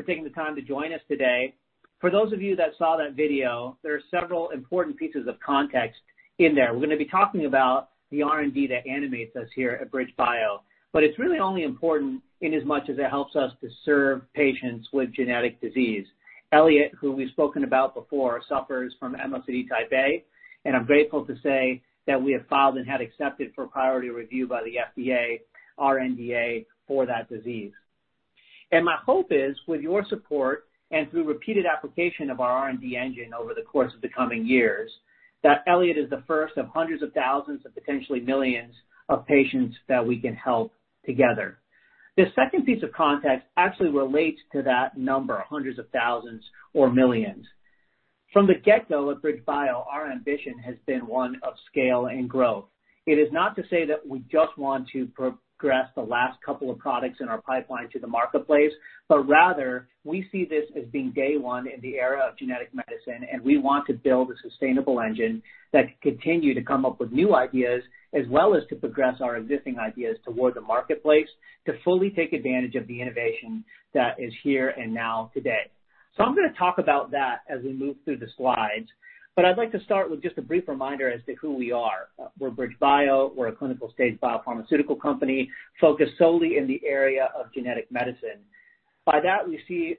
For taking the time to join us today. For those of you that saw that video, there are several important pieces of context in there. We're going to be talking about the R&D that animates us here at BridgeBio, but it's really only important in as much as it helps us to serve patients with genetic disease. Elliot, who we've spoken about before, suffers from MPS type VI, and I'm grateful to say that we have filed and had accepted for priority review by the FDA our NDA for that disease. My hope is, with your support and through repeated application of our R&D engine over the course of the coming years, that Elliot is the first of hundreds of thousands, and potentially millions, of patients that we can help together. The second piece of context actually relates to that number, hundreds of thousands or millions. From the get-go at BridgeBio, our ambition has been one of scale and growth. It is not to say that we just want to progress the last couple of products in our pipeline to the marketplace. Rather, we see this as being day one in the era of genetic medicine, and we want to build a sustainable engine that can continue to come up with new ideas, as well as to progress our existing ideas toward the marketplace to fully take advantage of the innovation that is here and now today. I'm going to talk about that as we move through the slides, but I'd like to start with just a brief reminder as to who we are. We're BridgeBio. We're a clinical-stage biopharmaceutical company focused solely in the area of genetic medicine. By that, we see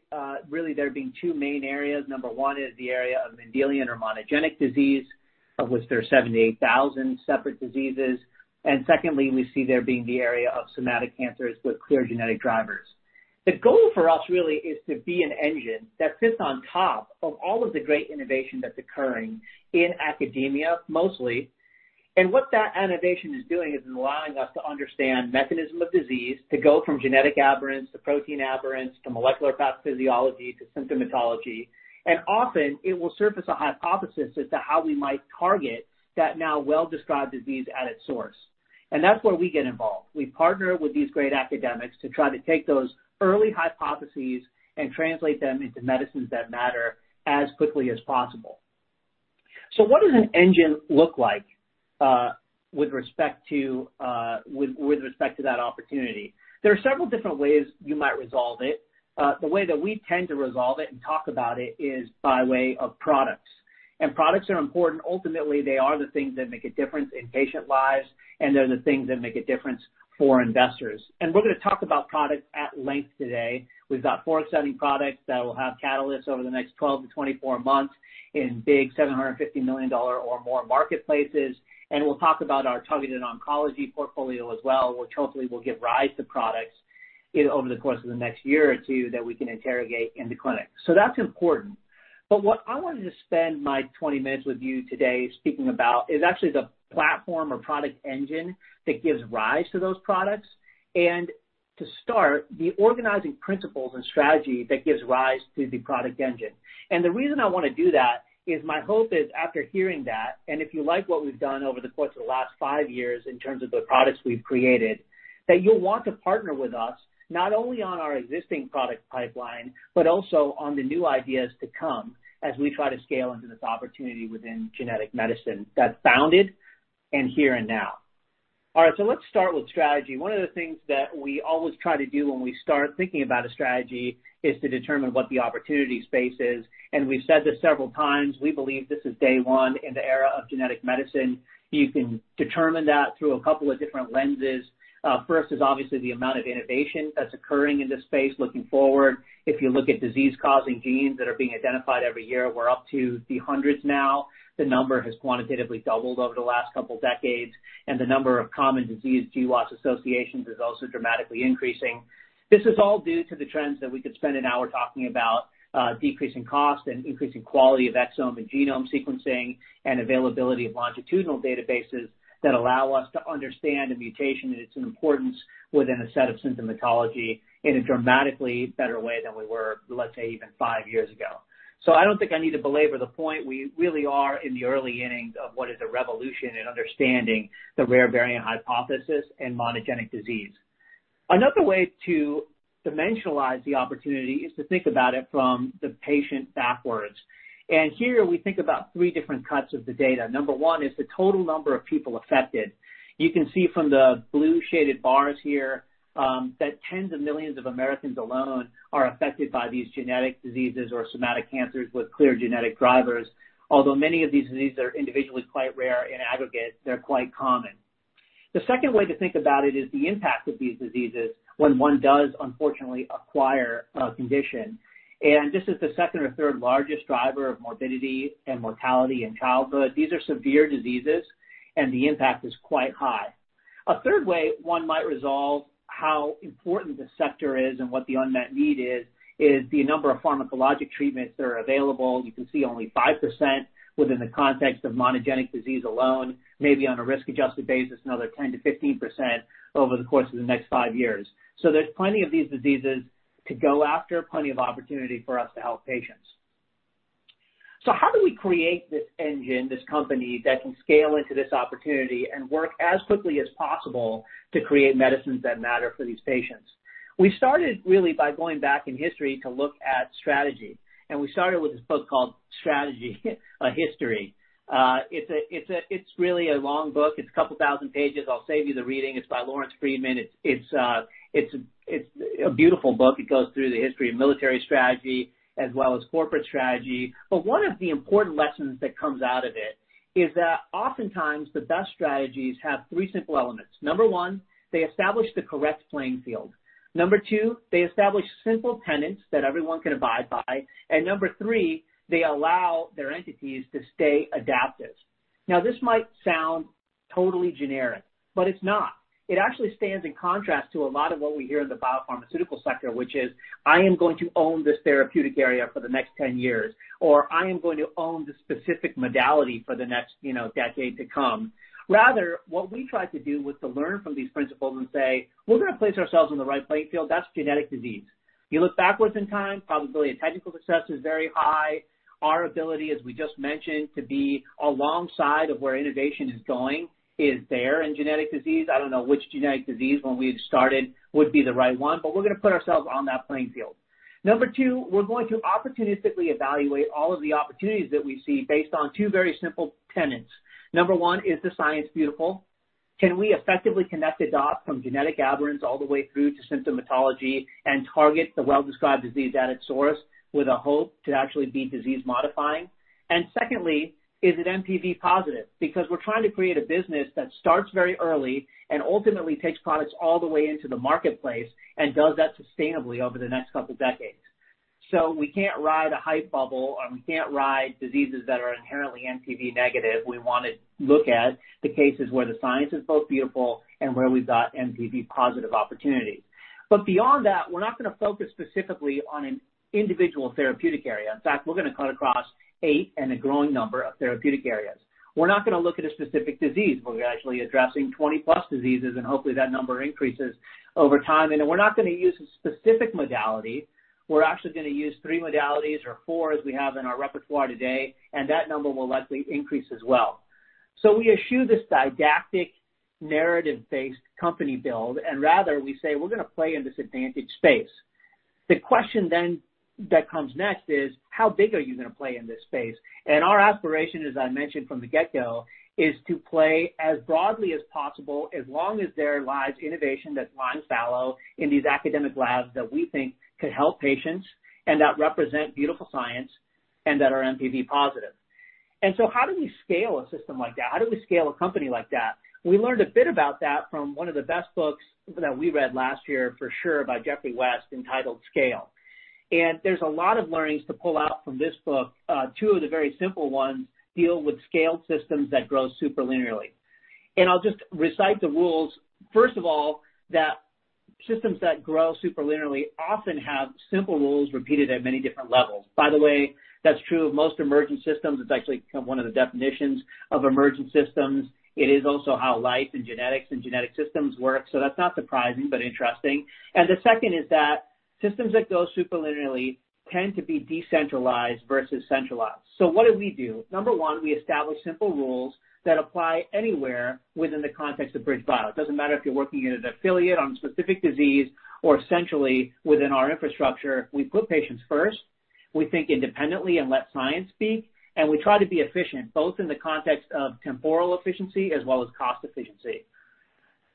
really there being two main areas. Number one is the area of Mendelian or monogenic disease, of which there are 78,000 separate diseases. Secondly, we see there being the area of somatic cancers with clear genetic drivers. The goal for us really is to be an engine that sits on top of all of the great innovation that's occurring in academia, mostly. What that innovation is doing is allowing us to understand mechanism of disease, to go from genetic aberrance to protein aberrance, to molecular pathophysiology, to symptomatology. Often it will surface a hypothesis as to how we might target that now well-described disease at its source. That's where we get involved. We partner with these great academics to try to take those early hypotheses and translate them into medicines that matter as quickly as possible. What does an engine look like with respect to that opportunity? There are several different ways you might resolve it. The way that we tend to resolve it and talk about it is by way of products. Products are important. Ultimately, they are the things that make a difference in patient lives, and they're the things that make a difference for investors. We're going to talk about products at length today. We've got four exciting products that will have catalysts over the next 12-24 months in big $750 million or more marketplaces. We'll talk about our targeted oncology portfolio as well, which hopefully will give rise to products over the course of the next year or two that we can interrogate in the clinic. That's important. What I wanted to spend my 20 minutes with you today speaking about is actually the platform or product engine that gives rise to those products, and to start, the organizing principles and strategy that gives rise to the product engine. The reason I want to do that is my hope is after hearing that, and if you like what we've done over the course of the last five years in terms of the products we've created, that you'll want to partner with us not only on our existing product pipeline, but also on the new ideas to come as we try to scale into this opportunity within genetic medicine that's founded in here and now. All right, let's start with strategy. One of the things that we always try to do when we start thinking about a strategy is to determine what the opportunity space is. We've said this several times, we believe this is day one in the era of genetic medicine. You can determine that through a couple of different lenses. First is obviously the amount of innovation that's occurring in this space looking forward. If you look at disease-causing genes that are being identified every year, we're up to the hundreds now. The number has quantitatively doubled over the last couple decades, and the number of common disease GWAS associations is also dramatically increasing. This is all due to the trends that we could spend an hour talking about, decreasing cost and increasing quality of exome and genome sequencing and availability of longitudinal databases that allow us to understand a mutation and its importance within a set of symptomatology in a dramatically better way than we were, let's say, even five years ago. I don't think I need to belabor the point. We really are in the early innings of what is a revolution in understanding the rare variant hypothesis in monogenic disease. Another way to dimensionalize the opportunity is to think about it from the patient backwards. Here we think about three different cuts of the data. Number one is the total number of people affected. You can see from the blue shaded bars here, that tens of millions of Americans alone are affected by these genetic diseases or somatic cancers with clear genetic drivers. Although many of these diseases are individually quite rare, in aggregate, they're quite common. The second way to think about it is the impact of these diseases when one does unfortunately acquire a condition, and this is the second or third largest driver of morbidity and mortality in childhood. These are severe diseases, the impact is quite high. A third way one might resolve how important the sector is and what the unmet need is the number of pharmacologic treatments that are available. You can see only 5% within the context of monogenic disease alone, maybe on a risk-adjusted basis, another 10%-15% over the course of the next five years. There's plenty of these diseases to go after, plenty of opportunity for us to help patients. How do we create this engine, this company, that can scale into this opportunity and work as quickly as possible to create medicines that matter for these patients? We started really by going back in history to look at strategy, we started with this book called "Strategy: A History." It's really a long book. It's a couple thousand pages. I'll save you the reading. It's by Lawrence Freedman. It's a beautiful book. It goes through the history of military strategy as well as corporate strategy. One of the important lessons that comes out of it is that oftentimes the best strategies have three simple elements. Number one, they establish the correct playing field. Number two, they establish simple tenets that everyone can abide by. Number three, they allow their entities to stay adaptive. This might sound totally generic, but it's not. It actually stands in contrast to a lot of what we hear in the biopharmaceutical sector, which is, "I am going to own this therapeutic area for the next 10 years," or, "I am going to own the specific modality for the next decade to come." What we tried to do was to learn from these principles and say, "We're going to place ourselves on the right playing field." That's genetic disease. You look backwards in time, probability of technical success is very high. Our ability, as we just mentioned, to be alongside of where innovation is going is there in genetic disease. I don't know which genetic disease when we started would be the right one, but we're going to put ourselves on that playing field. Number two, we're going to opportunistically evaluate all of the opportunities that we see based on two very simple tenets. Number one, is the science beautiful? Can we effectively connect the dots from genetic aberrants all the way through to symptomatology and target the well-described disease at its source with a hope to actually be disease-modifying? Secondly, is it NPV positive? Because we're trying to create a business that starts very early and ultimately takes products all the way into the marketplace and does that sustainably over the next couple of decades. We can't ride a hype bubble, and we can't ride diseases that are inherently NPV negative. We want to look at the cases where the science is both beautiful and where we've got NPV positive opportunities. Beyond that, we're not going to focus specifically on an individual therapeutic area. We're going to cut across eight and a growing number of therapeutic areas. We're not going to look at a specific disease. We're actually addressing 20+ diseases, hopefully, that number increases over time. We're not going to use a specific modality. We're actually going to use three modalities or four, as we have in our repertoire today, that number will likely increase as well. We eschew this didactic narrative-based company build, rather we say we're going to play in this advantage space. The question that comes next is, how big are you going to play in this space? Our aspiration, as I mentioned from the get-go, is to play as broadly as possible, as long as there lies innovation that's lying fallow in these academic labs that we think could help patients and that represent beautiful science and that are NPV positive. How do we scale a system like that? How do we scale a company like that? We learned a bit about that from one of the best books that we read last year, for sure, by Geoffrey West, entitled "Scale." There's a lot of learnings to pull out from this book. Two of the very simple ones deal with scale systems that grow super linearly. I'll just recite the rules. First of all, that systems that grow super linearly often have simple rules repeated at many different levels. By the way, that's true of most emergent systems. It's actually become one of the definitions of emergent systems. It is also how life and genetics and genetic systems work. That's not surprising, but interesting. The second is that systems that grow super linearly tend to be decentralized versus centralized. What did we do? Number one, we established simple rules that apply anywhere within the context of BridgeBio. It doesn't matter if you're working as an affiliate on a specific disease or centrally within our infrastructure. We put patients first, we think independently and let science speak, and we try to be efficient, both in the context of temporal efficiency as well as cost efficiency.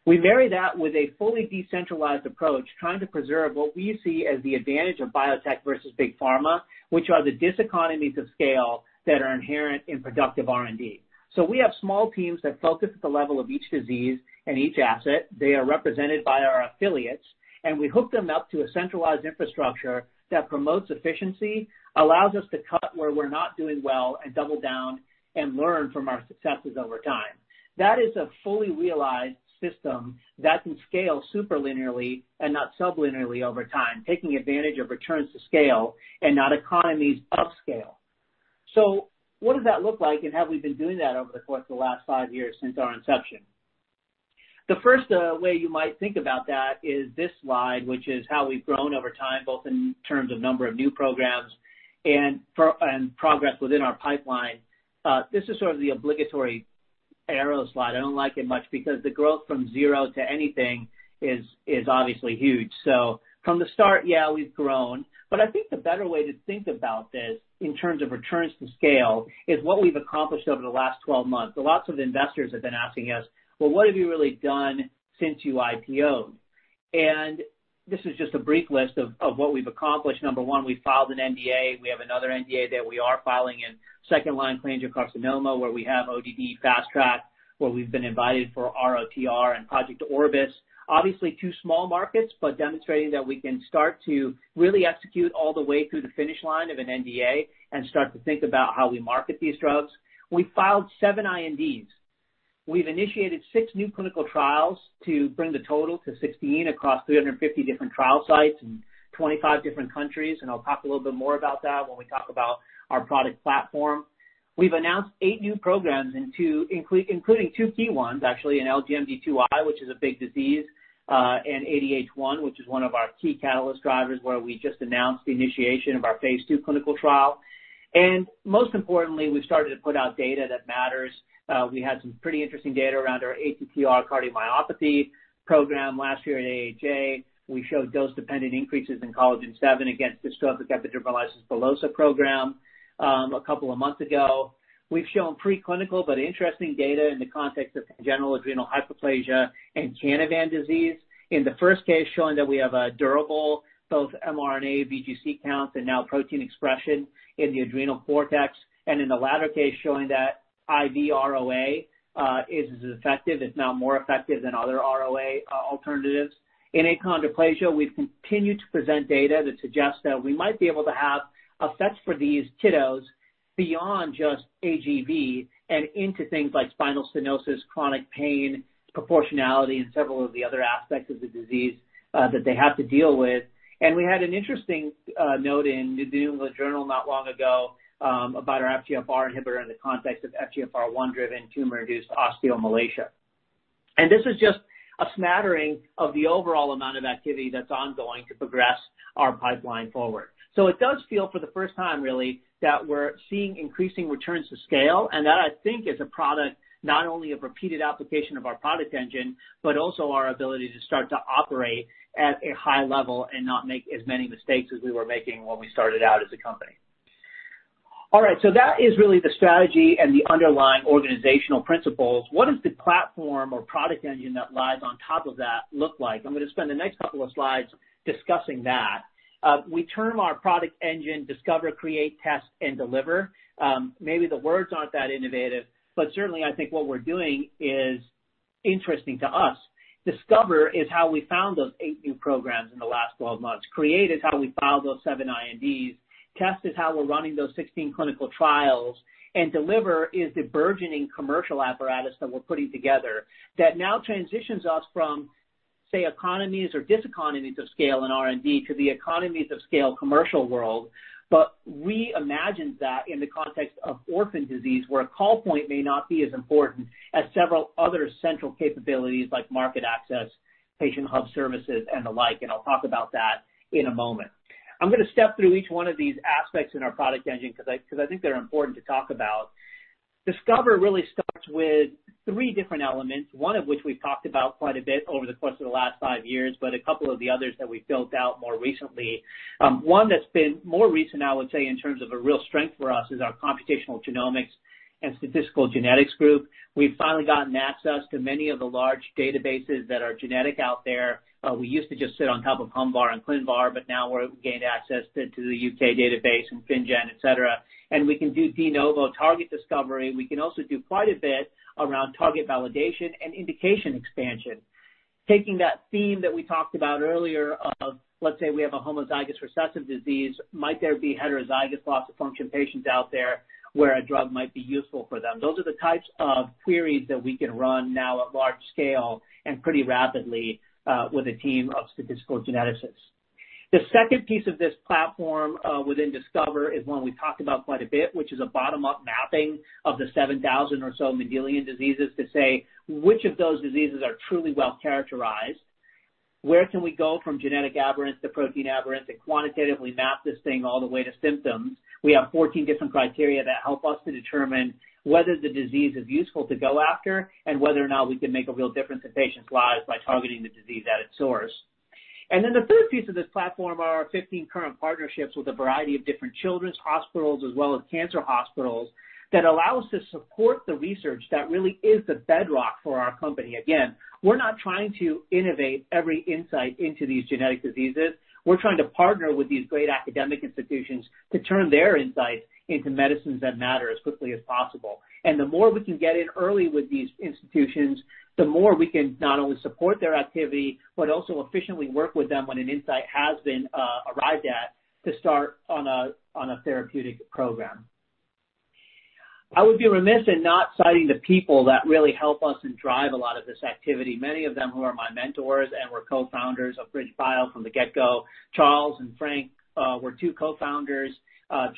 We marry that with a fully decentralized approach, trying to preserve what we see as the advantage of biotech versus big pharma, which are the diseconomies of scale that are inherent in productive R&D. We have small teams that focus at the level of each disease and each asset. They are represented by our affiliates, and we hook them up to a centralized infrastructure that promotes efficiency, allows us to cut where we're not doing well, and double down and learn from our successes over time. That is a fully realized system that can scale super linearly and not sub linearly over time, taking advantage of returns to scale and not economies of scale. What does that look like, and have we been doing that over the course of the last five years since our inception? The first way you might think about that is this slide, which is how we've grown over time, both in terms of number of new programs and progress within our pipeline. This is sort of the obligatory arrow slide. I don't like it much because the growth from zero to anything is obviously huge. From the start, yeah, we've grown. I think the better way to think about this in terms of returns to scale is what we've accomplished over the last 12 months. Lots of investors have been asking us, "Well, what have you really done since you IPO'd?" This is just a brief list of what we've accomplished. Number one, we filed an NDA. We have another NDA that we are filing in second-line cholangiocarcinoma, where we have ODD Fast Track, where we've been invited for RTOR and Project Orbis. Obviously, two small markets, but demonstrating that we can start to really execute all the way through the finish line of an NDA and start to think about how we market these drugs. We filed seven INDs. We've initiated six new clinical trials to bring the total to 16 across 350 different trial sites in 25 different countries, and I'll talk a little bit more about that when we talk about our product platform. We've announced eight new programs, including two key ones, actually, an LGMD2I, which is a big disease, and ADH1, which is one of our key catalyst drivers where we just announced the initiation of our phase II clinical trial. Most importantly, we've started to put out data that matters. We had some pretty interesting data around our ATTR cardiomyopathy program last year at AHA. We showed dose-dependent increases in collagen VII against dystrophic epidermolysis bullosa program, a couple of months ago. We've shown pre-clinical but interesting data in the context of congenital adrenal hyperplasia and Canavan disease. In the first case, showing that we have a durable both mRNA VGC count and now protein expression in the adrenal cortex, and in the latter case, showing that IV ROA is as effective, if not more effective than other ROA alternatives. In achondroplasia, we've continued to present data that suggests that we might be able to have effects for these kiddos beyond just AGV and into things like spinal stenosis, chronic pain, proportionality, and several of the other aspects of the disease that they have to deal with. We had an interesting note in the New England Journal not long ago, about our FGFR inhibitor in the context of FGFR1-driven tumor-induced osteomalacia. This is just a smattering of the overall amount of activity that's ongoing to progress our pipeline forward. It does feel, for the first time really, that we're seeing increasing returns to scale, and that I think is a product not only of repeated application of our product engine, but also our ability to start to operate at a high level and not make as many mistakes as we were making when we started out as a company. All right, that is really the strategy and the underlying organizational principles. What does the platform or product engine that lies on top of that look like? I'm going to spend the next couple of slides discussing that. We term our product engine Discover, Create, Test, and Deliver. The words aren't that innovative, but certainly I think what we're doing is interesting to us. Discover is how we found those eight new programs in the last 12 months. Create is how we filed those seven INDs. Test is how we're running those 16 clinical trials. Deliver is the burgeoning commercial apparatus that we're putting together that now transitions us from, say, economies or diseconomies of scale in R&D to the economies of scale commercial world. Reimagine that in the context of orphan disease, where a call point may not be as important as several other central capabilities like market access, patient hub services, and the like, and I'll talk about that in a moment. I'm going to step through each one of these aspects in our product engine, because I think they're important to talk about. Discover really starts with three different elements, one of which we've talked about quite a bit over the course of the last five years, but a couple of the others that we've built out more recently. One that's been more recent, I would say, in terms of a real strength for us is our computational genomics and statistical genetics group. We've finally gotten access to many of the large databases that are genetic out there. We used to just sit on top of HuVarBase and ClinVar. Now we've gained access to the U.K. database and FinnGen, et cetera, and we can do de novo target discovery. We can also do quite a bit around target validation and indication expansion. Taking that theme that we talked about earlier of, let's say we have a homozygous recessive disease, might there be heterozygous loss-of-function patients out there where a drug might be useful for them? Those are the types of queries that we can run now at large scale and pretty rapidly, with a team of statistical geneticists. The second piece of this platform within Discover is one we talked about quite a bit, which is a bottom-up mapping of the 7,000 or so Mendelian diseases to say which of those diseases are truly well-characterized. Where can we go from genetic aberrance to protein aberrance, and quantitatively map this thing all the way to symptoms? We have 14 different criteria that help us to determine whether the disease is useful to go after and whether or not we can make a real difference in patients' lives by targeting the disease at its source. The third piece of this platform are our 15 current partnerships with a variety of different children's hospitals as well as cancer hospitals that allow us to support the research that really is the bedrock for our company. Again, we're not trying to innovate every insight into these genetic diseases. We're trying to partner with these great academic institutions to turn their insights into medicines that matter as quickly as possible. The more we can get in early with these institutions, the more we can not only support their activity, but also efficiently work with them when an insight has been arrived at to start on a therapeutic program. I would be remiss in not citing the people that really help us and drive a lot of this activity, many of them who are my mentors and were co-founders of BridgeBio from the get-go. Charles and Frank were two co-founders.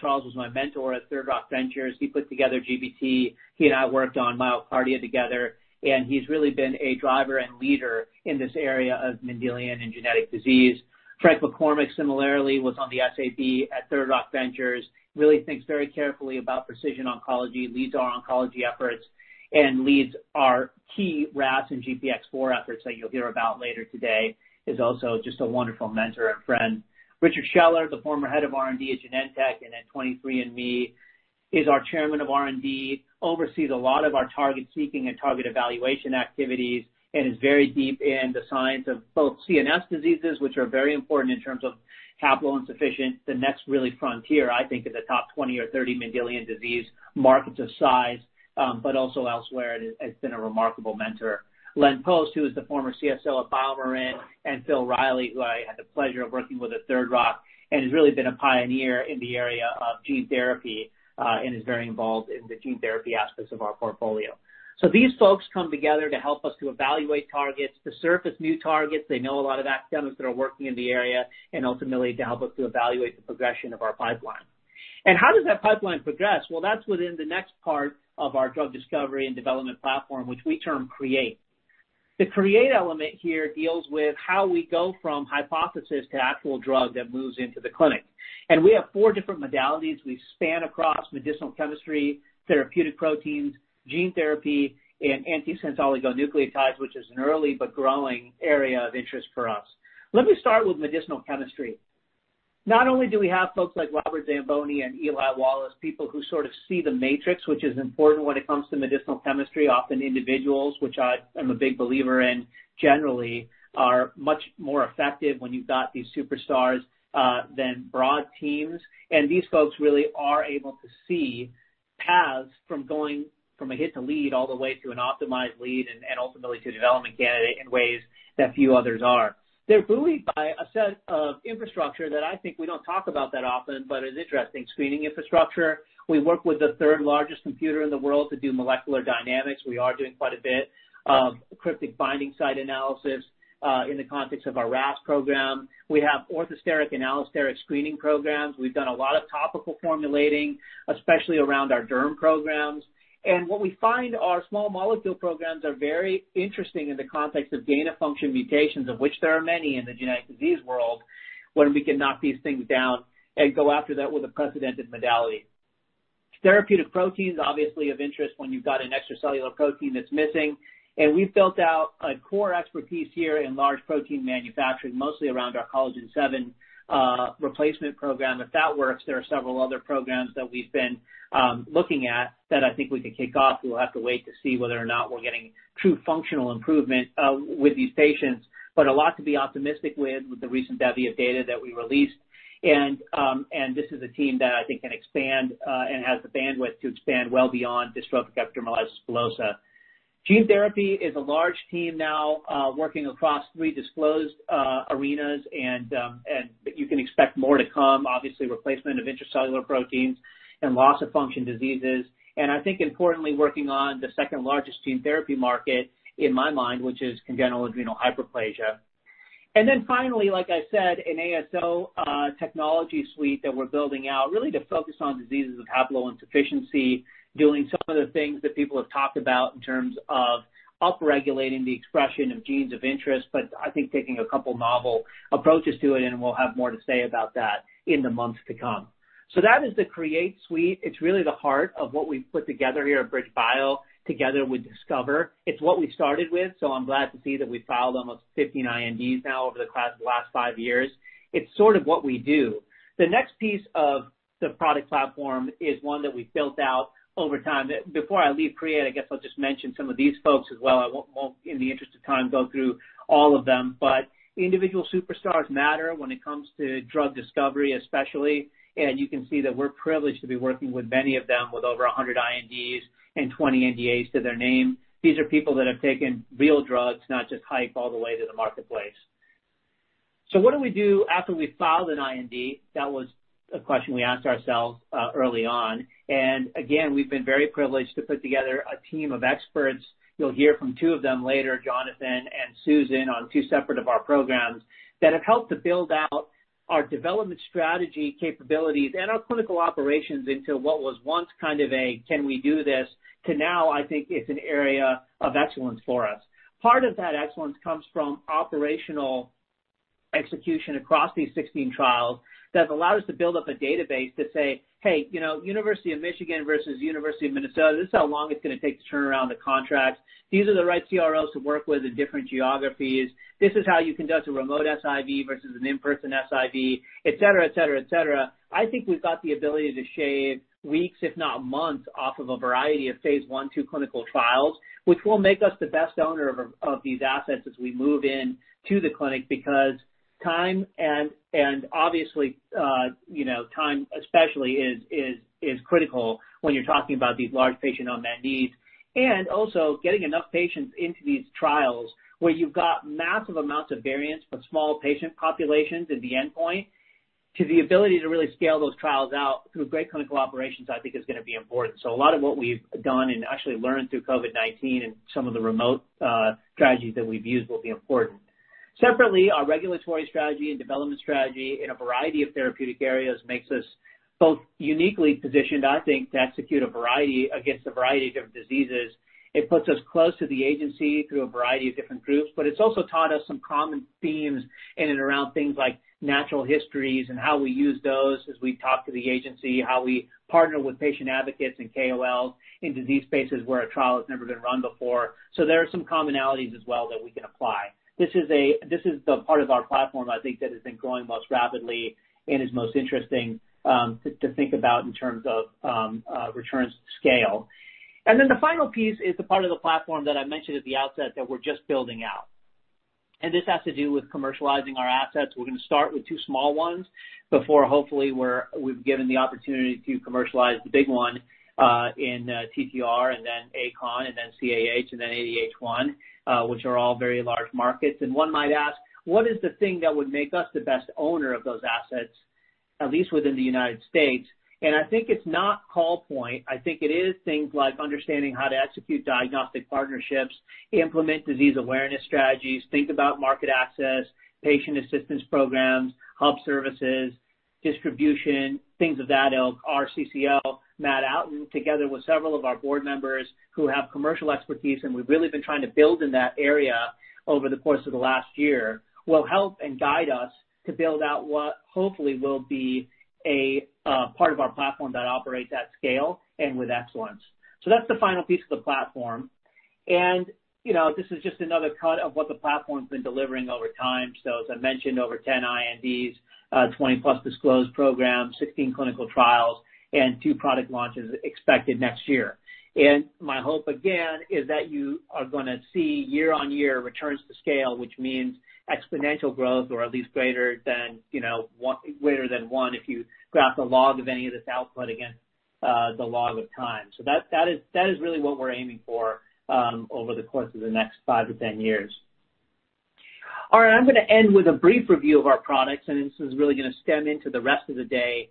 Charles was my mentor at Third Rock Ventures. He put together GBT. He and I worked on MyoKardia together, and he's really been a driver and leader in this area of Mendelian and genetic disease. Frank McCormick similarly was on the SAB at Third Rock Ventures, really thinks very carefully about precision oncology, leads our oncology efforts, and leads our key RAS and GPX4 efforts that you'll hear about later today, is also just a wonderful mentor and friend. Richard Scheller, the former head of R&D at Genentech and at 23andMe, is our chairman of R&D, oversees a lot of our target-seeking and target evaluation activities, and is very deep in the science of both CNS diseases, which are very important in terms of capital insufficient, the next really frontier, I think, of the top 20 or 30 Mendelian disease markets of size, but also elsewhere, and has been a remarkable mentor. Len Post, who is the former CSO of BioMarin, and Philip Reilly, who I had the pleasure of working with at Third Rock Ventures and has really been a pioneer in the area of gene therapy, and is very involved in the gene therapy aspects of our portfolio. These folks come together to help us to evaluate targets, to surface new targets. They know a lot of academics that are working in the area, and ultimately to help us to evaluate the progression of our pipeline. How does that pipeline progress? That's within the next part of our drug discovery and development platform, which we term Create. The Create element here deals with how we go from hypothesis to actual drug that moves into the clinic. We have four different modalities. We span across medicinal chemistry, therapeutic proteins, gene therapy, and antisense oligonucleotides, which is an early but growing area of interest for us. Let me start with medicinal chemistry. Not only do we have folks like Robert Zamboni and Eli Wallace, people who sort of see the matrix, which is important when it comes to medicinal chemistry, often individuals, which I am a big believer in, generally are much more effective when you've got these superstars than broad teams. These folks really are able to see paths from going from a hit-to-lead all the way to an optimized lead and ultimately to a development candidate in ways that few others are. They're buoyed by a set of infrastructure that I think we don't talk about that often, but is interesting, screening infrastructure. We work with the third-largest computer in the world to do molecular dynamics. We are doing quite a bit of cryptic binding site analysis, in the context of our RAS program. We have orthosteric and allosteric screening programs. We've done a lot of topical formulating, especially around our derm programs. What we find, our small molecule programs are very interesting in the context of gain-of-function mutations, of which there are many in the genetic disease world, when we can knock these things down and go after that with a precedented modality. Therapeutic proteins, obviously of interest when you've got an extracellular protein that's missing. We've built out a core expertise here in large protein manufacturing, mostly around our collagen VII replacement program. If that works, there are several other programs that we've been looking at that I think we could kick off. We'll have to wait to see whether or not we're getting true functional improvement with these patients. A lot to be optimistic with the recent DEB-VIA data that we released. This is a team that I think can expand, and has the bandwidth to expand well beyond dystrophic epidermolysis bullosa. Gene therapy is a large team now, working across three disclosed arenas and you can expect more to come, obviously replacement of intracellular proteins and loss-of-function diseases. I think importantly, working on the second-largest gene therapy market, in my mind, which is congenital adrenal hyperplasia. Finally, like I said, an ASO technology suite that we're building out really to focus on diseases of haploinsufficiency, doing some of the things that people have talked about in terms of upregulating the expression of genes of interest, but I think taking a couple novel approaches to it, and we'll have more to say about that in the months to come. That is the create suite. It's really the heart of what we've put together here at BridgeBio together with Discover. It's what we started with. I'm glad to see that we filed almost 15 INDs now over the class of the last five years. It's sort of what we do. The next piece of the product platform is one that we built out over time. Before I leave Create, I guess I'll just mention some of these folks as well. I won't, in the interest of time, go through all of them. Individual superstars matter when it comes to drug discovery, especially. You can see that we're privileged to be working with many of them with over 100 INDs and 20 NDAs to their name. These are people that have taken real drugs, not just hype all the way to the marketplace. What do we do after we've filed an IND? That was a question we asked ourselves early on. Again, we've been very privileged to put together a team of experts. You'll hear from two of them later, Jonathan and Susan, on two separate of our programs that have helped to build out our development strategy capabilities and our clinical operations into what was once kind of a, "Can we do this?" to now I think it's an area of excellence for us. Part of that excellence comes from operational execution across these 16 trials that have allowed us to build up a database to say, "Hey, University of Michigan versus University of Minnesota, this is how long it's going to take to turn around the contracts." These are the right CROs to work with in different geographies. This is how you conduct a remote SIV versus an in-person SIV, et cetera. I think we've got the ability to shave weeks, if not months, off of a variety of phase I, II clinical trials, which will make us the best owner of these assets as we move into the clinic, because time and obviously, time especially is critical when you're talking about these large patient unmet needs. Also getting enough patients into these trials where you've got massive amounts of variance but small patient populations at the endpoint, to the ability to really scale those trials out through great clinical operations, I think is going to be important. A lot of what we've done and actually learned through COVID-19 and some of the remote strategies that we've used will be important. Separately, our regulatory strategy and development strategy in a variety of therapeutic areas makes us both uniquely positioned, I think, to execute against a variety of diseases. It puts us close to the agency through a variety of different groups, but it's also taught us some common themes in and around things like natural histories and how we use those as we talk to the agency, how we partner with patient advocates and KOLs in disease spaces where a trial has never been run before. There are some commonalities as well that we can apply. This is the part of our platform, I think that has been growing most rapidly and is most interesting to think about in terms of returns to scale. The final piece is the part of the platform that I mentioned at the outset that we're just building out. This has to do with commercializing our assets. We're going to start with two small ones before hopefully we've given the opportunity to commercialize the big one in TTR and then achon and then CAH and then ADH1, which are all very large markets. One might ask, what is the thing that would make us the best owner of those assets, at least within the U.S.? I think it's not call point. I think it is things like understanding how to execute diagnostic partnerships, implement disease awareness strategies, think about market access, patient assistance programs, hub services, distribution, things of that ilk. Our CCO, Matt Outten, together with several of our board members who have commercial expertise, we've really been trying to build in that area over the course of the last year, will help and guide us to build out what hopefully will be a part of our platform that operates at scale and with excellence. That's the final piece of the platform. This is just another cut of what the platform's been delivering over time. As I mentioned, over 10 INDs, 20 plus disclosed programs, 16 clinical trials, and two product launches expected next year. My hope again is that you are going to see year-on-year returns to scale, which means exponential growth or at least greater than one if you graph the log of any of this output against the log of time. That is really what we're aiming for over the course of the next 5-10 years. All right. I'm going to end with a brief review of our products, and this is really going to stem into the rest of the day,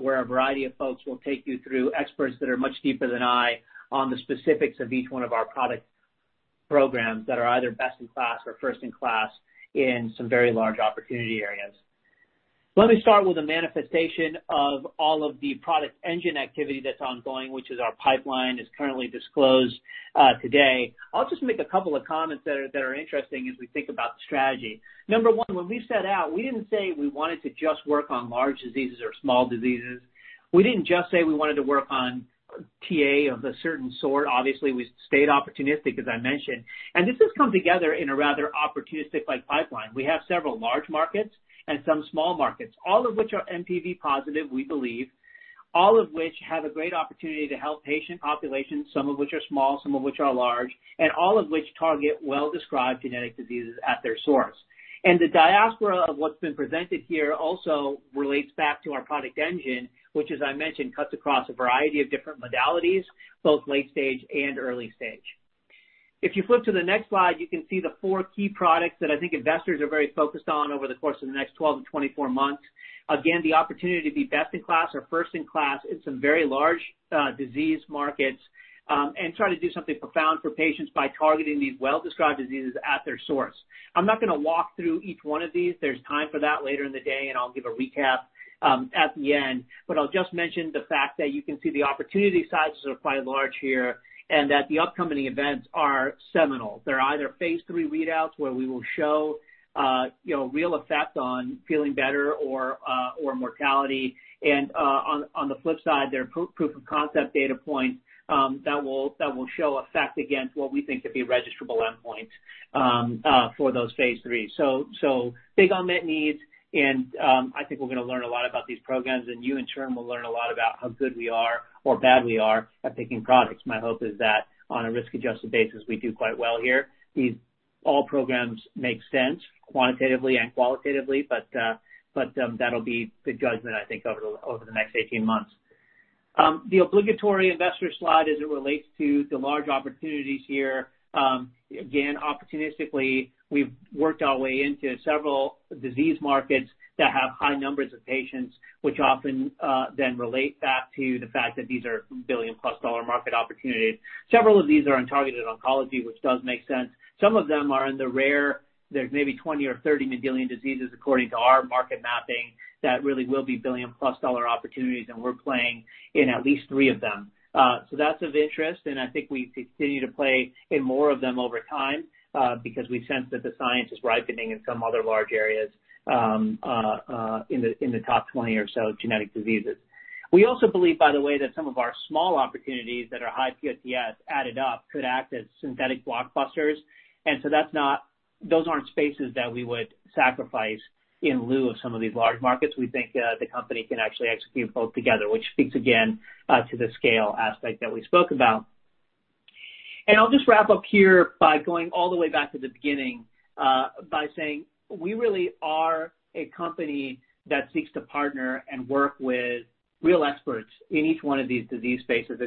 where a variety of folks will take you through, experts that are much deeper than I on the specifics of each one of our product programs that are either best in class or first in class in some very large opportunity areas. Let me start with a manifestation of all of the product engine activity that's ongoing, which is our pipeline is currently disclosed today. I'll just make a couple of comments that are interesting as we think about the strategy. Number one, when we set out, we didn't say we wanted to just work on large diseases or small diseases. We didn't just say we wanted to work on TA of a certain sort. Obviously, we stayed opportunistic, as I mentioned, and this has come together in a rather opportunistic-like pipeline. We have several large markets and some small markets, all of which are NPV positive, we believe. All of which have a great opportunity to help patient populations, some of which are small, some of which are large, and all of which target well-described genetic diseases at their source. The diaspora of what's been presented here also relates back to our product engine, which as I mentioned, cuts across a variety of different modalities, both late stage and early stage. If you flip to the next slide, you can see the four key products that I think investors are very focused on over the course of the next 12-24 months. The opportunity to be best in class or first in class in some very large disease markets, and try to do something profound for patients by targeting these well-described diseases at their source. I'm not going to walk through each one of these. There's time for that later in the day, and I'll give a recap at the end. I'll just mention the fact that you can see the opportunity sizes are quite large here, and that the upcoming events are seminal. They're either phase III readouts where we will show real effect on feeling better or mortality. On the flip side, they're proof of concept data points that will show effect against what we think to be registerable endpoints for those phase IIIs. Big unmet needs and I think we're going to learn a lot about these programs, and you in turn will learn a lot about how good we are or bad we are at picking products. My hope is that on a risk-adjusted basis, we do quite well here. These all programs make sense quantitatively and qualitatively, but that'll be the judgment, I think, over the next 18 months. The obligatory investor slide as it relates to the large opportunities here. Again, opportunistically, we've worked our way into several disease markets that have high numbers of patients, which often then relate back to the fact that these are billion-plus-dollar market opportunities. Several of these are in targeted oncology, which does make sense. Some of them are in the rare, there's maybe 20 or 30 Mendelian diseases according to our market mapping that really will be billion-plus-dollar opportunities. We're playing in at least three of them. That's of interest. I think we continue to play in more of them over time because we sense that the science is ripening in some other large areas in the top 20 or so genetic diseases. We also believe, by the way, that some of our small opportunities that are high PTS added up could act as synthetic blockbusters. Those aren't spaces that we would sacrifice in lieu of some of these large markets. We think the company can actually execute both together, which speaks again to the scale aspect that we spoke about. I'll just wrap up here by going all the way back to the beginning, by saying we really are a company that seeks to partner and work with real experts in each one of these disease spaces.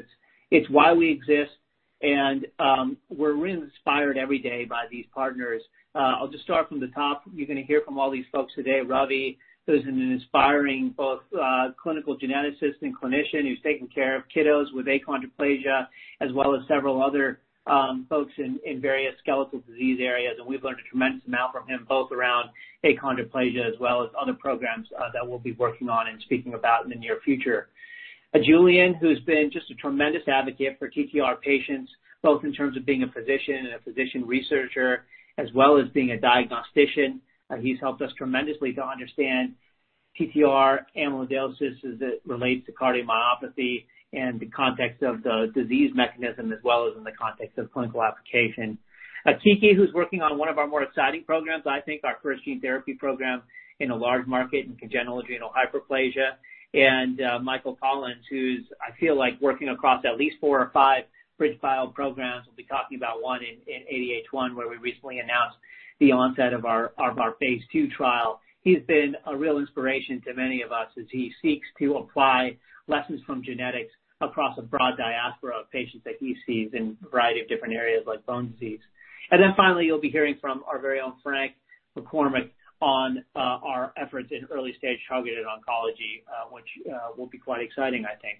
It's why we exist, we're inspired every day by these partners. I'll just start from the top. You're going to hear from all these folks today. Ravi, who's an inspiring both clinical geneticist and clinician who's taken care of kiddos with achondroplasia, as well as several other folks in various skeletal disease areas. We've learned a tremendous amount from him, both around achondroplasia as well as other programs that we'll be working on and speaking about in the near future. Julian, who's been just a tremendous advocate for TTR patients, both in terms of being a physician and a physician researcher, as well as being a diagnostician. He's helped us tremendously to understand TTR amyloidosis as it relates to cardiomyopathy and the context of the disease mechanism as well as in the context of clinical application. Kiki, who's working on one of our more exciting programs, I think our first gene therapy program in a large market in congenital adrenal hyperplasia, and Michael Collins, who's I feel like working across at least four or five BridgeBio programs. We'll be talking about one in ADH1, where we recently announced the onset of our phase II trial. He's been a real inspiration to many of us as he seeks to apply lessons from genetics across a broad diaspora of patients that he sees in a variety of different areas like bone disease. Finally, you'll be hearing from our very own Frank McCormick on our efforts in early-stage targeted oncology, which will be quite exciting, I think.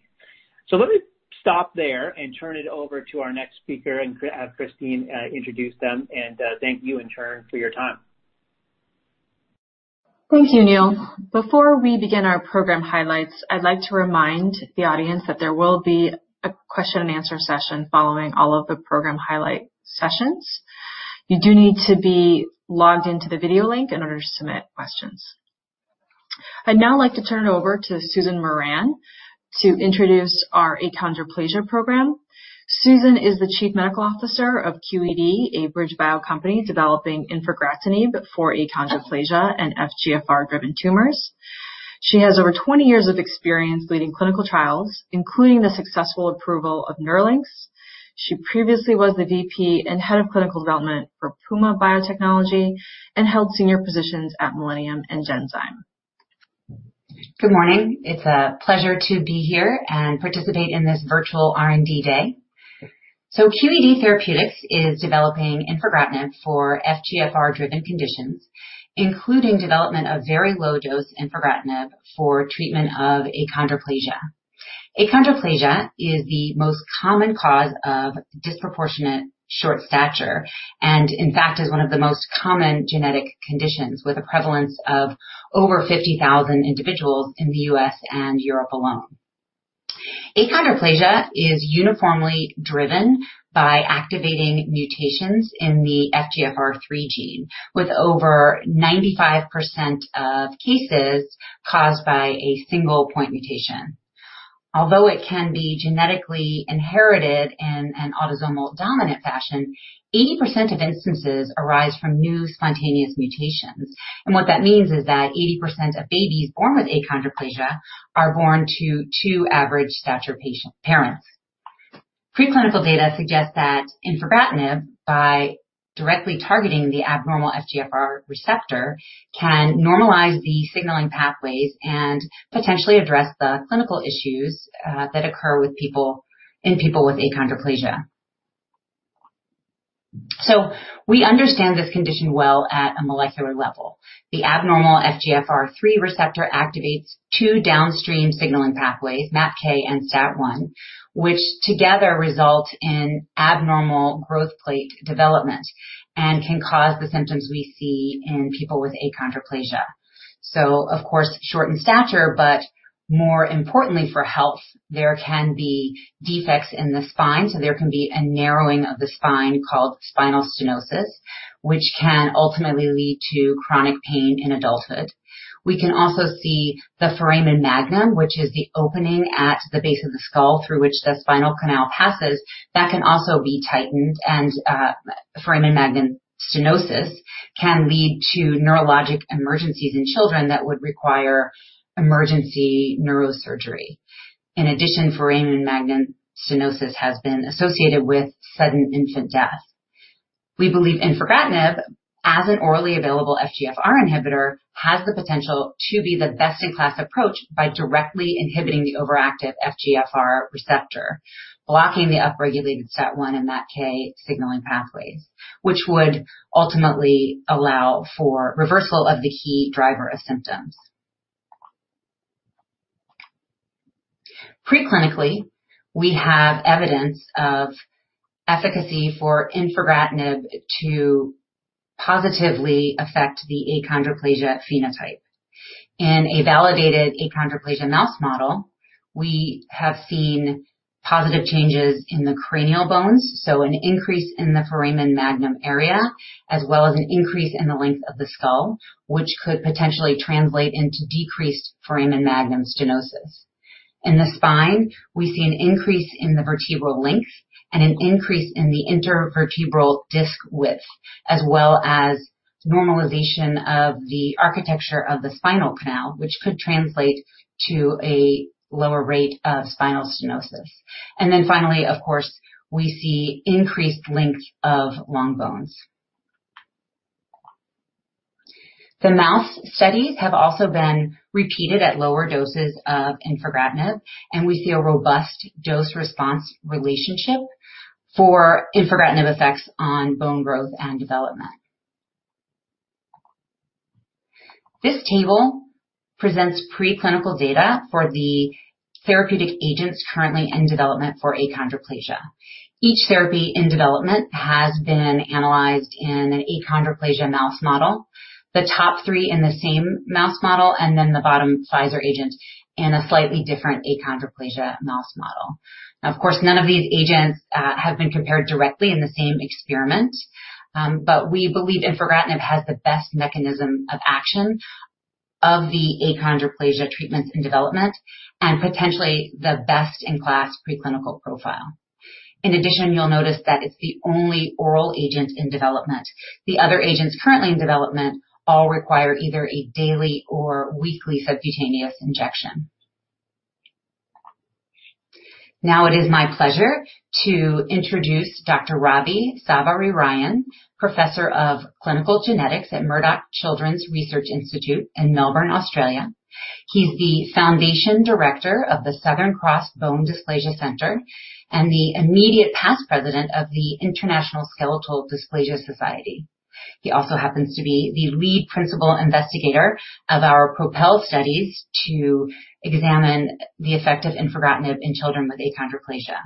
Let me stop there and turn it over to our next speaker and have Christine introduce them, and thank you in turn for your time. Thank you, Neil. Before we begin our program highlights, I'd like to remind the audience that there will be a question and answer session following all of the program highlight sessions. You do need to be logged into the video link in order to submit questions. I'd now like to turn it over to Susan Moran to introduce our achondroplasia program. Susan is the Chief Medical Officer of QED, a BridgeBio company developing infigratinib for achondroplasia and FGFR-driven tumors. She has over 20 years of experience leading clinical trials, including the successful approval of NERLYNX. She previously was the VP and Head of Clinical Development for Puma Biotechnology and held senior positions at Millennium and Genzyme. Good morning. It's a pleasure to be here and participate in this virtual R&D day. QED Therapeutics is developing infigratinib for FGFR-driven conditions, including development of very low dose infigratinib for treatment of achondroplasia. Achondroplasia is the most common cause of disproportionate short stature and in fact, is one of the most common genetic conditions, with a prevalence of over 50,000 individuals in the U.S. and Europe alone. Achondroplasia is uniformly driven by activating mutations in the FGFR3 gene, with over 95% of cases caused by a single point mutation. Although it can be genetically inherited in an autosomal dominant fashion, 80% of instances arise from new spontaneous mutations. What that means is that 80% of babies born with achondroplasia are born to two average stature parents. Preclinical data suggest that infigratinib, by directly targeting the abnormal FGFR receptor, can normalize the signaling pathways and potentially address the clinical issues that occur in people with achondroplasia. We understand this condition well at a molecular level. The abnormal FGFR3 receptor activates two downstream signaling pathways, MAPK and STAT1, which together result in abnormal growth plate development and can cause the symptoms we see in people with achondroplasia. Of course, shortened stature, but more importantly for health, there can be defects in the spine. There can be a narrowing of the spine called spinal stenosis, which can ultimately lead to chronic pain in adulthood. We can also see the foramen magnum, which is the opening at the base of the skull through which the spinal canal passes, that can also be tightened. Foramen magnum stenosis can lead to neurologic emergencies in children that would require emergency neurosurgery. In addition, foramen magnum stenosis has been associated with sudden infant death. We believe infigratinib, as an orally available FGFR inhibitor, has the potential to be the best-in-class approach by directly inhibiting the overactive FGFR receptor, blocking the upregulated STAT1 and MAPK signaling pathways, which would ultimately allow for reversal of the key driver of symptoms. Preclinically, we have evidence of efficacy for infigratinib to positively affect the achondroplasia phenotype. In a validated achondroplasia mouse model, we have seen positive changes in the cranial bones, so an increase in the foramen magnum area, as well as an increase in the length of the skull, which could potentially translate into decreased foramen magnum stenosis. In the spine, we see an increase in the vertebral length and an increase in the intervertebral disc width, as well as normalization of the architecture of the spinal canal, which could translate to a lower rate of spinal stenosis. Finally, of course, we see increased length of long bones. The mouse studies have also been repeated at lower doses of infigratinib, and we see a robust dose response relationship for infigratinib effects on bone growth and development. This table presents preclinical data for the therapeutic agents currently in development for achondroplasia. Each therapy in development has been analyzed in an achondroplasia mouse model. Now, of course, none of these agents have been compared directly in the same experiment, but we believe infigratinib has the best mechanism of action of the achondroplasia treatments in development and potentially the best-in-class preclinical profile. In addition, you'll notice that it's the only oral agent in development. The other agents currently in development all require either a daily or weekly subcutaneous injection. Now it is my pleasure to introduce Dr. Ravi Savarirayan, Professor of Clinical Genetics at Murdoch Children's Research Institute in Melbourne, Australia. He's the foundation director of the Southern Cross Bone Dysplasia Center and the immediate past president of the International Skeletal Dysplasia Society. He also happens to be the lead principal investigator of our PROPEL studies to examine the effect of infigratinib in children with achondroplasia.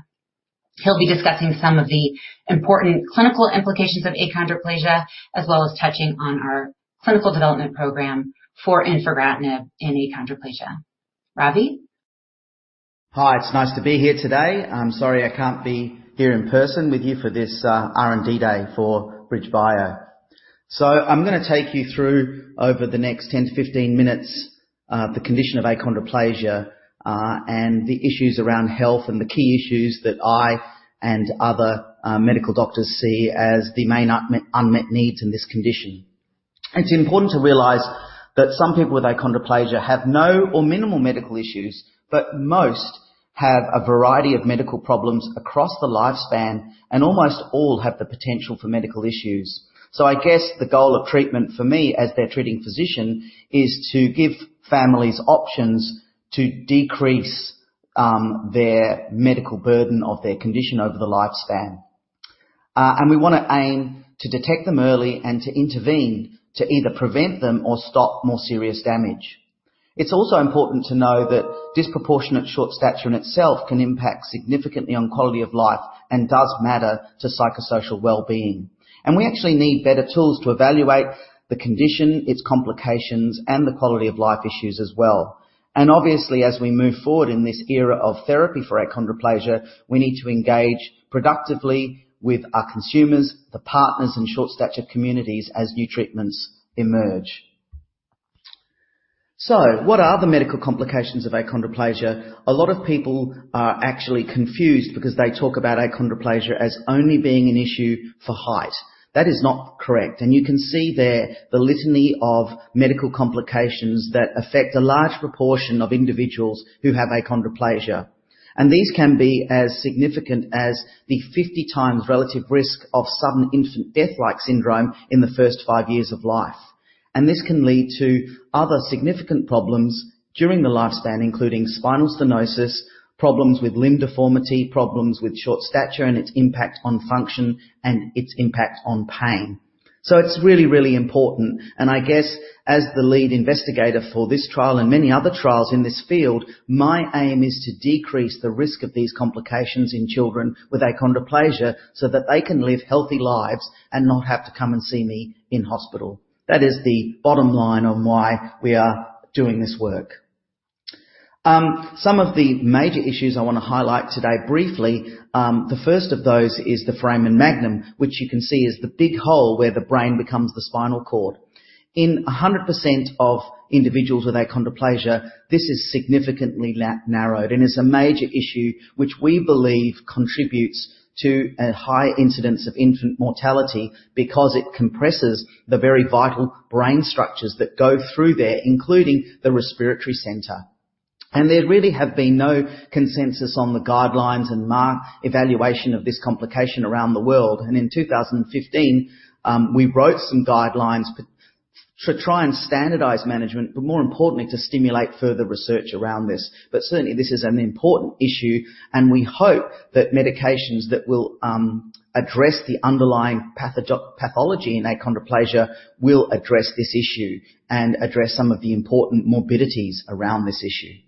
He'll be discussing some of the important clinical implications of achondroplasia, as well as touching on our clinical development program for infigratinib in achondroplasia. Ravi? Hi. It's nice to be here today. I'm sorry I can't be here in person with you for this R&D day for BridgeBio. I'm going to take you through, over the next 10 to 15 minutes, the condition of achondroplasia, and the issues around health and the key issues that I and other medical doctors see as the main unmet needs in this condition. It's important to realize that some people with achondroplasia have no or minimal medical issues, but most have a variety of medical problems across the lifespan, and almost all have the potential for medical issues. I guess the goal of treatment for me as their treating physician is to give families options to decrease their medical burden of their condition over the lifespan. We want to aim to detect them early and to intervene to either prevent them or stop more serious damage. It's also important to know that disproportionate short stature in itself can impact significantly on quality of life and does matter to psychosocial well-being. We actually need better tools to evaluate the condition, its complications, and the quality of life issues as well. Obviously, as we move forward in this era of therapy for achondroplasia, we need to engage productively with our consumers, the partners in short stature communities as new treatments emerge. What are the medical complications of achondroplasia? A lot of people are actually confused because they talk about achondroplasia as only being an issue for height. That is not correct. You can see there the litany of medical complications that affect a large proportion of individuals who have achondroplasia. These can be as significant as the 50 times relative risk of sudden infant death-like syndrome in the first five years of life. This can lead to other significant problems during the lifespan, including spinal stenosis, problems with limb deformity, problems with short stature and its impact on function and its impact on pain. It's really important, and I guess as the lead investigator for this trial and many other trials in this field, my aim is to decrease the risk of these complications in children with achondroplasia so that they can live healthy lives and not have to come and see me in hospital. That is the bottom line on why we are doing this work. Some of the major issues I want to highlight today briefly, the first of those is the foramen magnum, which you can see is the big hole where the brain becomes the spinal cord. In 100% of individuals with achondroplasia, this is significantly narrowed and is a major issue which we believe contributes to a high incidence of infant mortality because it compresses the very vital brain structures that go through there, including the respiratory center. There really have been no consensus on the guidelines and evaluation of this complication around the world. In 2015, we wrote some guidelines to try and standardize management, but more importantly, to stimulate further research around this. Certainly, this is an important issue and we hope that medications that will address the underlying pathology in achondroplasia will address this issue and address some of the important morbidities around this issue.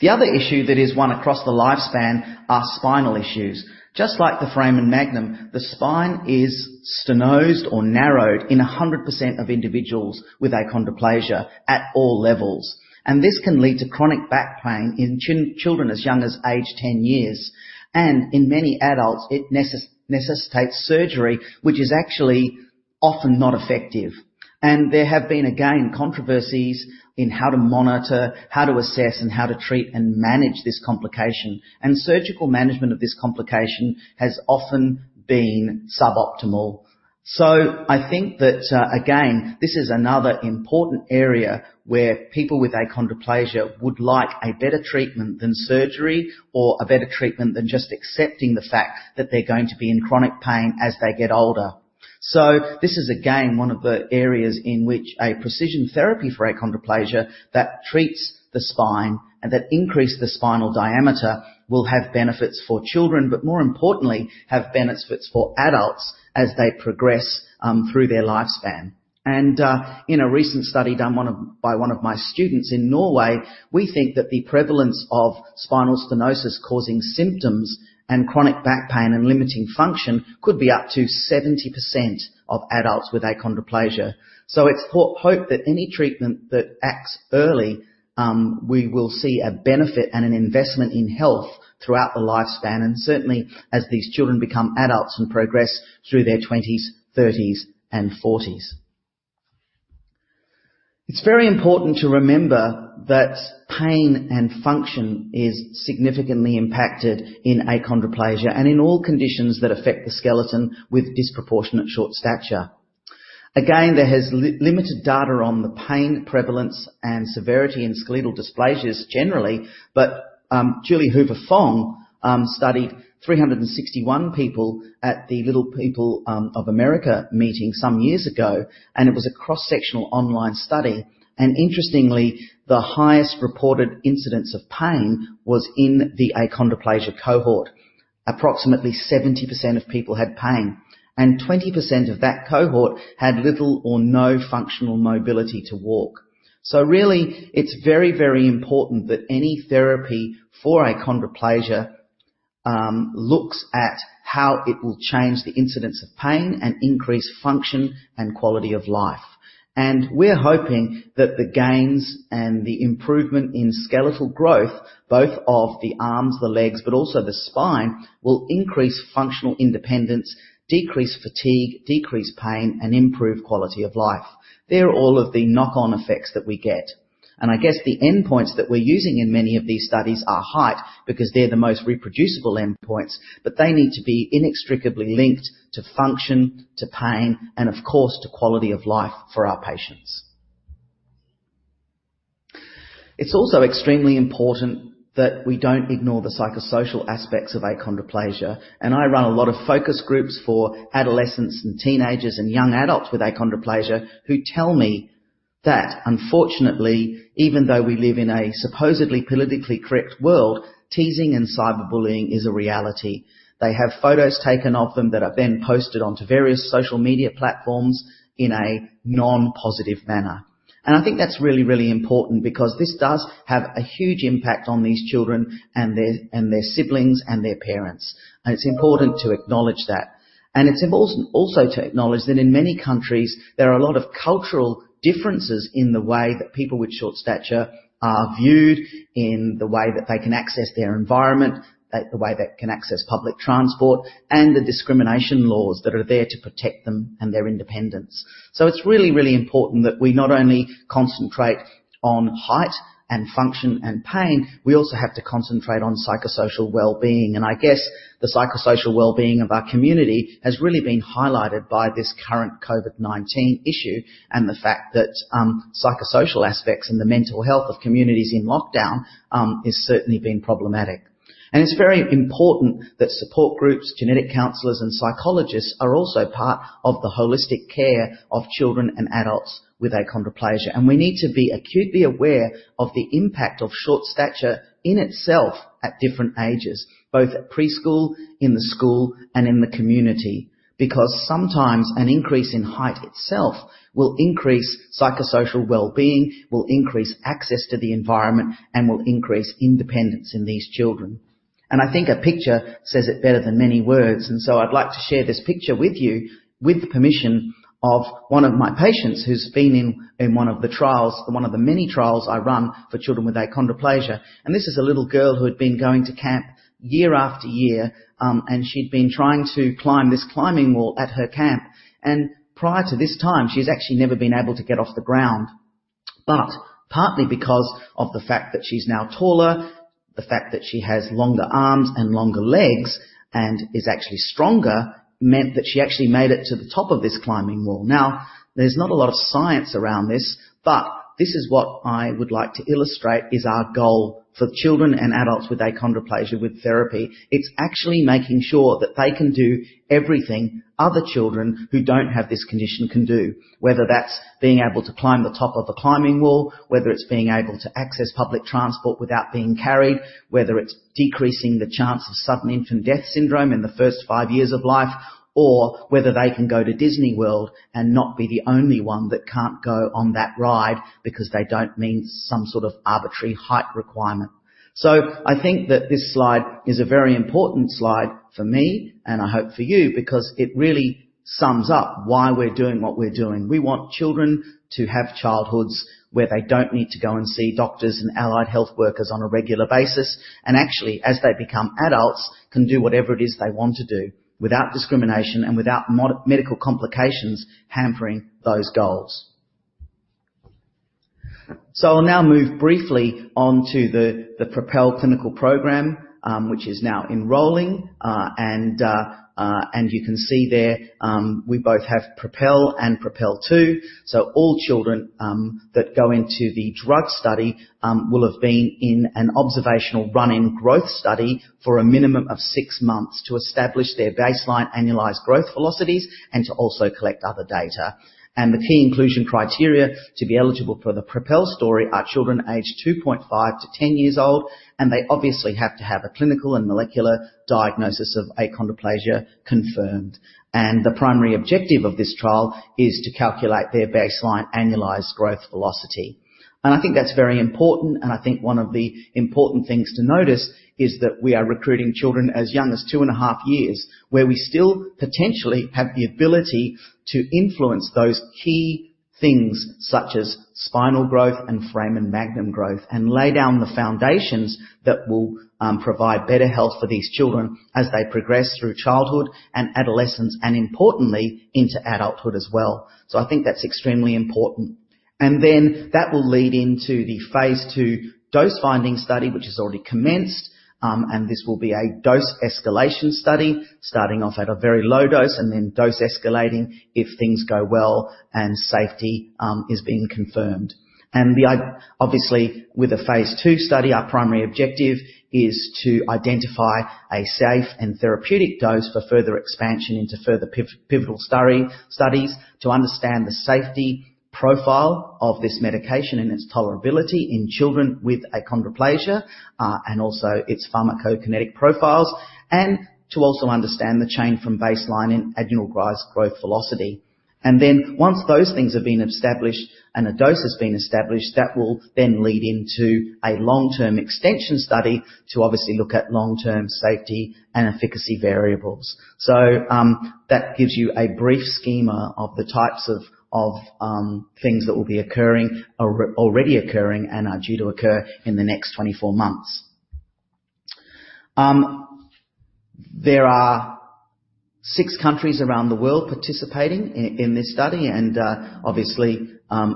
The other issue that is one across the lifespan are spinal issues. Just like the foramen magnum, the spine is stenosed or narrowed in 100% of individuals with achondroplasia at all levels. This can lead to chronic back pain in children as young as age 10 years. In many adults, it necessitates surgery, which is actually often not effective. There have been, again, controversies in how to monitor, how to assess, and how to treat and manage this complication. Surgical management of this complication has often been suboptimal. I think that, again, this is another important area where people with achondroplasia would like a better treatment than surgery or a better treatment than just accepting the fact that they're going to be in chronic pain as they get older. This is, again, one of the areas in which a precision therapy for achondroplasia that treats the spine and that increase the spinal diameter will have benefits for children, but more importantly, have benefits for adults as they progress through their lifespan. In a recent study done by one of my students in Norway, we think that the prevalence of spinal stenosis causing symptoms and chronic back pain and limiting function could be up to 70% of adults with achondroplasia. It's hoped that any treatment that acts early, we will see a benefit and an investment in health throughout the lifespan, and certainly as these children become adults and progress through their 20s, 30s, and 40s. It's very important to remember that pain and function is significantly impacted in achondroplasia and in all conditions that affect the skeleton with disproportionate short stature. There is limited data on the pain prevalence and severity in skeletal dysplasias generally, but Julie Hoover-Fong studied 361 people at the Little People of America meeting some years ago, and it was a cross-sectional online study. Interestingly, the highest reported incidence of pain was in the achondroplasia cohort. Approximately 70% of people had pain, and 20% of that cohort had little or no functional mobility to walk. Really, it's very important that any therapy for achondroplasia looks at how it will change the incidence of pain and increase function and quality of life. We're hoping that the gains and the improvement in skeletal growth, both of the arms, the legs, but also the spine, will increase functional independence, decrease fatigue, decrease pain, and improve quality of life. They're all of the knock-on effects that we get. I guess the endpoints that we're using in many of these studies are height because they're the most reproducible endpoints, but they need to be inextricably linked to function, to pain, and of course, to quality of life for our patients. It's also extremely important that we don't ignore the psychosocial aspects of achondroplasia. I run a lot of focus groups for adolescents and teenagers and young adults with achondroplasia who tell me that unfortunately, even though we live in a supposedly politically correct world, teasing and cyberbullying is a reality. They have photos taken of them that are then posted onto various social media platforms in a non-positive manner. I think that's really, really important because this does have a huge impact on these children and their siblings and their parents. It's important to acknowledge that. It's important also to acknowledge that in many countries, there are a lot of cultural differences in the way that people with short stature are viewed, in the way that they can access their environment, the way they can access public transport, and the discrimination laws that are there to protect them and their independence. It's really, really important that we not only concentrate on height and function and pain, we also have to concentrate on psychosocial well-being. I guess the psychosocial well-being of our community has really been highlighted by this current COVID-19 issue and the fact that psychosocial aspects and the mental health of communities in lockdown is certainly being problematic. It's very important that support groups, genetic counselors, and psychologists are also part of the holistic care of children and adults with achondroplasia. We need to be acutely aware of the impact of short stature in itself at different ages, both at preschool, in the school, and in the community. Sometimes an increase in height itself will increase psychosocial well-being, will increase access to the environment, and will increase independence in these children. I think a picture says it better than many words. I'd like to share this picture with you with the permission of one of my patients who's been in one of the many trials I run for children with achondroplasia. This is a little girl who had been going to camp year after year, and she'd been trying to climb this climbing wall at her camp. Prior to this time, she's actually never been able to get off the ground. Partly because of the fact that she's now taller, the fact that she has longer arms and longer legs and is actually stronger, meant that she actually made it to the top of this climbing wall. Now, there's not a lot of science around this is what I would like to illustrate is our goal for children and adults with achondroplasia with therapy. It's actually making sure that they can do everything other children who don't have this condition can do, whether that's being able to climb the top of the climbing wall, whether it's being able to access public transport without being carried, whether it's decreasing the chance of sudden infant death syndrome in the first five years of life, or whether they can go to Disney World and not be the only one that can't go on that ride because they don't meet some sort of arbitrary height requirement. I think that this slide is a very important slide for me, and I hope for you because it really sums up why we're doing what we're doing. We want children to have childhoods where they don't need to go and see doctors and allied health workers on a regular basis, and actually, as they become adults, can do whatever it is they want to do without discrimination and without medical complications hampering those goals. I'll now move briefly on to the PROPEL clinical program, which is now enrolling. You can see there, we both have PROPEL and PROPEL 2. All children that go into the drug study will have been in an observational run-in growth study for a minimum of six months to establish their baseline annualized growth velocities and to also collect other data. The key inclusion criteria to be eligible for the PROPEL study are children aged 2.5 to 10 years old, and they obviously have to have a clinical and molecular diagnosis of achondroplasia confirmed. The primary objective of this trial is to calculate their baseline annualized growth velocity. I think that's very important, and I think one of the important things to notice is that we are recruiting children as young as two and a half years, where we still potentially have the ability to influence those key things, such as spinal growth and foramen magnum growth, and lay down the foundations that will provide better health for these children as they progress through childhood and adolescence, and importantly, into adulthood as well. I think that's extremely important. That will lead into the phase II dose-finding study, which has already commenced. This will be a dose escalation study, starting off at a very low dose and then dose escalating if things go well and safety is being confirmed. Obviously, with the phase II study, our primary objective is to identify a safe and therapeutic dose for further expansion into further pivotal studies to understand the safety profile of this medication and its tolerability in children with achondroplasia, and also its pharmacokinetic profiles, and to also understand the change from baseline in annualized growth velocity. Once those things have been established and a dose has been established, that will then lead into a long-term extension study to obviously look at long-term safety and efficacy variables. That gives you a brief schema of the types of things that will be occurring, are already occurring, and are due to occur in the next 24 months. There are six countries around the world participating in this study, and obviously,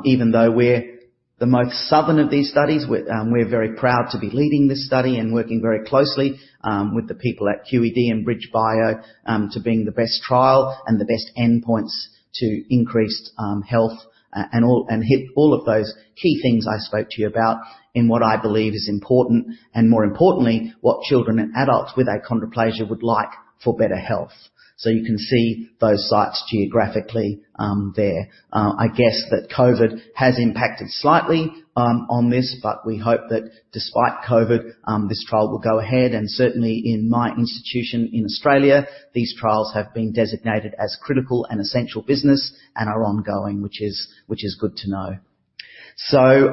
even though we're the most southern of these studies, we're very proud to be leading this study and working very closely with the people at QED and BridgeBio to being the best trial and the best endpoints to increased health and hit all of those key things I spoke to you about in what I believe is important, and more importantly, what children and adults with achondroplasia would like for better health. You can see those sites geographically there. I guess that COVID has impacted slightly on this, but we hope that despite COVID, this trial will go ahead, and certainly in my institution in Australia, these trials have been designated as critical and essential business and are ongoing, which is good to know.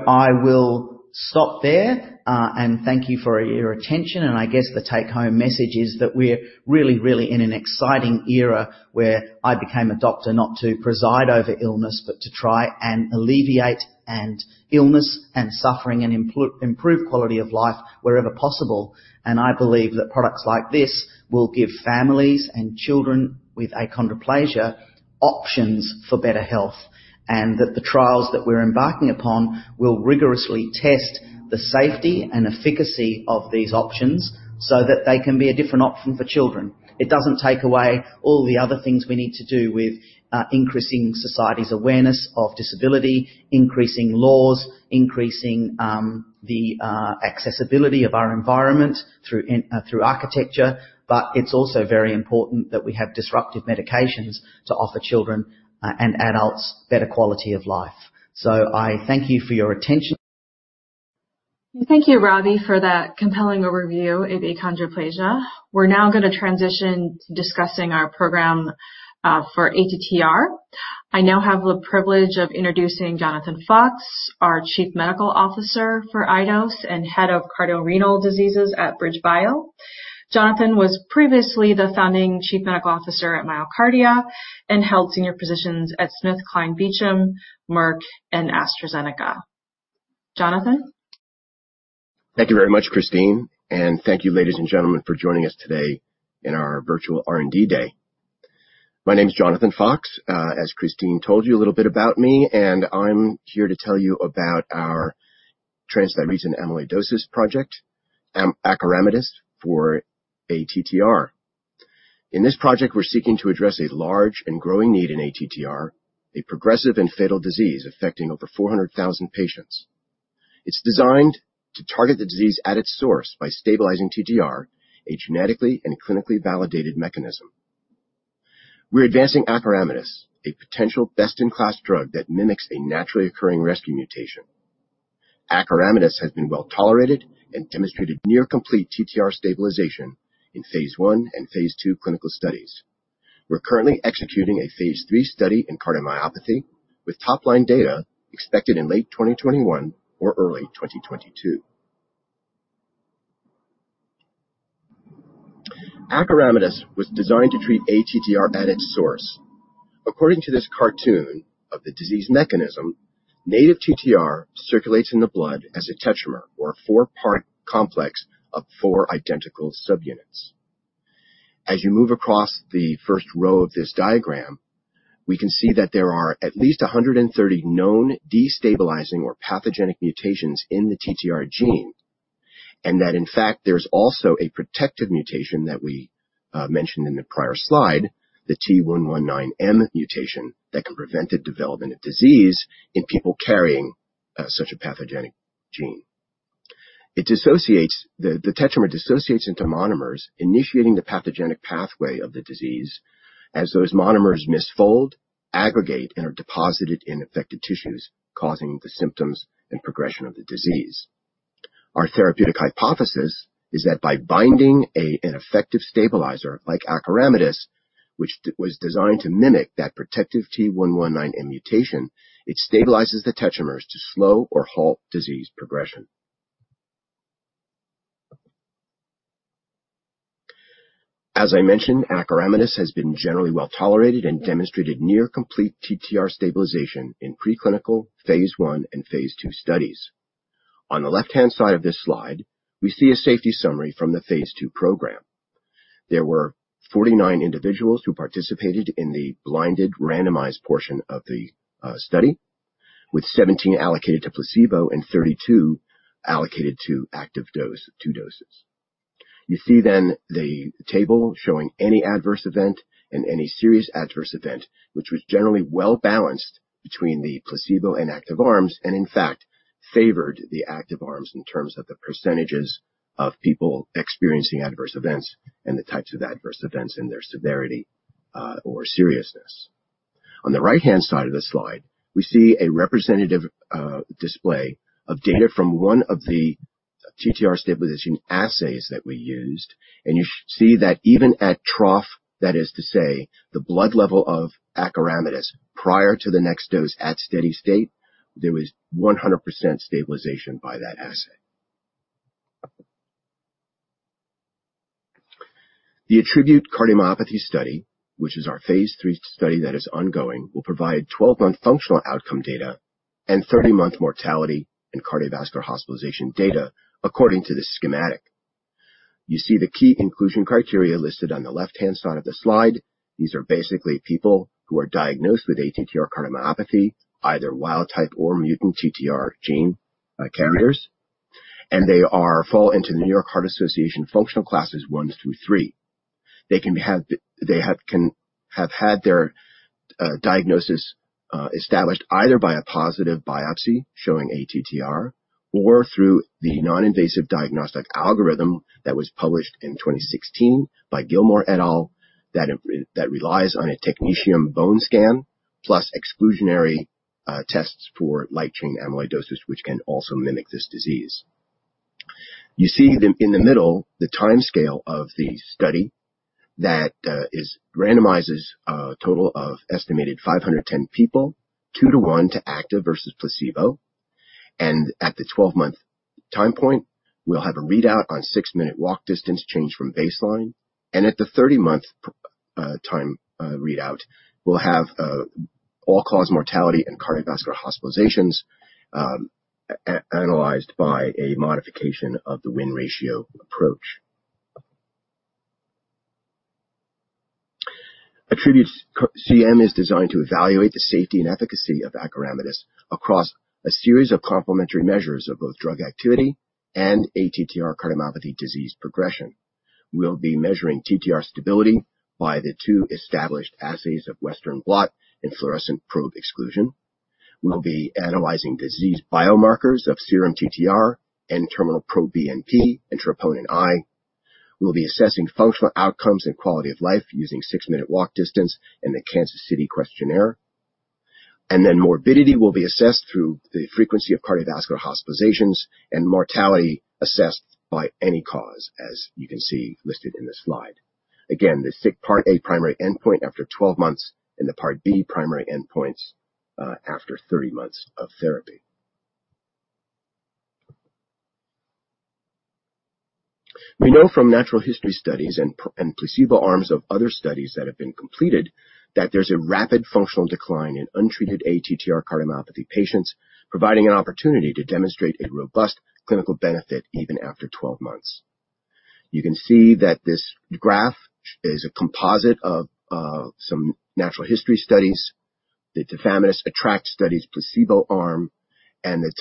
I will stop there, and thank you for your attention. I guess the take home message is that we're really in an exciting era where I became a doctor not to preside over illness, but to try and alleviate illness and suffering and improve quality of life wherever possible. I believe that products like this will give families and children with achondroplasia options for better health, and that the trials that we're embarking upon will rigorously test the safety and efficacy of these options so that they can be a different option for children. It doesn't take away all the other things we need to do with increasing society's awareness of disability, increasing laws, increasing the accessibility of our environment through architecture. It's also very important that we have disruptive medications to offer children and adults better quality of life. I thank you for your attention. Thank you, Ravi, for that compelling overview of achondroplasia. We're now going to transition to discussing our program for ATTR. I now have the privilege of introducing Jonathan Fox, our Chief Medical Officer for Eidos and Head of Cardiorenal Diseases at BridgeBio. Jonathan was previously the founding Chief Medical Officer at MyoKardia and held senior positions at SmithKline Beecham, Merck, and AstraZeneca. Jonathan. Thank you very much, Christine. Thank you, ladies and gentlemen, for joining us today in our virtual R&D Day. My name is Jonathan Fox. As Christine told you a little bit about me, I'm here to tell you about our transthyretin amyloidosis project, acoramidis, for ATTR. In this project, we're seeking to address a large and growing need in ATTR, a progressive and fatal disease affecting over 400,000 patients. It's designed to target the disease at its source by stabilizing TTR, a genetically and clinically validated mechanism. We're advancing acoramidis, a potential best-in-class drug that mimics a naturally occurring rescue mutation. acoramidis has been well-tolerated and demonstrated near complete TTR stabilization in phase I and phase II clinical studies. We're currently executing a phase III study in cardiomyopathy with top-line data expected in late 2021 or early 2022. acoramidis was designed to treat ATTR at its source. According to this cartoon of the disease mechanism, native TTR circulates in the blood as a tetramer or a four-part complex of four identical subunits. As you move across the first row of this diagram, we can see that there are at least 130 known destabilizing or pathogenic mutations in the TTR gene, and that in fact, there's also a protective mutation that we mentioned in the prior slide, the T119M mutation that can prevent the development of disease in people carrying such a pathogenic gene. The tetramer dissociates into monomers initiating the pathogenic pathway of the disease as those monomers misfold, aggregate, and are deposited in affected tissues, causing the symptoms and progression of the disease. Our therapeutic hypothesis is that by binding an effective stabilizer like acoramidis, which was designed to mimic that protective T119M mutation, it stabilizes the tetramers to slow or halt disease progression. As I mentioned, acoramidis has been generally well-tolerated and demonstrated near complete TTR stabilization in preclinical phase I and phase II studies. On the left-hand side of this slide, we see a safety summary from the phase II program. There were 49 individuals who participated in the blinded randomized portion of the study, with 17 allocated to placebo and 32 allocated to active dose, two doses. You see the table showing any adverse event and any serious adverse event, which was generally well-balanced between the placebo and active arms, and in fact favored the active arms in terms of the percentages of people experiencing adverse events and the types of adverse events and their severity or seriousness. On the right-hand side of the slide, we see a representative display of data from one of the TTR stabilization assays that we used, and you see that even at trough, that is to say, the blood level of acoramidis prior to the next dose at steady state, there was 100% stabilization by that assay. The ATTRibute cardiomyopathy study, which is our phase III study that is ongoing, will provide 12-month functional outcome data and 30-month mortality and cardiovascular hospitalization data according to this schematic. You see the key inclusion criteria listed on the left-hand side of the slide. These are basically people who are diagnosed with ATTR cardiomyopathy, either wild type or mutant TTR gene carriers. They fall into the New York Heart Association functional classes I through III. They can have had their diagnosis established either by a positive biopsy showing ATTR or through the non-invasive diagnostic algorithm that was published in 2016 by Gillmore et al., that relies on a technetium bone scan plus exclusionary tests for light chain amyloidosis, which can also mimic this disease. You see in the middle, the timescale of the study that randomizes a total of an estimated 510 people, two to one to active versus placebo. At the 12-month time point, we'll have a readout on six-minute walk distance change from baseline. At the 30-month time readout, we'll have all-cause mortality and cardiovascular hospitalizations analyzed by a modification of the win ratio approach. ATTRibute-CM is designed to evaluate the safety and efficacy of acoramidis across a series of complementary measures of both drug activity and ATTR cardiomyopathy disease progression. We'll be measuring TTR stability by the two established assays of Western blot and fluorescent probe exclusion. We'll be analyzing disease biomarkers of serum TTR, NT-proBNP, and troponin I. We'll be assessing functional outcomes and quality of life using six-minute walk distance and the Kansas City Questionnaire. Morbidity will be assessed through the frequency of cardiovascular hospitalizations, and mortality assessed by any cause, as you can see listed in the slide. The part A primary endpoint after 12 months and the part B primary endpoints after 30 months of therapy. We know from natural history studies and placebo arms of other studies that have been completed that there's a rapid functional decline in untreated ATTR cardiomyopathy patients, providing an opportunity to demonstrate a robust clinical benefit even after 12 months. You can see that this graph is a composite of some natural history studies. The tafamidis ATTR-ACT studies placebo arm and the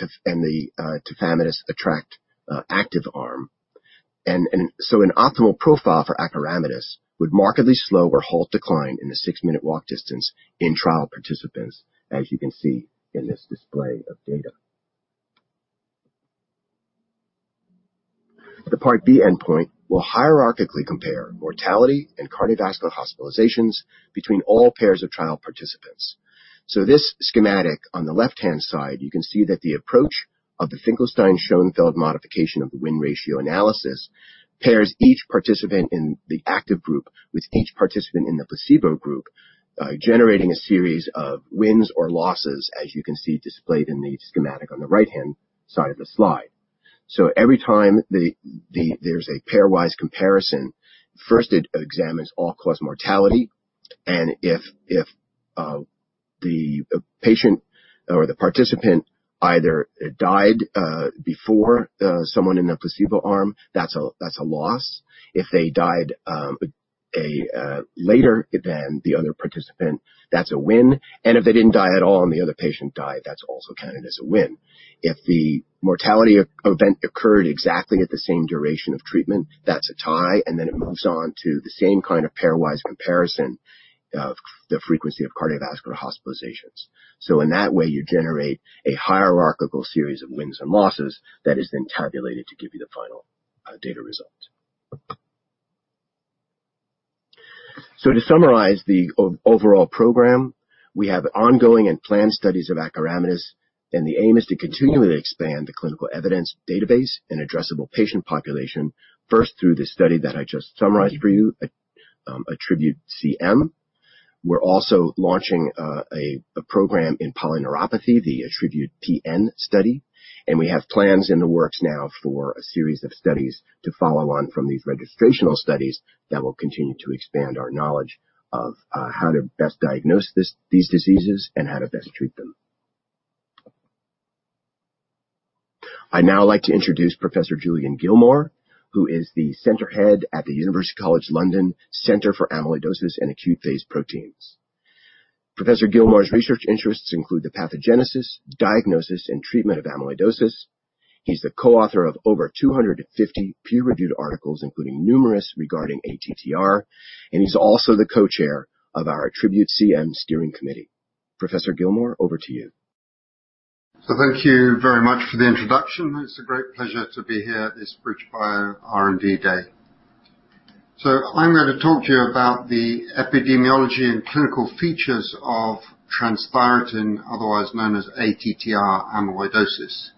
tafamidis ATTR-ACT active arm. An optimal profile for acoramidis would markedly slow or halt decline in the six-minute walk distance in trial participants, as you can see in this display of data. The part B endpoint will hierarchically compare mortality and cardiovascular hospitalizations between all pairs of trial participants. This schematic on the left-hand side, you can see that the approach of the Finkelstein-Schoenfeld modification of the win ratio analysis pairs each participant in the active group with each participant in the placebo group, generating a series of wins or losses, as you can see displayed in the schematic on the right-hand side of the slide. Every time there's a pairwise comparison, first it examines all-cause mortality, and if the patient or the participant either died before someone in the placebo arm, that's a loss. If they died later than the other participant, that's a win. If they didn't die at all and the other patient died, that's also counted as a win. If the mortality event occurred exactly at the same duration of treatment, that's a tie. It moves on to the same kind of pairwise comparison of the frequency of cardiovascular hospitalizations. In that way, you generate a hierarchical series of wins and losses that is then tabulated to give you the final data result. To summarize the overall program, we have ongoing and planned studies of acoramidis, and the aim is to continually expand the clinical evidence database and addressable patient population, first through the study that I just summarized for you, ATTRibute-CM. We're also launching a program in polyneuropathy, the ATTRibute-PN study. We have plans in the works now for a series of studies to follow on from these registrational studies that will continue to expand our knowledge of how to best diagnose these diseases and how to best treat them. I'd now like to introduce Professor Julian Gillmore, who is the Centre head at the University College London Centre for Amyloidosis and Acute Phase Proteins. Professor Gillmore's research interests include the pathogenesis, diagnosis, and treatment of amyloidosis. He's the coauthor of over 250 peer-reviewed articles, including numerous regarding ATTR, and he's also the co-chair of our ATTRibute-CM steering committee. Professor Gillmore, over to you. Thank you very much for the introduction. It's a great pleasure to be here at this BridgeBio R&D Day. I'm going to talk to you about the epidemiology and clinical features of transthyretin, otherwise known as ATTR amyloidosis.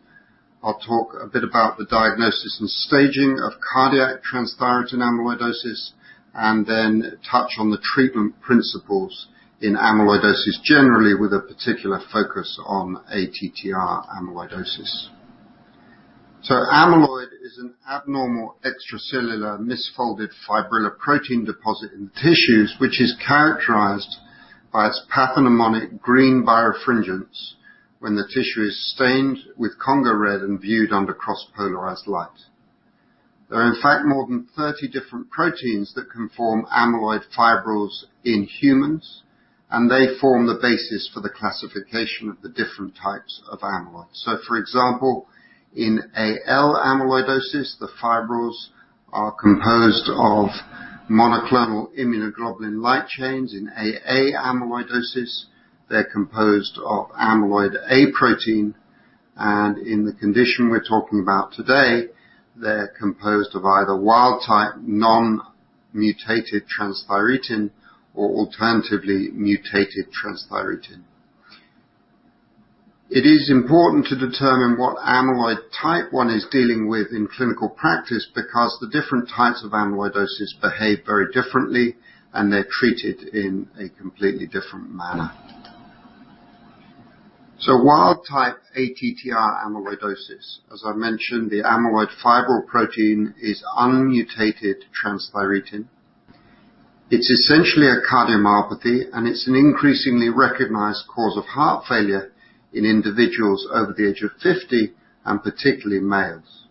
I'll talk a bit about the diagnosis and staging of cardiac transthyretin amyloidosis, and then touch on the treatment principles in amyloidosis generally, with a particular focus on ATTR amyloidosis. Amyloid is an abnormal extracellular misfolded fibrillar protein deposit in tissues, which is characterized by its pathognomonic green birefringence when the tissue is stained with Congo red and viewed under cross-polarized light. There are, in fact, more than 30 different proteins that can form amyloid fibrils in humans, and they form the basis for the classification of the different types of amyloid. For example, in AL amyloidosis, the fibrils are composed of monoclonal immunoglobulin light chains. In AA amyloidosis, they're composed of amyloid A protein. In the condition we're talking about today, they're composed of either wild type non-mutated transthyretin or alternatively mutated transthyretin. It is important to determine what amyloid type 1 is dealing with in clinical practice because the different types of amyloidosis behave very differently, and they're treated in a completely different manner. Wild type ATTR amyloidosis. As I mentioned, the amyloid fibril protein is unmutated transthyretin. It's essentially a cardiomyopathy, and it's an increasingly recognized cause of heart failure in individuals over the age of 50, and particularly males.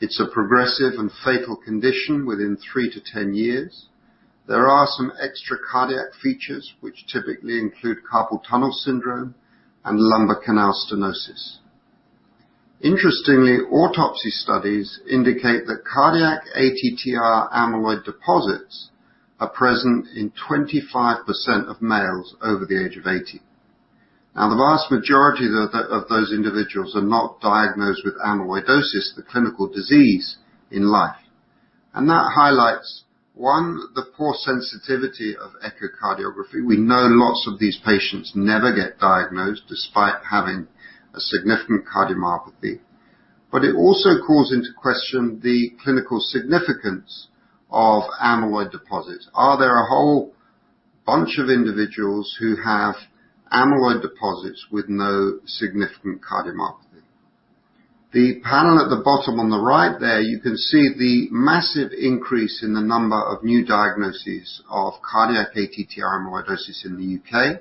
It's a progressive and fatal condition within 3-10 years. There are some extra cardiac features, which typically include carpal tunnel syndrome and lumbar canal stenosis. Interestingly, autopsy studies indicate that cardiac ATTR amyloid deposits are present in 25% of males over the age of 80. The vast majority of those individuals are not diagnosed with amyloidosis, the clinical disease, in life. That highlights, one, the poor sensitivity of echocardiography. We know lots of these patients never get diagnosed despite having a significant cardiomyopathy. It also calls into question the clinical significance of amyloid deposits. Are there a whole bunch of individuals who have amyloid deposits with no significant cardiomyopathy? The panel at the bottom on the right there, you can see the massive increase in the number of new diagnoses of cardiac ATTR amyloidosis in the U.K.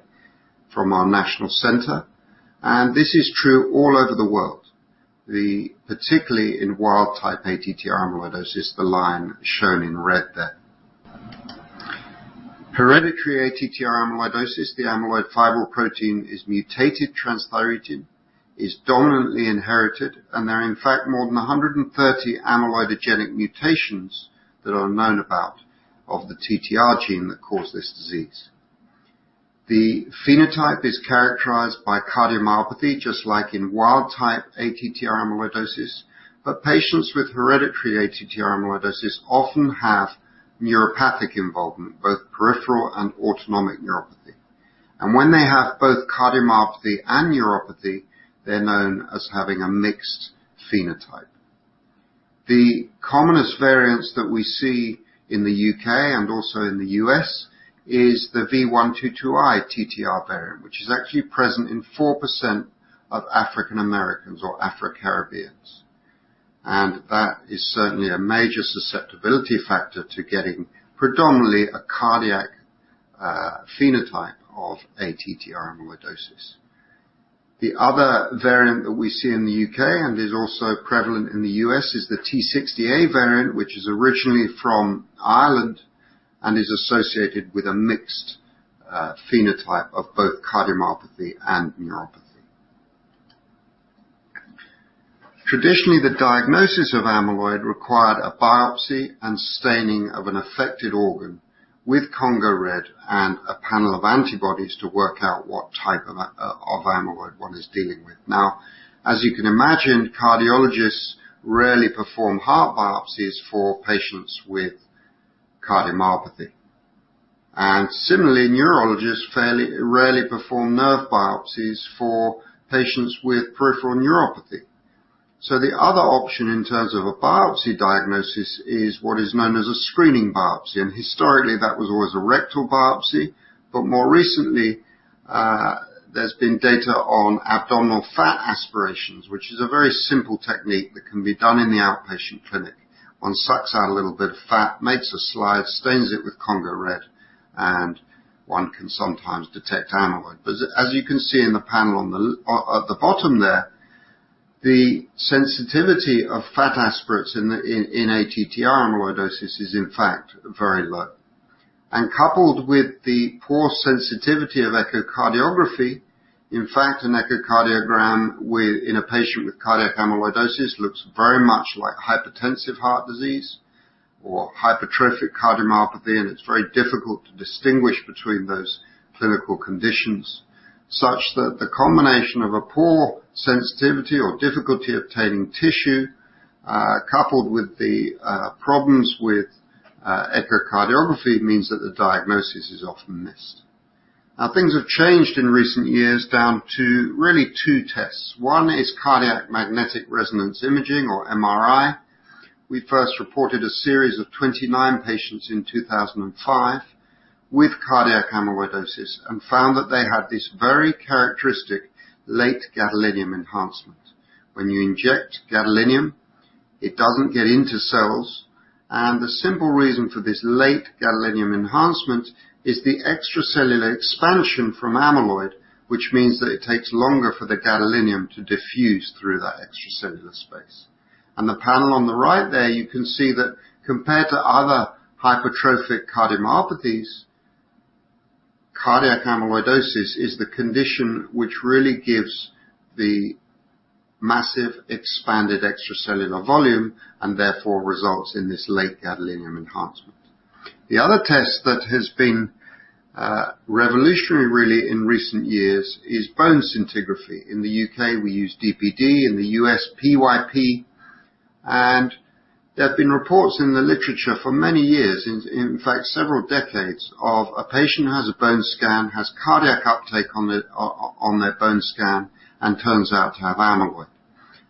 from our national center, and this is true all over the world. Particularly in wild type ATTR amyloidosis, the line shown in red there. Hereditary ATTR amyloidosis, the amyloid fibril protein is mutated transthyretin, is dominantly inherited. There are in fact more than 130 amyloidogenic mutations that are known about of the TTR gene that cause this disease. The phenotype is characterized by cardiomyopathy, just like in wild type ATTR amyloidosis. Patients with hereditary ATTR amyloidosis often have neuropathic involvement, both peripheral and autonomic neuropathy. When they have both cardiomyopathy and neuropathy, they're known as having a mixed phenotype. The commonest variants that we see in the U.K. and also in the U.S. is the V122I TTR variant, which is actually present in 4% of African Americans or Afro-Caribbeans. That is certainly a major susceptibility factor to getting predominantly a cardiac phenotype of ATTR amyloidosis. The other variant that we see in the U.K. and is also prevalent in the U.S. is the T60A variant, which is originally from Ireland and is associated with a mixed phenotype of both cardiomyopathy and neuropathy. Traditionally, the diagnosis of amyloid required a biopsy and staining of an affected organ with Congo red and a panel of antibodies to work out what type of amyloid one is dealing with. Now, as you can imagine, cardiologists rarely perform heart biopsies for patients with cardiomyopathy. Similarly, neurologists rarely perform nerve biopsies for patients with peripheral neuropathy. The other option in terms of a biopsy diagnosis is what is known as a screening biopsy, and historically that was always a rectal biopsy. More recently, there's been data on abdominal fat aspirations, which is a very simple technique that can be done in the outpatient clinic. One sucks out a little bit of fat, makes a slide, stains it with Congo red, and one can sometimes detect amyloid. As you can see in the panel at the bottom there, the sensitivity of fat aspirates in ATTR amyloidosis is in fact very low. Coupled with the poor sensitivity of echocardiography, in fact, an echocardiogram in a patient with cardiac amyloidosis looks very much like hypertensive heart disease or hypertrophic cardiomyopathy, and it's very difficult to distinguish between those clinical conditions. Such that the combination of a poor sensitivity or difficulty obtaining tissue, coupled with the problems with echocardiography means that the diagnosis is often missed. Now, things have changed in recent years down to really two tests. One is cardiac magnetic resonance imaging or MRI. We first reported a series of 29 patients in 2005 with cardiac amyloidosis and found that they had this very characteristic late gadolinium enhancement. When you inject gadolinium, it doesn't get into cells, and the simple reason for this late gadolinium enhancement is the extracellular expansion from amyloid, which means that it takes longer for the gadolinium to diffuse through that extracellular space. The panel on the right there, you can see that compared to other hypertrophic cardiomyopathies, cardiac amyloidosis is the condition which really gives the massive expanded extracellular volume and therefore results in this late gadolinium enhancement. The other test that has been revolutionary really in recent years is bone scintigraphy. In the U.K. we use DPD, in the U.S. PYP. There have been reports in the literature for many years, in fact several decades, of a patient who has a bone scan, has cardiac uptake on their bone scan, and turns out to have amyloid.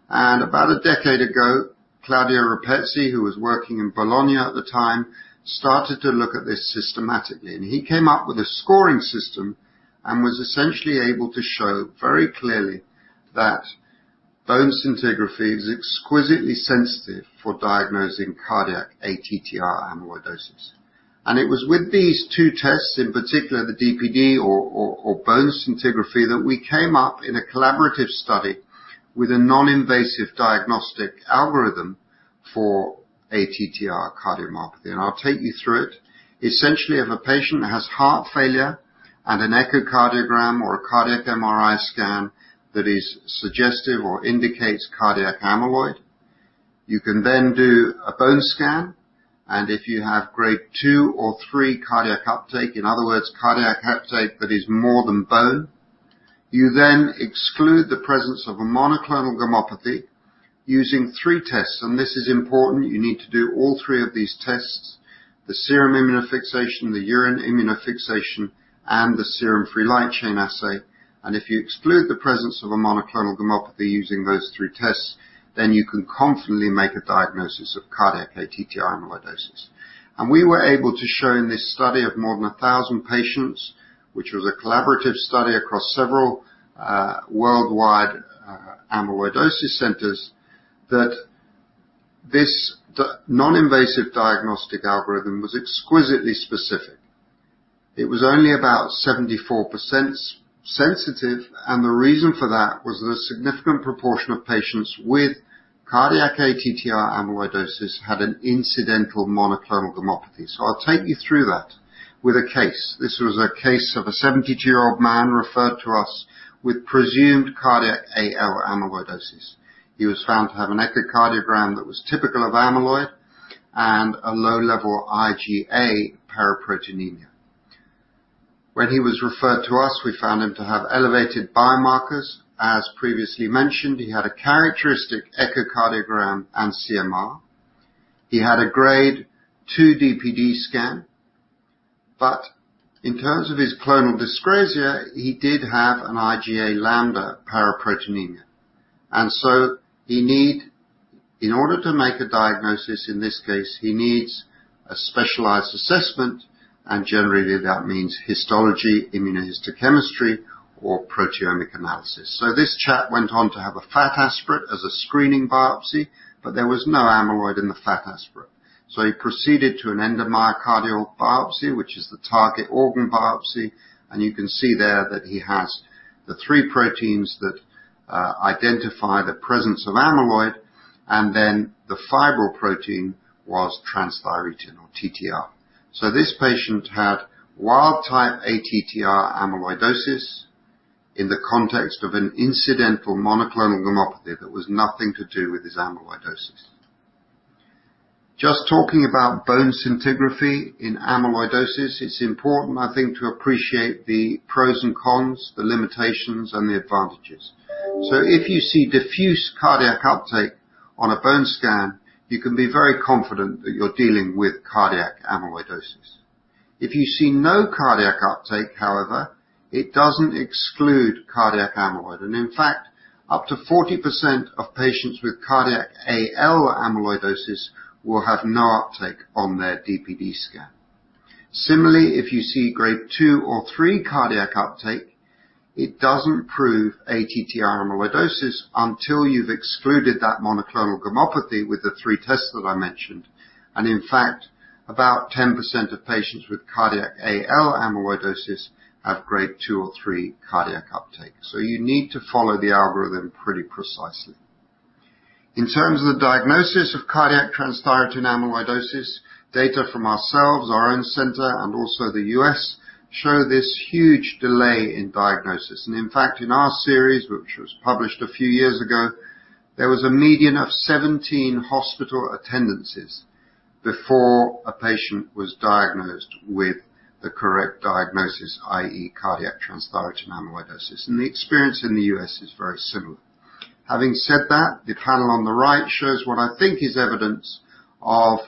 About a decade ago, Claudio Rapezzi, who was working in Bologna at the time, started to look at this systematically. He came up with a scoring system and was essentially able to show very clearly that bone scintigraphy is exquisitely sensitive for diagnosing cardiac ATTR amyloidosis. It was with these two tests, in particular the DPD or bone scintigraphy, that we came up in a collaborative study with a non-invasive diagnostic algorithm for ATTR cardiomyopathy. I'll take you through it. Essentially, if a patient has heart failure and an echocardiogram or a cardiac MRI scan that is suggestive or indicates cardiac amyloid, you can then do a bone scan, and if you have grade 2 or 3 cardiac uptake, in other words, cardiac uptake that is more than bone, you then exclude the presence of a monoclonal gammopathy using three tests. This is important. You need to do all three of these tests: the serum immunofixation, the urine immunofixation, and the serum free light chain assay. If you exclude the presence of a monoclonal gammopathy using those three tests, then you can confidently make a diagnosis of cardiac ATTR amyloidosis. We were able to show in this study of more than 1,000 patients, which was a collaborative study across several worldwide amyloidosis centers, that this non-invasive diagnostic algorithm was exquisitely specific. It was only about 74% sensitive. The reason for that was that a significant proportion of patients with cardiac ATTR amyloidosis had an incidental monoclonal gammopathy. I'll take you through that with a case. This was a case of a 72-year-old man referred to us with presumed cardiac AL amyloidosis. He was found to have an echocardiogram that was typical of amyloid and a low level of IgA paraproteinemia. When he was referred to us, we found him to have elevated biomarkers. As previously mentioned, he had a characteristic echocardiogram and CMR. He had a grade 2 DPD scan. In terms of his clonal dyscrasia, he did have an IgA lambda paraproteinemia. In order to make a diagnosis in this case, he needs a specialized assessment, and generally that means histology, immunohistochemistry or proteomic analysis. This chap went on to have a fat aspirate as a screening biopsy, but there was no amyloid in the fat aspirate. He proceeded to an endomyocardial biopsy, which is the target organ biopsy. You can see there that he has the three proteins that identify the presence of amyloid, and then the fibril protein was transthyretin or TTR. This patient had wild type ATTR amyloidosis in the context of an incidental monoclonal gammopathy that was nothing to do with his amyloidosis. Just talking about bone scintigraphy in amyloidosis, it's important, I think, to appreciate the pros and cons, the limitations and the advantages. If you see diffuse cardiac uptake on a bone scan, you can be very confident that you're dealing with cardiac amyloidosis. If you see no cardiac uptake, however, it doesn't exclude cardiac amyloid. In fact, up to 40% of patients with cardiac AL amyloidosis will have no uptake on their DPD scan. Similarly, if you see grade 2 or 3 cardiac uptake, it doesn't prove ATTR amyloidosis until you've excluded that monoclonal gammopathy with the three tests that I mentioned. In fact, about 10% of patients with cardiac AL amyloidosis have grade 2 or 3 cardiac uptake. You need to follow the algorithm pretty precisely. In terms of the diagnosis of cardiac transthyretin amyloidosis, data from ourselves, our own center, and also the U.S., show this huge delay in diagnosis. In fact, in our series, which was published a few years ago, there was a median of 17 hospital attendances before a patient was diagnosed with the correct diagnosis, i.e., cardiac transthyretin amyloidosis. The experience in the U.S. is very similar. Having said that, the panel on the right shows what I think is evidence of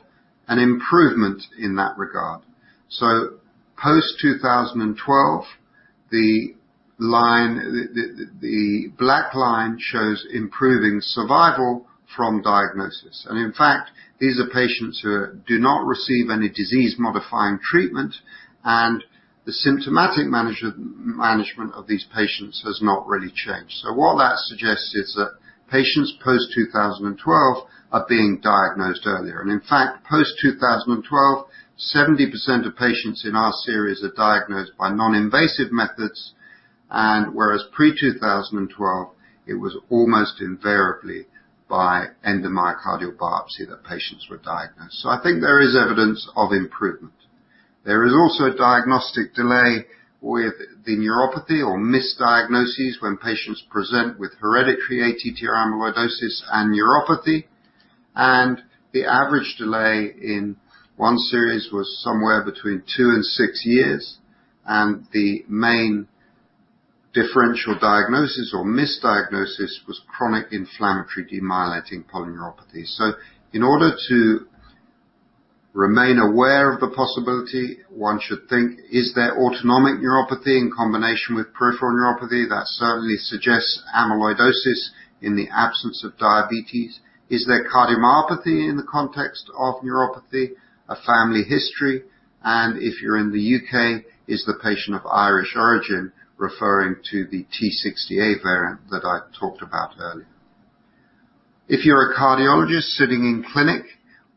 an improvement in that regard. Post 2012, the black line shows improving survival from diagnosis. In fact, these are patients who do not receive any disease-modifying treatment, and the symptomatic management of these patients has not really changed. What that suggests is that patients post 2012 are being diagnosed earlier. In fact, post 2012, 70% of patients in our series are diagnosed by non-invasive methods. Whereas pre-2012, it was almost invariably by endomyocardial biopsy that patients were diagnosed. I think there is evidence of improvement. There is also a diagnostic delay with the neuropathy or misdiagnosis when patients present with hereditary ATTR amyloidosis and neuropathy, and the average delay in one series was somewhere between two and six years. The main differential diagnosis or misdiagnosis was chronic inflammatory demyelinating polyneuropathy. In order to remain aware of the possibility, one should think, is there autonomic neuropathy in combination with peripheral neuropathy? That certainly suggests amyloidosis in the absence of diabetes. Is there cardiomyopathy in the context of neuropathy, a family history? If you're in the U.K., is the patient of Irish origin referring to the T60A variant that I talked about earlier? If you're a cardiologist sitting in clinic,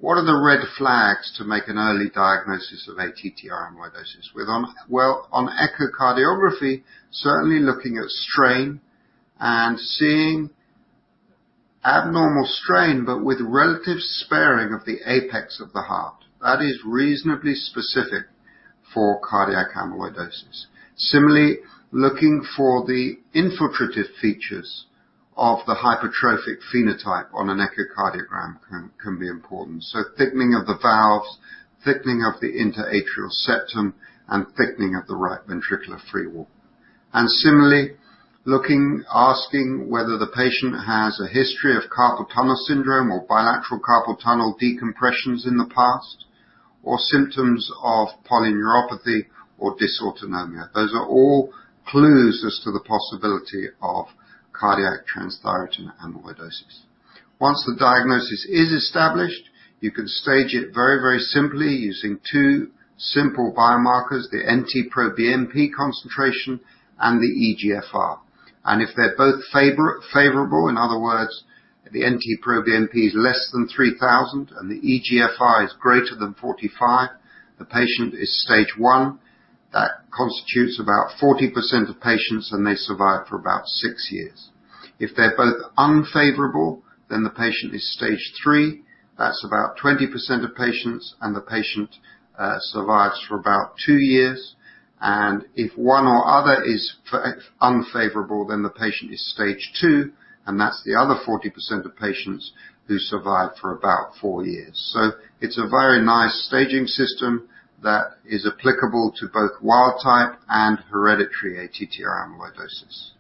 what are the red flags to make an early diagnosis of ATTR amyloidosis? On echocardiography, certainly looking at strain and seeing abnormal strain, but with relative sparing of the apex of the heart. That is reasonably specific for cardiac amyloidosis. Similarly, looking for the infiltrative features of the hypertrophic phenotype on an echocardiogram can be important. Thickening of the valves, thickening of the interatrial septum, and thickening of the right ventricular free wall. Similarly, asking whether the patient has a history of carpal tunnel syndrome or bilateral carpal tunnel decompressions in the past, or symptoms of polyneuropathy or dysautonomia. Those are all clues as to the possibility of cardiac transthyretin amyloidosis. Once the diagnosis is established, you can stage it very simply using two simple biomarkers, the NT-proBNP concentration and the eGFR. If they're both favorable, in other words, the NT-proBNP is less than 3,000, and the eGFR is greater than 45, the patient is stage 1. That constitutes about 40% of patients, and they survive for about six years. If they're both unfavorable, then the patient is stage 3. That's about 20% of patients, and the patient survives for about two years. If one or other is unfavorable, the patient is stage 2, and that's the other 40% of patients who survive for about four years. It's a very nice staging system that is applicable to both wild type and hereditary ATTR amyloidosis.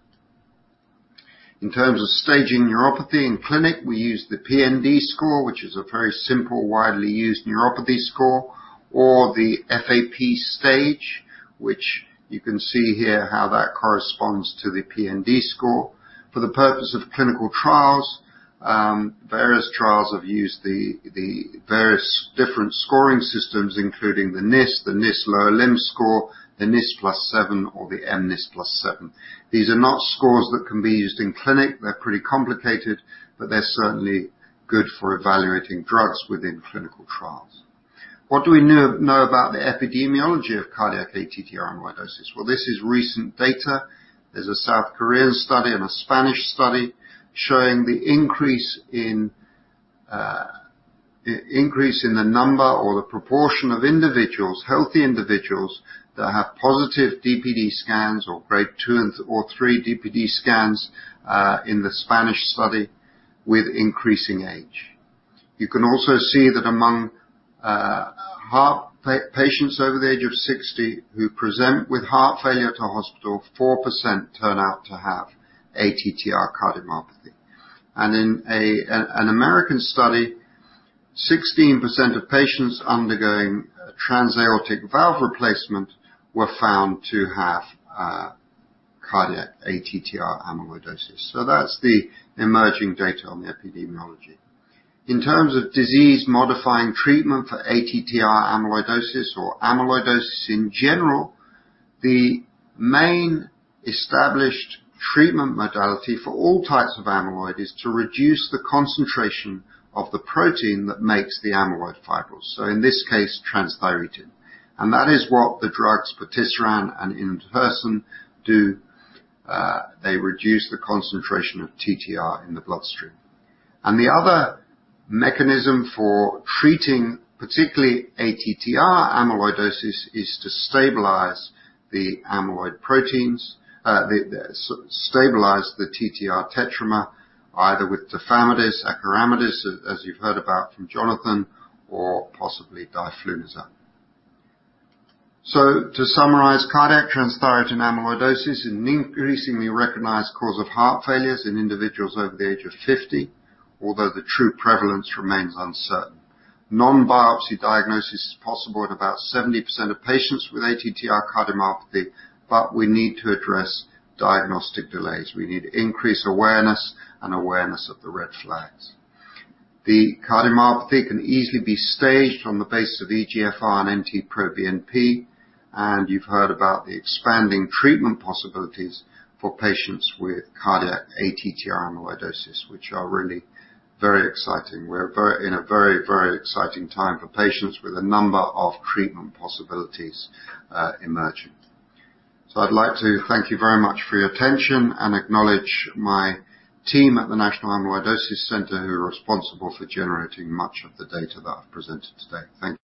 In terms of staging neuropathy in clinic, we use the PND score, which is a very simple, widely used neuropathy score, or the FAP stage, which you can see here how that corresponds to the PND score. For the purpose of clinical trials, various trials have used the various different scoring systems, including the NIS, the NIS lower limb score, the NIS+7, or the mNIS+7. These are not scores that can be used in clinic. They're pretty complicated, but they're certainly good for evaluating drugs within clinical trials. What do we know about the epidemiology of cardiac ATTR amyloidosis? Well, this is recent data. There's a South Korean study and a Spanish study showing the increase in the number or the proportion of individuals, healthy individuals that have positive DPD scans or grade 2 and 3 DPD scans, in the Spanish study, with increasing age. You can also see that among heart patients over the age of 60 who present with heart failure to hospital, 4% turn out to have ATTR cardiomyopathy. In an American study, 16% of patients undergoing transaortic valve replacement were found to have cardiac ATTR amyloidosis. That's the emerging data on the epidemiology. In terms of disease-modifying treatment for ATTR amyloidosis or amyloidosis in general, the main established treatment modality for all types of amyloid is to reduce the concentration of the protein that makes the amyloid fibrils. In this case, transthyretin. That is what the drugs patisiran and inclisiran do. They reduce the concentration of TTR in the bloodstream. The other mechanism for treating, particularly ATTR amyloidosis, is to stabilize the amyloid proteins, stabilize the TTR tetramer, either with tafamidis, acoramidis, as you've heard about from Jonathan, or possibly diflunisal. To summarize, cardiac transthyretin amyloidosis is an increasingly recognized cause of heart failures in individuals over the age of 50, although the true prevalence remains uncertain. Non-biopsy diagnosis is possible in about 70% of patients with ATTR cardiomyopathy, but we need to address diagnostic delays. We need increased awareness and awareness of the red flags. The cardiomyopathy can easily be staged on the basis of eGFR and NT-proBNP, and you've heard about the expanding treatment possibilities for patients with cardiac ATTR amyloidosis, which are really very exciting. We're in a very exciting time for patients with a number of treatment possibilities emerging. I'd like to thank you very much for your attention and acknowledge my team at the National Amyloidosis Center, who are responsible for generating much of the data that I've presented today. Thank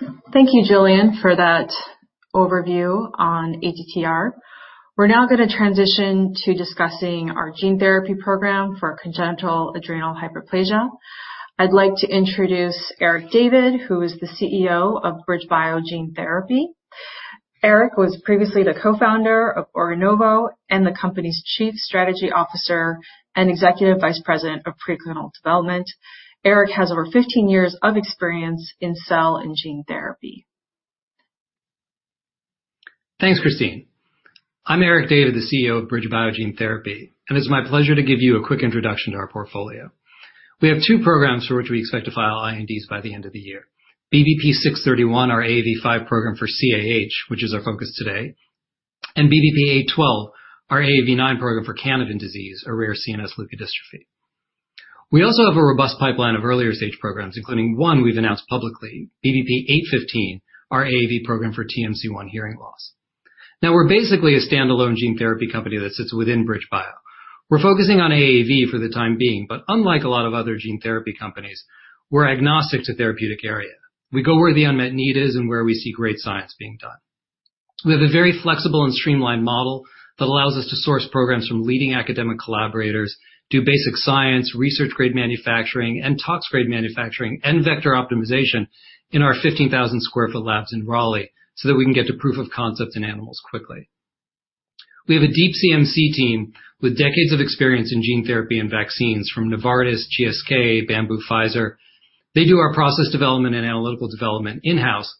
you. Thank you, Julian, for that overview on ATTR. We're now going to transition to discussing our gene therapy program for congenital adrenal hyperplasia. I'd like to introduce Eric David, who is the CEO of BridgeBio Gene Therapy. Eric was previously the co-founder of Organovo and the company's chief strategy officer and executive vice president of preclinical development. Eric has over 15 years of experience in cell and gene therapy. Thanks, Christine. I'm Eric David, the CEO of BridgeBio Gene Therapy, and it's my pleasure to give you a quick introduction to our portfolio. We have two programs for which we expect to file INDs by the end of the year. BBP-631, our AAV5 program for CAH, which is our focus today, and BBP-812, our AAV9 program for Canavan disease, a rare CNS leukodystrophy. We also have a robust pipeline of earlier-stage programs, including one we've announced publicly, BBP-815, our AAV program for TMC1 hearing loss. We're basically a standalone gene therapy company that sits within BridgeBio. We're focusing on AAV for the time being, but unlike a lot of other gene therapy companies, we're agnostic to therapeutic area. We go where the unmet need is and where we see great science being done. We have a very flexible and streamlined model that allows us to source programs from leading academic collaborators, do basic science, research grade manufacturing and tox grade manufacturing and vector optimization in our 15,000 sq ft labs in Raleigh so that we can get to proof of concept in animals quickly. We have a deep CMC team with decades of experience in gene therapy and vaccines from Novartis, GSK, Bamboo, Pfizer. They do our process development and analytical development in-house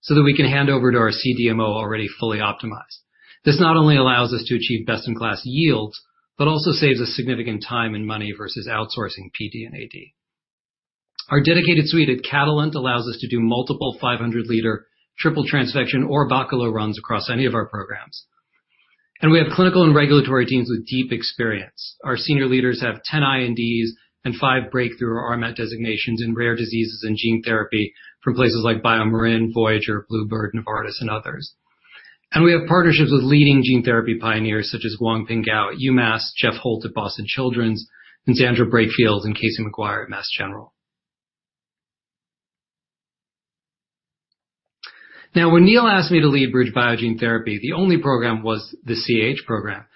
so that we can hand over to our CDMO already fully optimized. This not only allows us to achieve best-in-class yields, but also saves us significant time and money versus outsourcing PD and AD. Our dedicated suite at Catalent allows us to do multiple 500-liter triple transfection or baculo runs across any of our programs. We have clinical and regulatory teams with deep experience. Our senior leaders have 10 INDs and five breakthrough or RMAT designations in rare diseases and gene therapy from places like BioMarin, Voyager, Bluebird, Novartis, and others. We have partnerships with leading gene therapy pioneers such as Guangping Gao at UMass, Jeff Holt at Boston Children's, and Xandra Breakefield and Casey Maguire at Mass General. Now, when Neil asked me to lead BridgeBio Gene Therapy, the only program was the CAH program.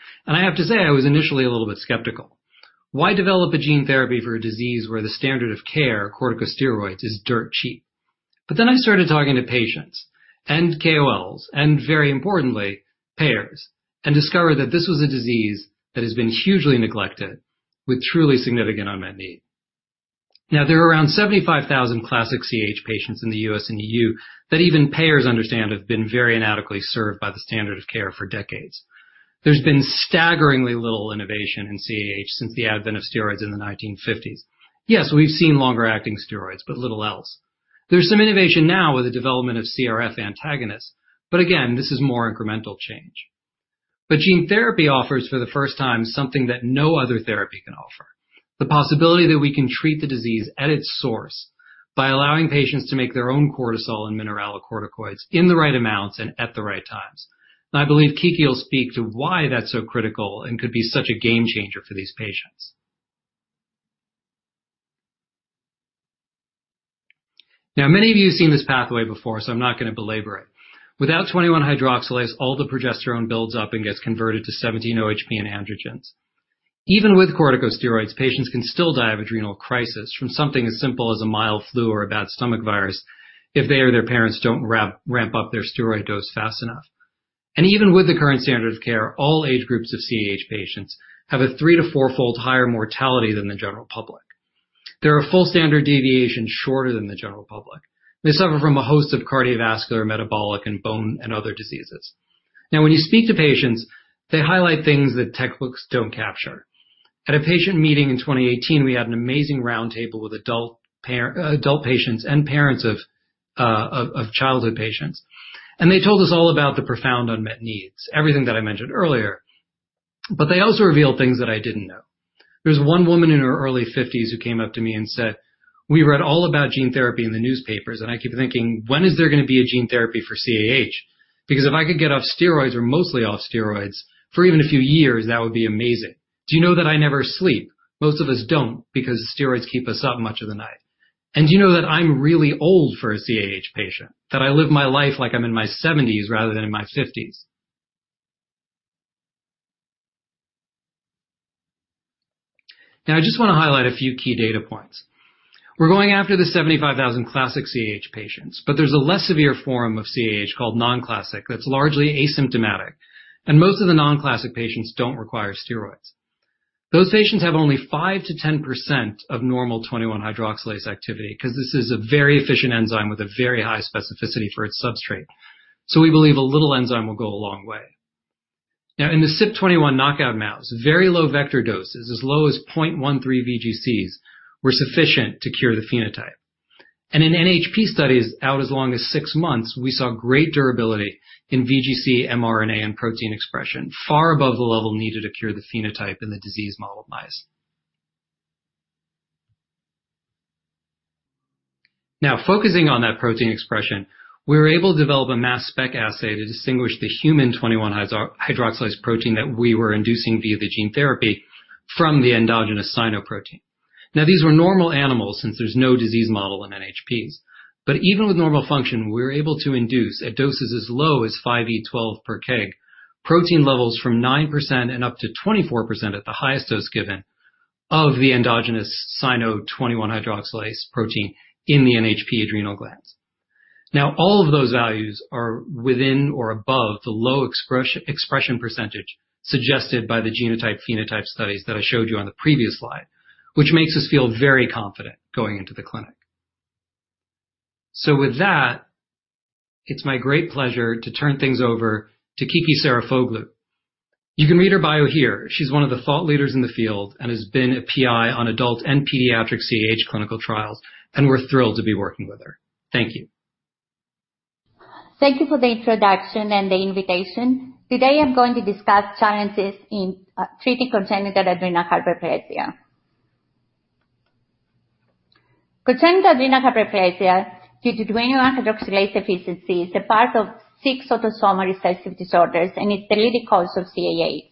I started talking to patients and KOLs and very importantly, payers, and discovered that this was a disease that has been hugely neglected with truly significant unmet need. There are around 75,000 classic CAH patients in the U.S. and E.U. that even payers understand have been very inadequately served by the standard of care for decades. There's been staggeringly little innovation in CAH since the advent of steroids in the 1950s. We've seen longer-acting steroids, but little else. There's some innovation now with the development of CRF antagonists. Again, this is more incremental change. Gene therapy offers for the first time something that no other therapy can offer. The possibility that we can treat the disease at its source by allowing patients to make their own cortisol and mineralocorticoids in the right amounts and at the right times. I believe Kiki will speak to why that's so critical and could be such a game changer for these patients. Many of you have seen this pathway before, so I'm not going to belabor it. Without 21-hydroxylase, all the progesterone builds up and gets converted to 17-OHP and androgens. Even with corticosteroids, patients can still die of adrenal crisis from something as simple as a mild flu or a bad stomach virus if they or their parents don't ramp up their steroid dose fast enough. Even with the current standard of care, all age groups of CAH patients have a three to fourfold higher mortality than the general public. They are a full standard deviation shorter than the general public. They suffer from a host of cardiovascular, metabolic, and bone and other diseases. When you speak to patients, they highlight things that textbooks don't capture. At a patient meeting in 2018, we had an amazing roundtable with adult patients and parents of childhood patients, and they told us all about the profound unmet needs, everything that I mentioned earlier. They also revealed things that I didn't know. There was one woman in her early 50s who came up to me and said. We read all about gene therapy in the newspapers, and I keep thinking, "When is there going to be a gene therapy for CAH? Because if I could get off steroids or mostly off steroids for even a few years, that would be amazing." Do you know that I never sleep? Most of us don't because steroids keep us up much of the night. Do you know that I'm really old for a CAH patient, that I live my life like I'm in my 70s rather than in my 50s? I just want to highlight a few key data points. We're going after the 75,000 classic CAH patients, but there's a less severe form of CAH called non-classic that's largely asymptomatic. Most of the non-classic patients don't require steroids. Those patients have only 5%-10% of normal 21-hydroxylase activity because this is a very efficient enzyme with a very high specificity for its substrate. We believe a little enzyme will go a long way. In the CYP21 knockout mouse, very low vector doses, as low as 0.13 VGCs, were sufficient to cure the phenotype. In NHP studies out as long as six months, we saw great durability in VGC mRNA and protein expression, far above the level needed to cure the phenotype in the disease model of mice. Focusing on that protein expression, we were able to develop a mass spec assay to distinguish the human 21-hydroxylase protein that we were inducing via the gene therapy from the endogenous cyno protein. These were normal animals since there's no disease model in NHPs. Even with normal function, we were able to induce at doses as low as 5E12 per kg, protein levels from 9% and up to 24% at the highest dose given of the endogenous cyno 21-hydroxylase protein in the NHP adrenal glands. All of those values are within or above the low expression percentage suggested by the genotype-phenotype studies that I showed you on the previous slide, which makes us feel very confident going into the clinic. With that, it's my great pleasure to turn things over to Kiki Sarafoglou. You can read her bio here. She's one of the thought leaders in the field and has been a PI on adult and pediatric CAH clinical trials, and we're thrilled to be working with her. Thank you. Thank you for the introduction and the invitation. Today, I'm going to discuss challenges in treating congenital adrenal hyperplasia. Congenital adrenal hyperplasia due to 21-hydroxylase deficiency is a part of six autosomal recessive disorders and is the leading cause of CAH.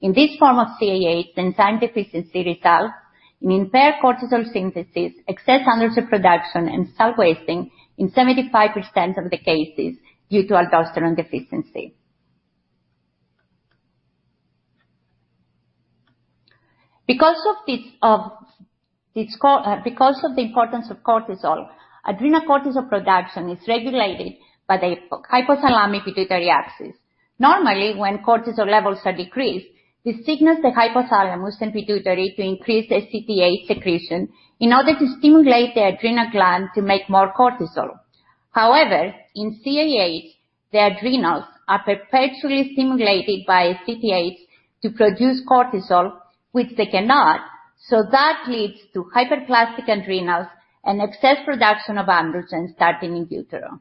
In this form of CAH, the enzyme deficiency results in impaired cortisol synthesis, excess androgen production, and salt wasting in 75% of the cases due to aldosterone deficiency. Adrenal cortisol production is regulated by the hypothalamic-pituitary axis. Normally, when cortisol levels are decreased, this signals the hypothalamus and pituitary to increase ACTH secretion in order to stimulate the adrenal gland to make more cortisol. In CAH, the adrenals are perpetually stimulated by ACTH to produce cortisol, which they cannot, so that leads to hyperplastic adrenals and excess production of androgens starting in utero.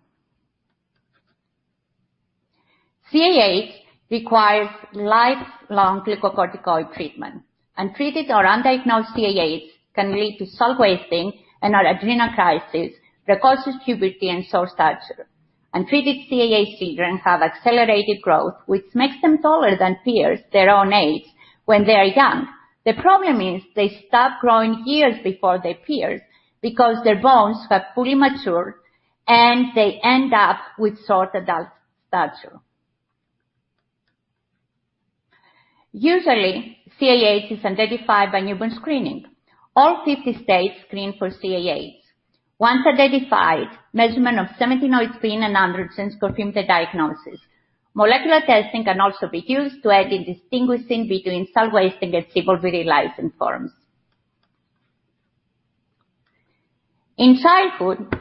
CAH requires lifelong glucocorticoid treatment. Untreated or undiagnosed CAH can lead to salt wasting and/or adrenal crisis, precocious puberty, and short stature. Untreated CAH children have accelerated growth, which makes them taller than peers their own age when they are young. The problem is they stop growing years before their peers because their bones have fully matured, and they end up with short adult stature. Usually, CAH is identified by newborn screening. All 50 states screen for CAH. Once identified, measurement of 17-OHP and androgens confirm the diagnosis. Molecular testing can also be used to aid in distinguishing between salt-wasting and simple virilizing forms. In childhood,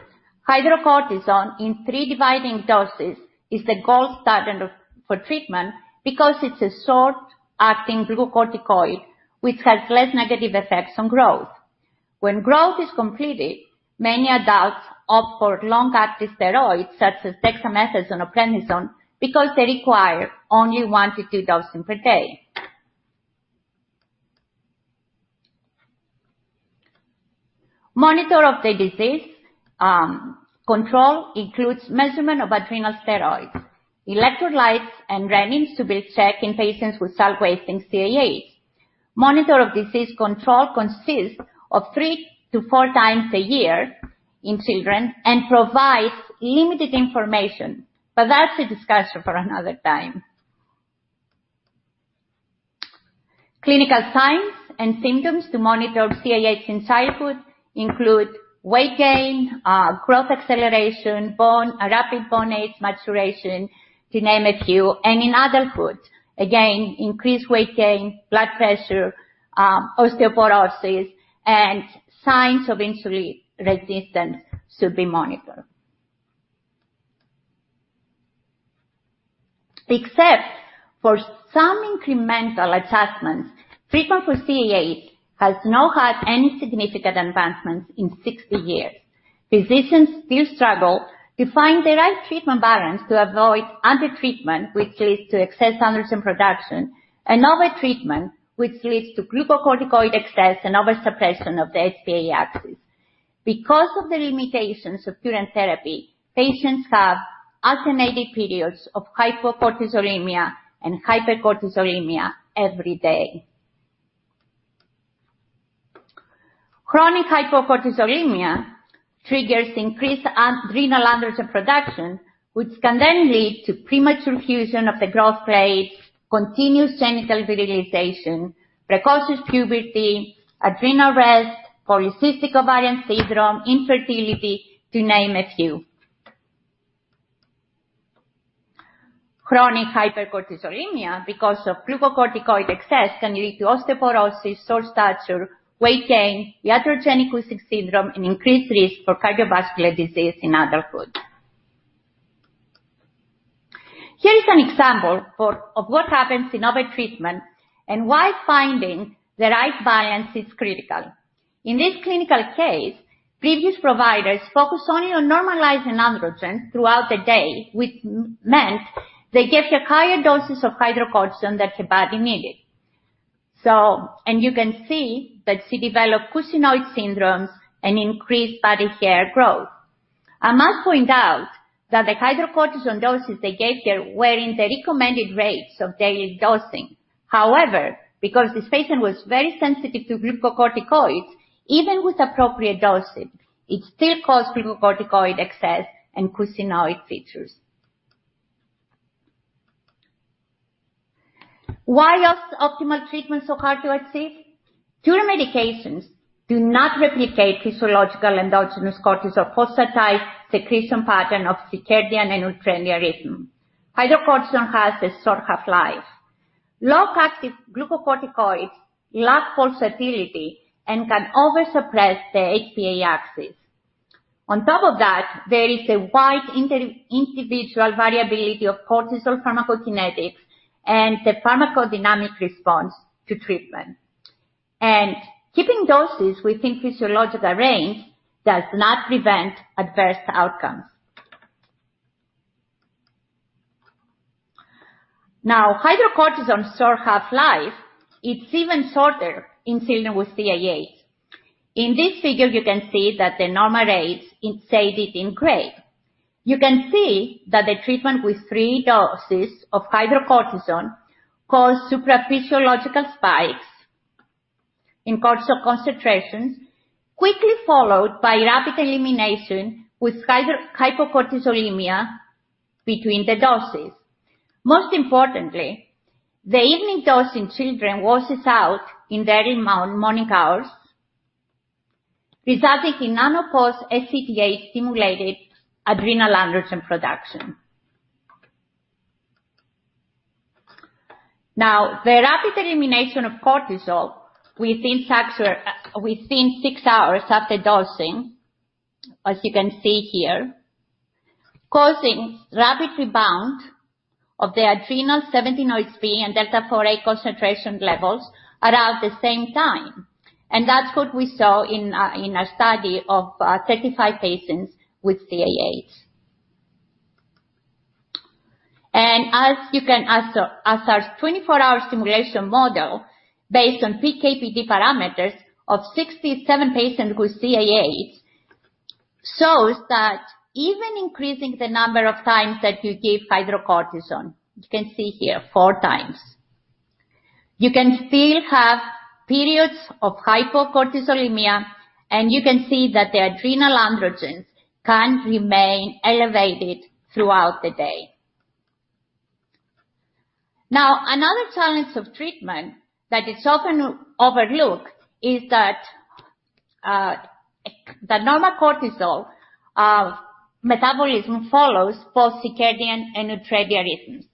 hydrocortisone in three dividing doses is the gold standard for treatment because it's a short-acting glucocorticoid which has less negative effects on growth. When growth is completed, many adults opt for long-acting steroids such as dexamethasone or prednisone because they require only one to two doses per day. Monitor of the disease control includes measurement of adrenal steroids, electrolytes, and renins to be checked in patients with salt-wasting CAH. Monitor of disease control consists of three to four times a year in children and provides limited information. That's a discussion for another time. Clinical signs and symptoms to monitor CAH in childhood include weight gain, growth acceleration, rapid bone age maturation, to name a few, and in adulthood, again, increased weight gain, blood pressure, osteoporosis, and signs of insulin resistance should be monitored. Except for some incremental adjustments, treatment for CAH has not had any significant advancements in 60 years. Physicians still struggle to find the right treatment balance to avoid undertreatment, which leads to excess androgen production, and overtreatment, which leads to glucocorticoid excess and oversuppression of the HPA axis. Because of the limitations of current therapy, patients have alternating periods of hypocortisolemia and hypercortisolemia every day. Chronic hypocortisolemia triggers increased adrenal androgen production, which can then lead to premature fusion of the growth plate, continuous genital virilization, precocious puberty, adrenal rest, polycystic ovarian syndrome, infertility, to name a few. Chronic hypercortisolemia, because of glucocorticoid excess, can lead to osteoporosis, short stature, weight gain, iatrogenic Cushing syndrome, and increased risk for cardiovascular disease in adulthood. Here is an example of what happens in overtreatment and why finding the right balance is critical. In this clinical case, previous providers focused only on normalizing androgen throughout the day, which meant they gave her higher doses of hydrocortisone than her body needed. You can see that she developed Cushingoid syndrome and increased body hair growth. I must point out that the hydrocortisone doses they gave her were in the recommended range of daily dosing. However, because this patient was very sensitive to glucocorticoids, even with appropriate dosing, it still caused glucocorticoid excess and Cushingoid features. Why is optimal treatment so hard to achieve? Current medications do not replicate physiological endogenous cortisol pulsatile secretion pattern of circadian and ultradian rhythm. Hydrocortisone has a short half-life. Low-dose glucocorticoids lack pulsatility and can oversuppress the HPA axis. On top of that, there is a wide individual variability of cortisol pharmacokinetics and the pharmacodynamic response to treatment. Keeping doses within physiological range does not prevent adverse outcomes. Now, hydrocortisone short half-life, it's even shorter in children with CAH. In this figure, you can see that the normal range is shaded in gray. You can see that the treatment with three doses of hydrocortisone caused supraphysiological spikes in cortisol concentrations, quickly followed by rapid elimination with hypocortisolemia between the doses. Most importantly, the evening dose in children washes out in the early morning hours, resulting in unopposed ACTH-stimulated adrenal androgen production. The rapid elimination of cortisol within six hours after dosing, as you can see here, causing rapid rebound of the adrenal 17-OHP and Delta 4A concentration levels around the same time. That's what we saw in our study of 35 patients with CAH. As our 24-hour stimulation model based on PK/PD parameters of 67 patients with CAH shows that even increasing the number of times that you give hydrocortisone, you can see here four times, you can still have periods of hypocortisolemia, and you can see that the adrenal androgens can remain elevated throughout the day. Another challenge of treatment that is often overlooked is that the normal cortisol metabolism follows both circadian and ultradian rhythms.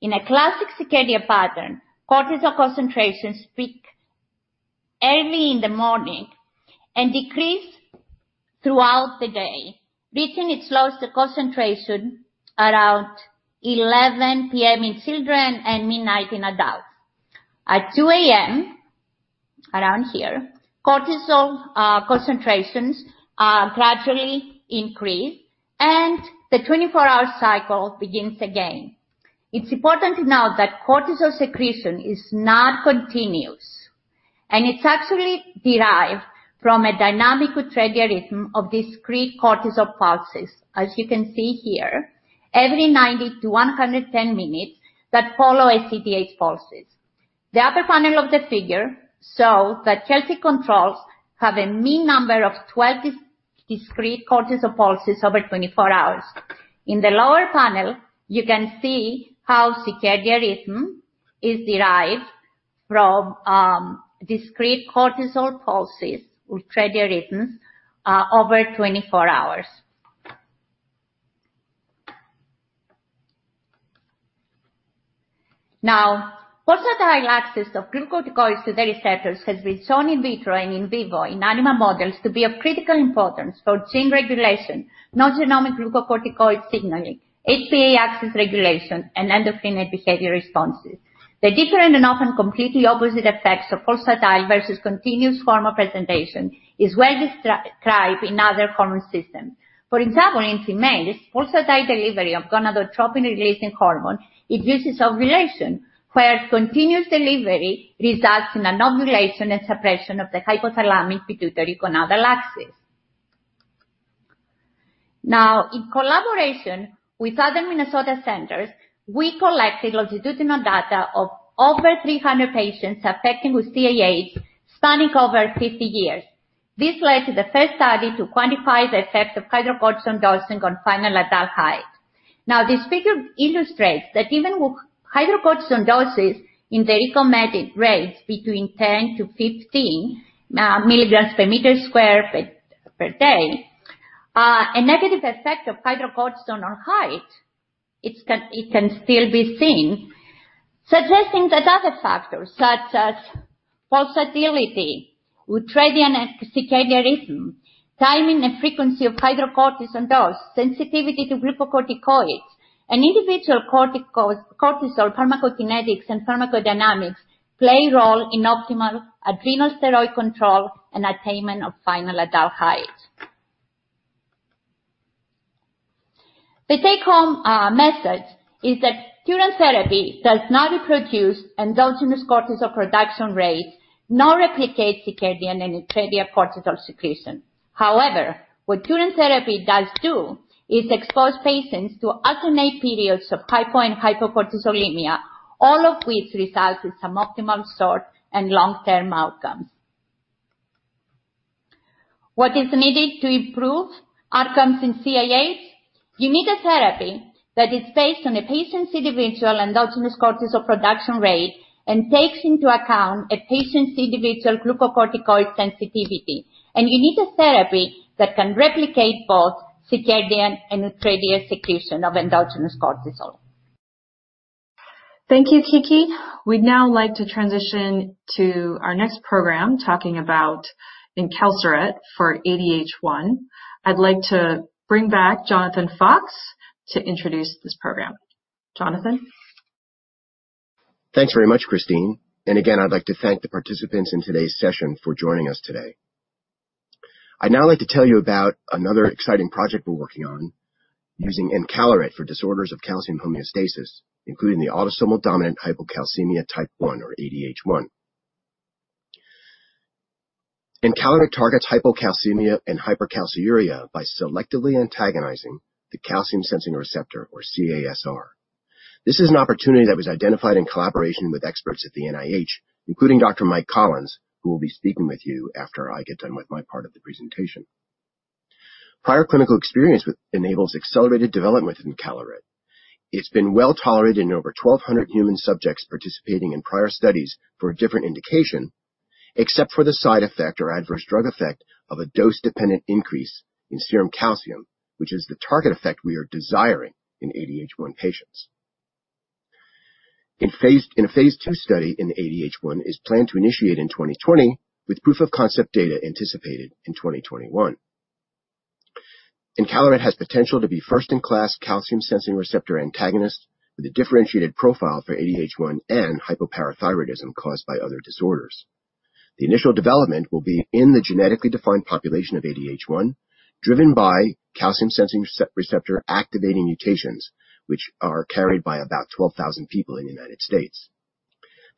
In a classic circadian pattern, cortisol concentrations peak early in the morning and decrease throughout the day, reaching its lowest concentration around 11:00 P.M. in children and midnight in adults. At 2:00 A.M., around here, cortisol concentrations gradually increase, and the 24-hour cycle begins again. It's important to note that cortisol secretion is not continuous, and it's actually derived from a dynamic ultradian rhythm of discrete cortisol pulses, as you can see here, every 90-110 minutes that follow ACTH pulses. The upper panel of the figure show that healthy controls have a mean number of 12 discrete cortisol pulses over 24 hours. In the lower panel, you can see how circadian rhythm is derived from discrete cortisol pulses with ultradian rhythms over 24 hours. Pulsatile access of glucocorticoids to the receptors has been shown in vitro and in vivo in animal models to be of critical importance for gene regulation, non-genomic glucocorticoid signaling, HPA axis regulation, and endocrine behavior responses. The different and often completely opposite effects of pulsatile versus continuous form of presentation is well described in other hormone systems. For example, in females, pulsatile delivery of gonadotropin-releasing hormone induces ovulation, whereas continuous delivery results in anovulation and suppression of the hypothalamic-pituitary-gonadal axis. In collaboration with other Minnesota centers, we collected longitudinal data of over 300 patients affected with CAH spanning over 50 years. This led to the first study to quantify the effect of hydrocortisone dosing on final adult height. Now, this figure illustrates that even with hydrocortisone doses in the recommended rates between 10 to 15 milligrams per meter squared per day, a negative effect of hydrocortisone on height can still be seen, suggesting that other factors such as pulsatility, ultradian and circadian rhythm, timing and frequency of hydrocortisone dose, sensitivity to glucocorticoids, and individual cortisol pharmacokinetics and pharmacodynamics play a role in optimal adrenal steroid control and attainment of final adult height. The take-home message is that current therapy does not reproduce endogenous cortisol production rates nor replicate circadian and ultradian cortisol secretion. However, what current therapy does do is expose patients to alternate periods of hypo and hypercortisolemia, all of which results in sub-optimal short and long-term outcomes. What is needed to improve outcomes in CAH? You need a therapy that is based on a patient's individual endogenous cortisol production rate and takes into account a patient's individual glucocorticoid sensitivity. You need a therapy that can replicate both circadian and ultradian secretion of endogenous cortisol. Thank you, Kiki. We'd now like to transition to our next program, talking about encaleret for ADH1. I'd like to bring back Jonathan Fox to introduce this program. Jonathan? Thanks very much, Christine. Again, I'd like to thank the participants in today's session for joining us today. I'd now like to tell you about another exciting project we're working on using encaleret for disorders of calcium homeostasis, including the autosomal dominant hypocalcemia type 1 or ADH1. encaleret targets hypocalcemia and hypercalciuria by selectively antagonizing the calcium-sensing receptor or CaSR. This is an opportunity that was identified in collaboration with experts at the NIH, including Dr. Mike Collins, who will be speaking with you after I get done with my part of the presentation. Prior clinical experience enables accelerated development of encaleret. It's been well-tolerated in over 1,200 human subjects participating in prior studies for a different indication, except for the side effect or adverse drug effect of a dose-dependent increase in serum calcium, which is the target effect we are desiring in ADH1 patients. A phase II study in ADH1 is planned to initiate in 2020 with proof of concept data anticipated in 2021. encaleret has potential to be first in class calcium-sensing receptor antagonist with a differentiated profile for ADH1 and hypoparathyroidism caused by other disorders. The initial development will be in the genetically defined population of ADH1, driven by calcium-sensing receptor activating mutations, which are carried by about 12,000 people in the U.S.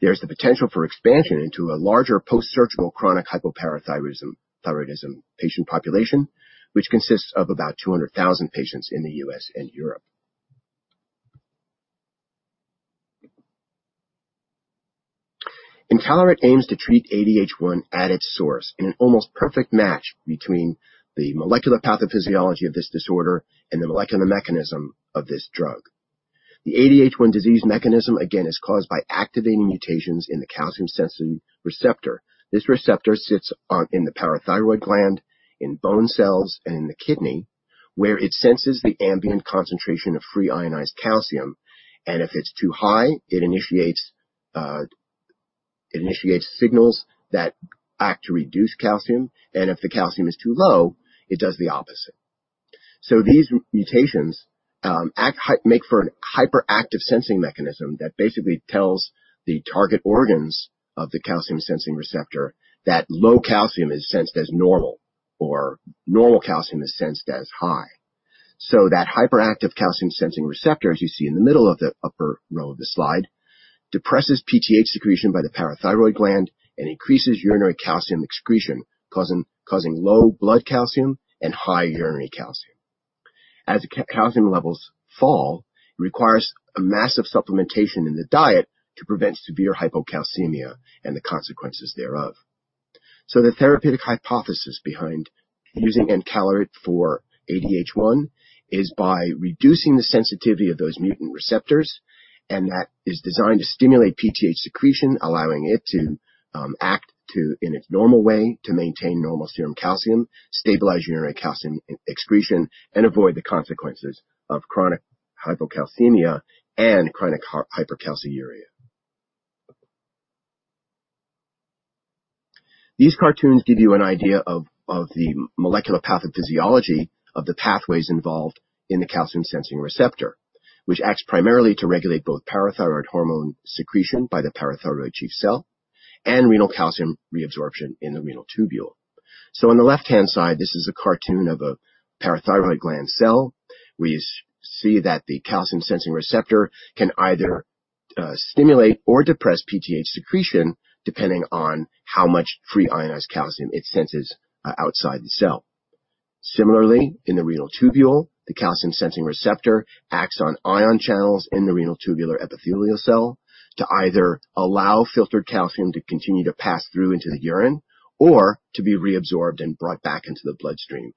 There's the potential for expansion into a larger post-surgical chronic hypoparathyroidism patient population, which consists of about 200,000 patients in the U.S. and Europe. encaleret aims to treat ADH1 at its source in an almost perfect match between the molecular pathophysiology of this disorder and the molecular mechanism of this drug. The ADH1 disease mechanism, again, is caused by activating mutations in the calcium-sensing receptor. This receptor sits in the parathyroid gland, in bone cells, and in the kidney, where it senses the ambient concentration of free ionized calcium. If it's too high, it initiates signals that act to reduce calcium, and if the calcium is too low, it does the opposite. These mutations make for an hyperactive sensing mechanism that basically tells the target organs of the calcium-sensing receptor that low calcium is sensed as normal, or normal calcium is sensed as high. That hyperactive calcium-sensing receptor, as you see in the middle of the upper row of the slide, depresses PTH secretion by the parathyroid gland and increases urinary calcium excretion, causing low blood calcium and high urinary calcium. As calcium levels fall, it requires a massive supplementation in the diet to prevent severe hypocalcemia and the consequences thereof. The therapeutic hypothesis behind using encaleret for ADH1 is by reducing the sensitivity of those mutant receptors, and that is designed to stimulate PTH secretion allowing it to act in its normal way to maintain normal serum calcium, stabilize urinary calcium excretion, and avoid the consequences of chronic hypocalcemia and chronic hypercalciuria. These cartoons give you an idea of the molecular pathophysiology of the pathways involved in the calcium-sensing receptor, which acts primarily to regulate both parathyroid hormone secretion by the parathyroid chief cell and renal calcium reabsorption in the renal tubule. On the left-hand side, this is a cartoon of a parathyroid gland cell. We see that the calcium-sensing receptor can either stimulate or depress PTH secretion depending on how much free ionized calcium it senses outside the cell. Similarly, in the renal tubule, the calcium-sensing receptor acts on ion channels in the renal tubular epithelial cell to either allow filtered calcium to continue to pass through into the urine or to be reabsorbed and brought back into the bloodstream,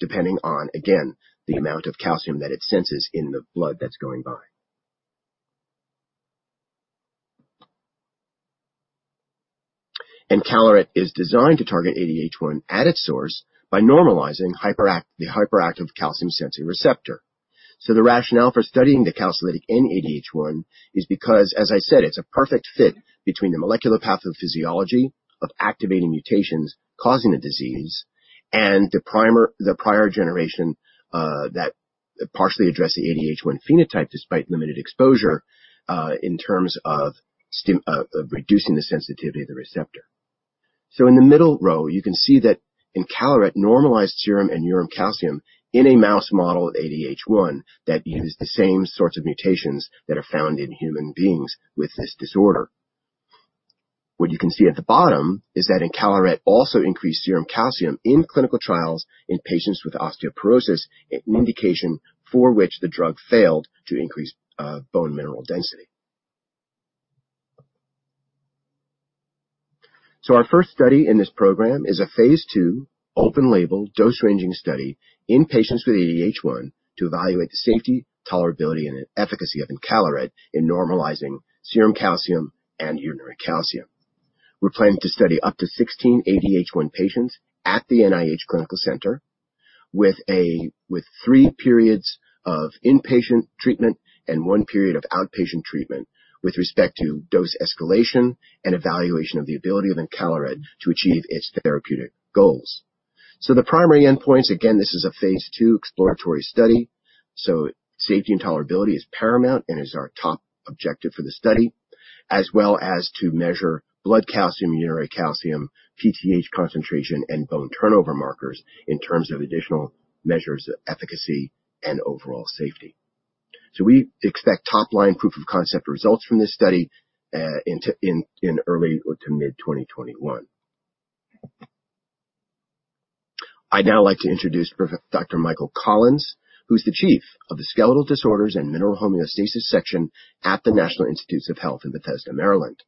depending on, again, the amount of calcium that it senses in the blood that's going by. encaleret is designed to target ADH1 at its source by normalizing the hyperactive calcium-sensing receptor. The rationale for studying the calcilytic in ADH1 is because, as I said, it's a perfect fit between the molecular pathophysiology of activating mutations causing the disease and the prior generation that partially addressed the ADH1 phenotype despite limited exposure, in terms of reducing the sensitivity of the receptor. In the middle row, you can see that encaleret normalized serum and urine calcium in a mouse model of ADH1 that used the same sorts of mutations that are found in human beings with this disorder. What you can see at the bottom is that encaleret also increased serum calcium in clinical trials in patients with osteoporosis, an indication for which the drug failed to increase bone mineral density. Our first study in this program is a phase II open label dose-ranging study in patients with ADH1 to evaluate the safety, tolerability, and efficacy of encaleret in normalizing serum calcium and urinary calcium. We're planning to study up to 16 ADH1 patients at the NIH Clinical Center with three periods of inpatient treatment and one period of outpatient treatment with respect to dose escalation and evaluation of the ability of encaleret to achieve its therapeutic goals. The primary endpoints, again, this is a phase II exploratory study. Safety and tolerability is paramount and is our top objective for the study, as well as to measure blood calcium, urinary calcium, PTH concentration, and bone turnover markers in terms of additional measures of efficacy and overall safety. We expect top-line proof of concept results from this study in early to mid 2021. I'd now like to introduce Dr. Michael Collins, who's the chief of the Skeletal Disorders and Mineral Homeostasis section at the National Institutes of Health in Bethesda, Maryland.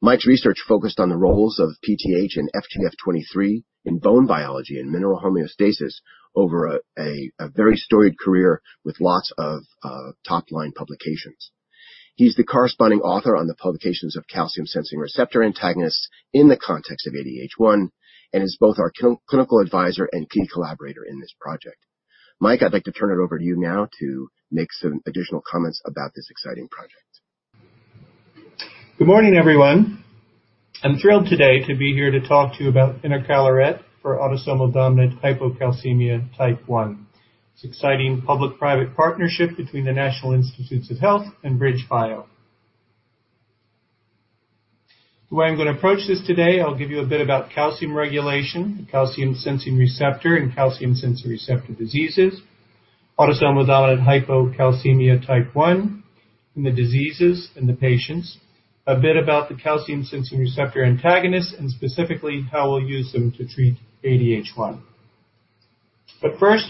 Mike's research focused on the roles of PTH and FGF23 in bone biology and mineral homeostasis over a very storied career with lots of top-line publications. He's the corresponding author on the publications of calcium-sensing receptor antagonists in the context of ADH1 and is both our clinical advisor and key collaborator in this project. Mike, I'd like to turn it over to you now to make some additional comments about this exciting project. Good morning, everyone. I'm thrilled today to be here to talk to you about encaleret for autosomal dominant hypocalcemia type 1. It's exciting public-private partnership between the National Institutes of Health and BridgeBio. The way I'm going to approach this today, I'll give you a bit about calcium regulation, the calcium sensing receptor, and calcium sensing receptor diseases, autosomal dominant hypocalcemia type 1, and the diseases and the patients, a bit about the calcium sensing receptor antagonists, and specifically how we'll use them to treat ADH1. First,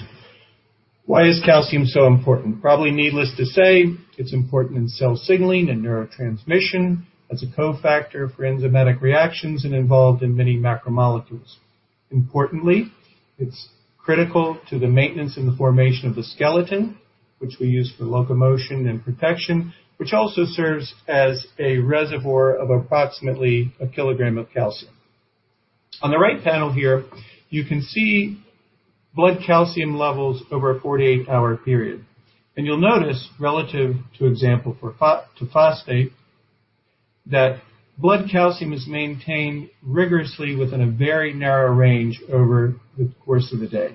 why is calcium so important? Probably needless to say, it's important in cell signaling and neurotransmission, as a cofactor for enzymatic reactions, and involved in many macromolecules. Importantly, it's critical to the maintenance and the formation of the skeleton, which we use for locomotion and protection, which also serves as a reservoir of approximately a kilogram of calcium. On the right panel here, you can see blood calcium levels over a 48-hour period. You'll notice relative, to example, to phosphate, that blood calcium is maintained rigorously within a very narrow range over the course of the day.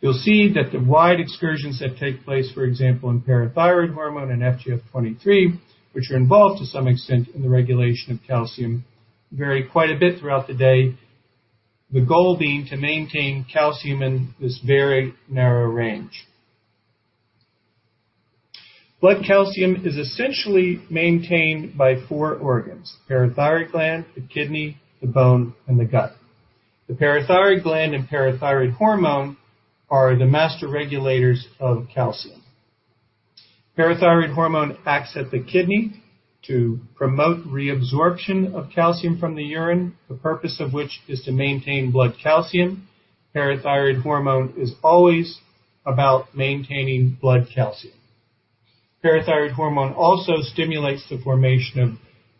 You'll see that the wide excursions that take place, for example, in parathyroid hormone and FGF23, which are involved to some extent in the regulation of calcium, vary quite a bit throughout the day. The goal being to maintain calcium in this very narrow range. Blood calcium is essentially maintained by four organs, parathyroid gland, the kidney, the bone, and the gut. The parathyroid gland and parathyroid hormone are the master regulators of calcium. Parathyroid hormone acts at the kidney to promote reabsorption of calcium from the urine, the purpose of which is to maintain blood calcium. Parathyroid hormone is always about maintaining blood calcium. Parathyroid hormone also stimulates the formation of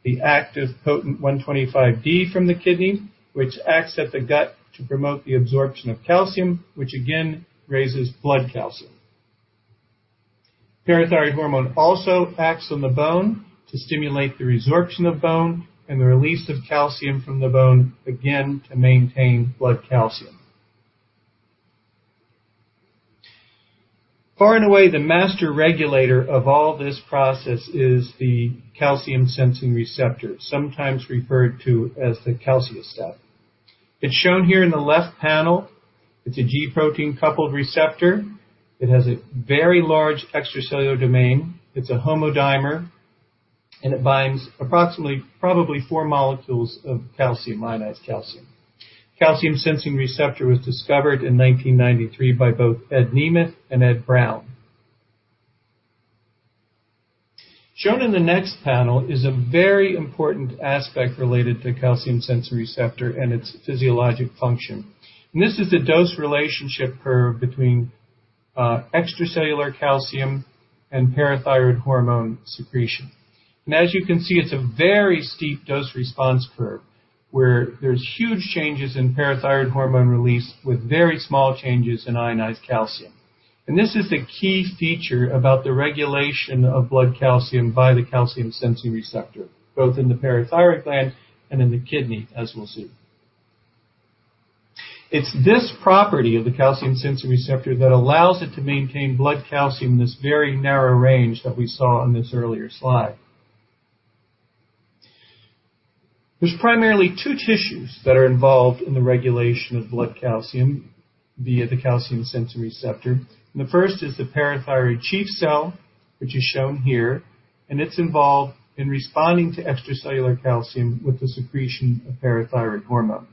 the active potent 1,25D from the kidney, which acts at the gut to promote the absorption of calcium, which again raises blood calcium. Parathyroid hormone also acts on the bone to stimulate the resorption of bone and the release of calcium from the bone, again, to maintain blood calcium. Far and away, the master regulator of all this process is the calcium sensing receptor, sometimes referred to as the calciostat. It's shown here in the left panel. It's a G-protein coupled receptor. It has a very large extracellular domain. It's a homodimer, and it binds approximately, probably four molecules of calcium, ionized calcium. Calcium sensing receptor was discovered in 1993 by both Ed Nemeth and Ed Brown. Shown in the next panel is a very important aspect related to calcium-sensing receptor and its physiologic function. This is the dose-response curve between extracellular calcium and parathyroid hormone secretion. As you can see, it's a very steep dose-response curve, where there's huge changes in parathyroid hormone release with very small changes in ionized calcium. This is the key feature about the regulation of blood calcium by the calcium-sensing receptor, both in the parathyroid gland and in the kidney, as we'll see. It's this property of the calcium-sensing receptor that allows it to maintain blood calcium in this very narrow range that we saw on this earlier slide. There's primarily two tissues that are involved in the regulation of blood calcium via the calcium-sensing receptor. The first is the parathyroid chief cell, which is shown here, and it's involved in responding to extracellular calcium with the secretion of parathyroid hormone.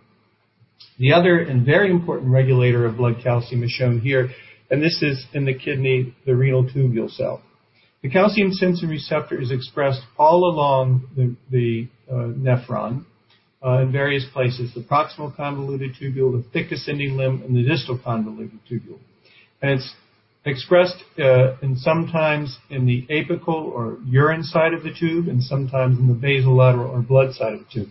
The other and very important regulator of blood calcium is shown here, and this is in the kidney, the renal tubule cell. The Calcium-sensing receptor is expressed all along the nephron, in various places, the proximal convoluted tubule, the thick ascending limb, and the distal convoluted tubule. It's expressed, and sometimes in the apical or urine side of the tube, and sometimes in the basolateral or blood side of the tube.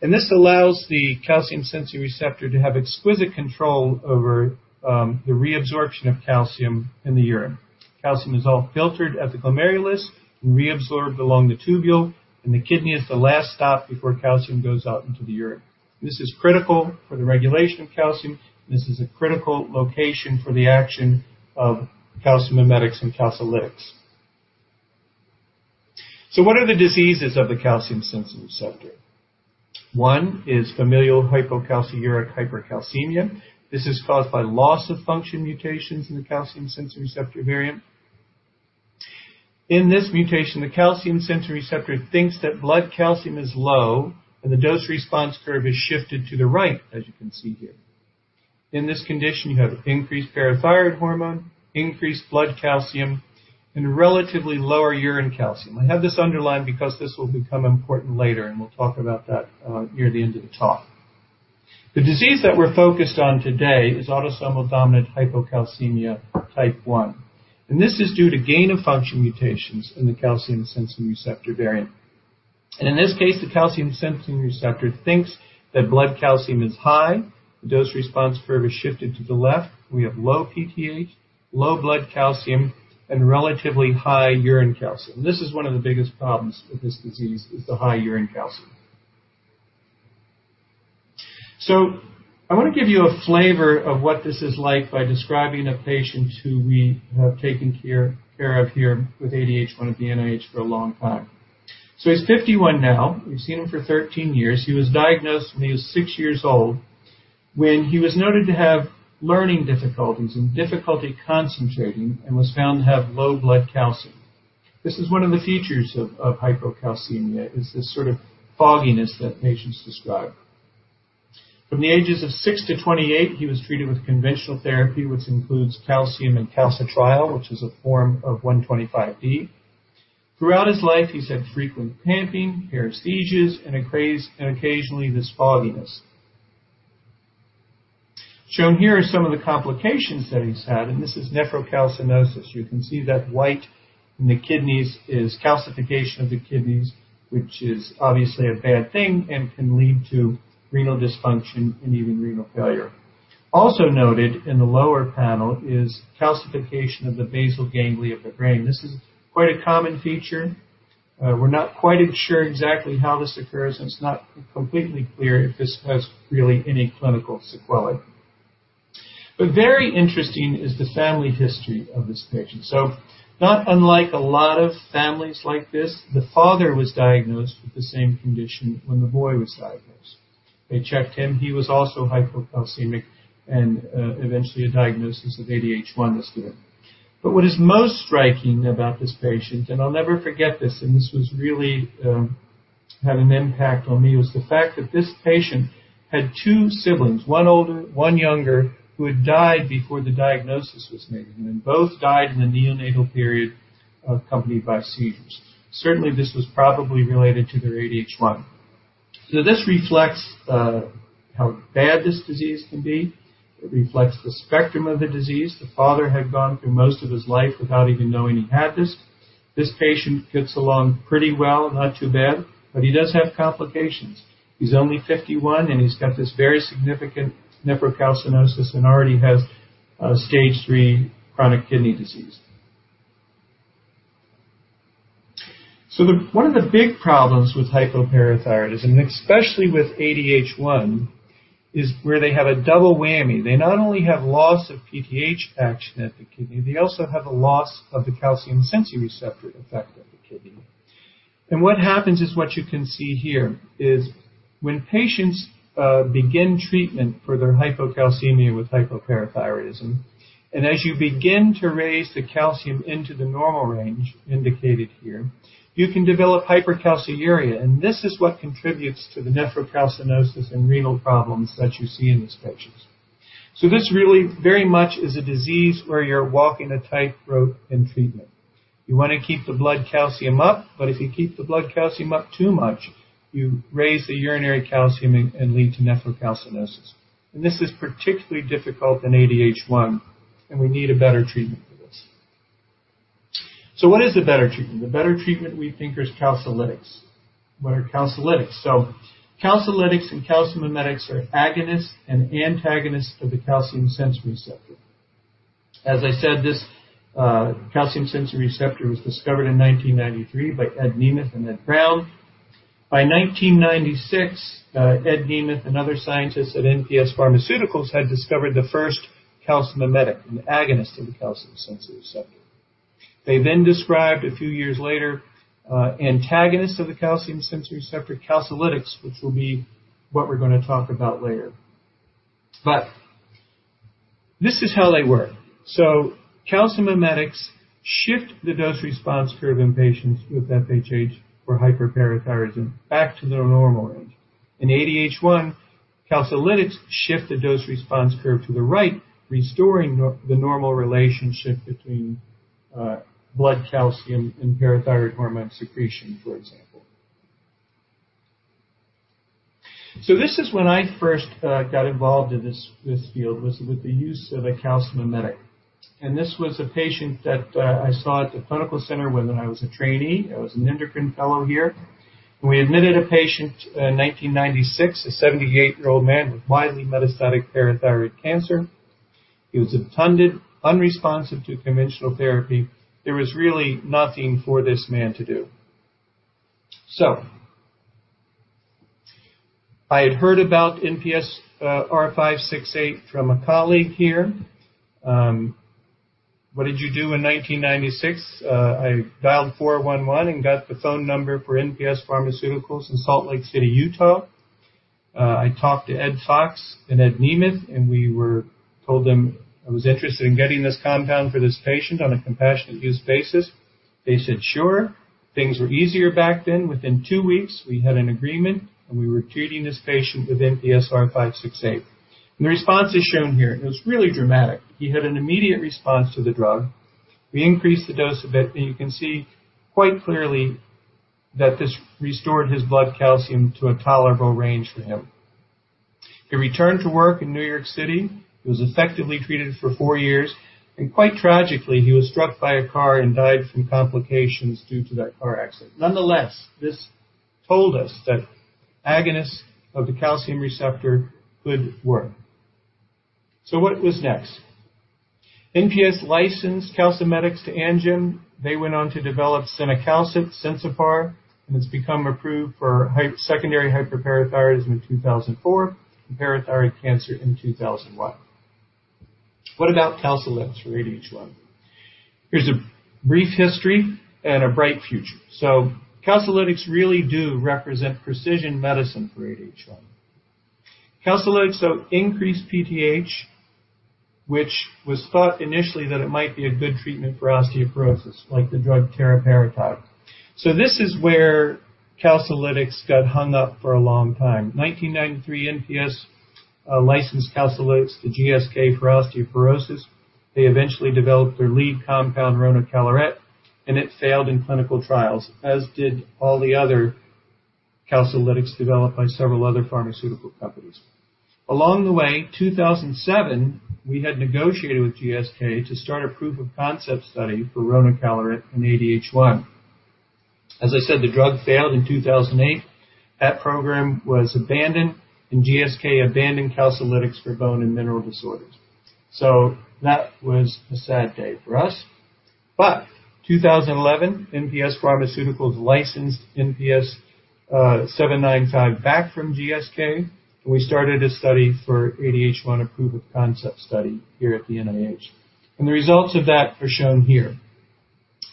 This allows the Calcium-sensing receptor to have exquisite control over the reabsorption of calcium in the urine. Calcium is all filtered at the glomerulus and reabsorbed along the tubule, and the kidney is the last stop before calcium goes out into the urine. This is critical for the regulation of calcium. This is a critical location for the action of calcimimetics and calcilytics. What are the diseases of the Calcium-sensing receptor? One is familial hypocalciuric hypercalcemia. This is caused by loss-of-function mutations in the Calcium-sensing receptor variant. In this mutation, the Calcium-sensing receptor thinks that blood calcium is low and the dose response curve is shifted to the right, as you can see here. In this condition, you have increased parathyroid hormone, increased blood calcium, and relatively lower urine calcium. I have this underlined because this will become important later, and we'll talk about that near the end of the talk. The disease that we're focused on today is autosomal dominant hypocalcemia type 1, and this is due to gain-of-function mutations in the Calcium-sensing receptor variant. In this case, the calcium-sensing receptor thinks that blood calcium is high. The dose response curve is shifted to the left. We have low PTH, low blood calcium, and relatively high urine calcium. This is one of the biggest problems with this disease, is the high urine calcium. I want to give you a flavor of what this is like by describing a patient who we have taken care of here with ADH1 at the NIH for a long time. He's 51 now. We've seen him for 13 years. He was diagnosed when he was six years old, when he was noted to have learning difficulties and difficulty concentrating and was found to have low blood calcium. This is one of the features of hypocalcemia, is this sort of fogginess that patients describe. From the ages of 6-28, he was treated with conventional therapy, which includes calcium and calcitriol, which is a form of 1,25D. Throughout his life, he's had frequent cramping, paresthesias, and occasionally this fogginess. Shown here are some of the complications that he's had, and this is nephrocalcinosis. You can see that white in the kidneys is calcification of the kidneys, which is obviously a bad thing and can lead to renal dysfunction and even renal failure. Also noted in the lower panel is calcification of the basal ganglia of the brain. This is quite a common feature. We're not quite sure exactly how this occurs, and it's not completely clear if this has really any clinical sequelae. Very interesting is the family history of this patient. Not unlike a lot of families like this, the father was diagnosed with the same condition when the boy was diagnosed. They checked him. He was also hypocalcemic, and eventually, a diagnosis of ADH1 was given. What is most striking about this patient, and I'll never forget this, and this was really having an impact on me, was the fact that this patient had two siblings, one older, one younger, who had died before the diagnosis was made. Both died in the neonatal period accompanied by seizures. Certainly, this was probably related to their ADH1. This reflects how bad this disease can be. It reflects the spectrum of the disease. The father had gone through most of his life without even knowing he had this. This patient gets along pretty well, not too bad, but he does have complications. He's only 51, he's got this very significant nephrocalcinosis and already has stage 3 chronic kidney disease. One of the big problems with hypoparathyroidism, and especially with ADH1, is where they have a double whammy. They not only have loss of PTH action at the kidney, they also have a loss of the calcium-sensing receptor effect at the kidney. What happens is what you can see here is when patients begin treatment for their hypocalcemia with hypoparathyroidism, and as you begin to raise the calcium into the normal range indicated here, you can develop hypercalciuria. This is what contributes to the nephrocalcinosis and renal problems that you see in these patients. This really very much is a disease where you're walking a tightrope in treatment. You want to keep the blood calcium up, but if you keep the blood calcium up too much, you raise the urinary calcium and lead to nephrocalcinosis. This is particularly difficult in ADH1, and we need a better treatment for this. What is a better treatment? The better treatment, we think, is calcilytics. What are calcilytics? Calcilytics and calcimimetics are agonists and antagonists of the calcium-sensing receptor. As I said, this calcium-sensing receptor was discovered in 1993 by Ed Nemeth and Ed Brown. By 1996, Ed Nemeth and other scientists at NPS Pharmaceuticals had discovered the first calcimimetic, an agonist of the calcium-sensing receptor. They described a few years later, antagonist of the calcium-sensing receptor, calcilytics, which will be what we're going to talk about later. This is how they work. Calcimimetics shift the dose response curve in patients with FHH or hyperparathyroidism back to their normal range. In ADH1, calcilytics shift the dose response curve to the right, restoring the normal relationship between blood calcium and parathyroid hormone secretion, for example. This is when I first got involved in this field, was with the use of a calcimimetic. This was a patient that I saw at the Clinical Center when I was a trainee. I was an endocrine fellow here. We admitted a patient in 1996, a 78-year-old man with widely metastatic parathyroid cancer. He was untended, unresponsive to conventional therapy. There was really nothing for this man to do. I had heard about NPS-R568 from a colleague here. What did you do in 1996? I dialed 411 and got the phone number for NPS Pharmaceuticals in Salt Lake City, Utah. I talked to Ed Fox and Ed Nemeth. We told them I was interested in getting this compound for this patient on a compassionate use basis. They said sure. Things were easier back then. Within two weeks, we had an agreement. We were treating this patient with NPS-R568. The response is shown here. It was really dramatic. He had an immediate response to the drug. We increased the dose a bit. You can see quite clearly that this restored his blood calcium to a tolerable range for him. He returned to work in New York City. He was effectively treated for four years. Quite tragically, he was struck by a car and died from complications due to that car accident. Nonetheless, this told us that agonists of the calcium receptor could work. What was next? NPS licensed calcimimetics to Amgen. They went on to develop cinacalcet, Sensipar, it's become approved for secondary hyperparathyroidism in 2004 and parathyroid cancer in 2001. What about calcilytics for ADH1? Here's a brief history and a bright future. Calcilytics really do represent precision medicine for ADH1. Calcilytics increase PTH, which was thought initially that it might be a good treatment for osteoporosis, like the drug teriparatide. This is where calcilytics got hung up for a long time. 1993, NPS licensed calcilytics to GSK for osteoporosis. They eventually developed their lead compound, ronacaleret, it failed in clinical trials, as did all the other calcilytics developed by several other pharmaceutical companies. Along the way, 2007, we had negotiated with GSK to start a proof of concept study for ronacaleret and ADH1. As I said, the drug failed in 2008. That program was abandoned, GSK abandoned calcilytics for bone and mineral disorders. That was a sad day for us. 2011, NPS Pharmaceuticals licensed NPS-795 back from GSK, and we started a study for ADH1, a proof of concept study here at the NIH. The results of that are shown here.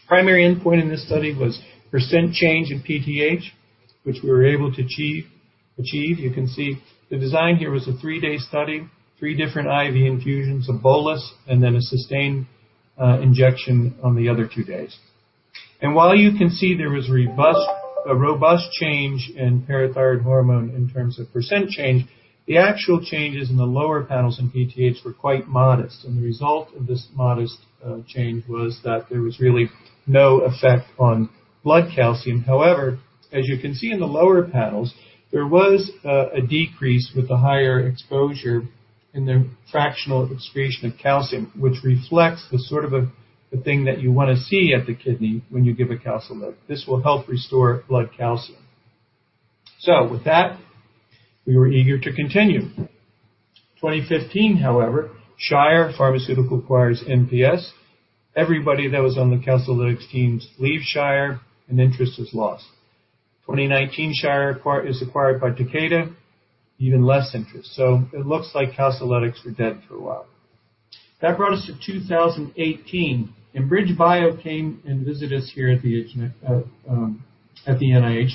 Primary endpoint in this study was % change in PTH, which we were able to achieve. You can see the design here was a three-day study, three different IV infusions, a bolus, and then a sustained injection on the other two days. While you can see there was a robust change in parathyroid hormone in terms of % change, the actual changes in the lower panels in PTH were quite modest, and the result of this modest change was that there was really no effect on blood calcium. However, as you can see in the lower panels, there was a decrease with the higher exposure in their fractional excretion of calcium, which reflects the sort of thing that you want to see at the kidney when you give a calcilytic. This will help restore blood calcium. With that, we were eager to continue. 2015, however, Shire acquires NPS. Everybody that was on the calcilytics teams leave Shire, and interest is lost. 2019, Shire is acquired by Takeda. Even less interest. It looks like calcilytics were dead for a while. That brought us to 2018, and BridgeBio came and visit us here at the NIH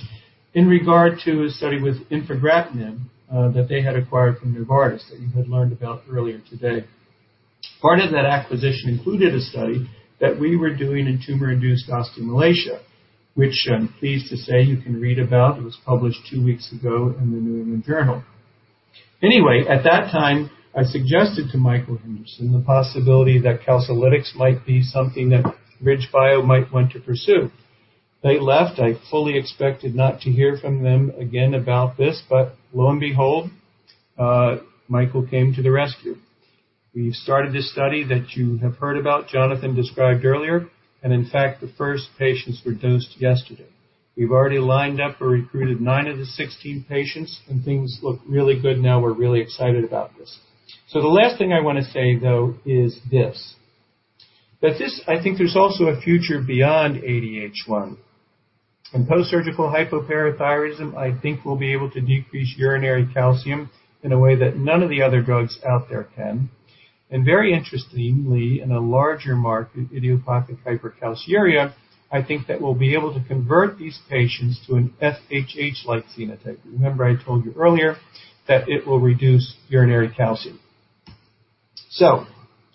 in regard to a study with infigratinib that they had acquired from Novartis that you had learned about earlier today. Part of that acquisition included a study that we were doing in tumor-induced osteomalacia, which I'm pleased to say you can read about. It was published two weeks ago in the New England Journal. At that time, I suggested to Michael Henderson the possibility that calcilytics might be something that BridgeBio might want to pursue. They left, I fully expected not to hear from them again about this, lo and behold, Michael came to the rescue. We started this study that you have heard about, Jonathan described earlier, in fact, the first patients were dosed yesterday. We've already lined up or recruited nine of the 16 patients, things look really good now. We're really excited about this. The last thing I want to say, though, is this. I think there's also a future beyond ADH1. In postsurgical hypoparathyroidism, I think we'll be able to decrease urinary calcium in a way that none of the other drugs out there can. Very interestingly, in a larger market, idiopathic hypercalciuria, I think that we'll be able to convert these patients to an FHH-like phenotype. Remember I told you earlier that it will reduce urinary calcium.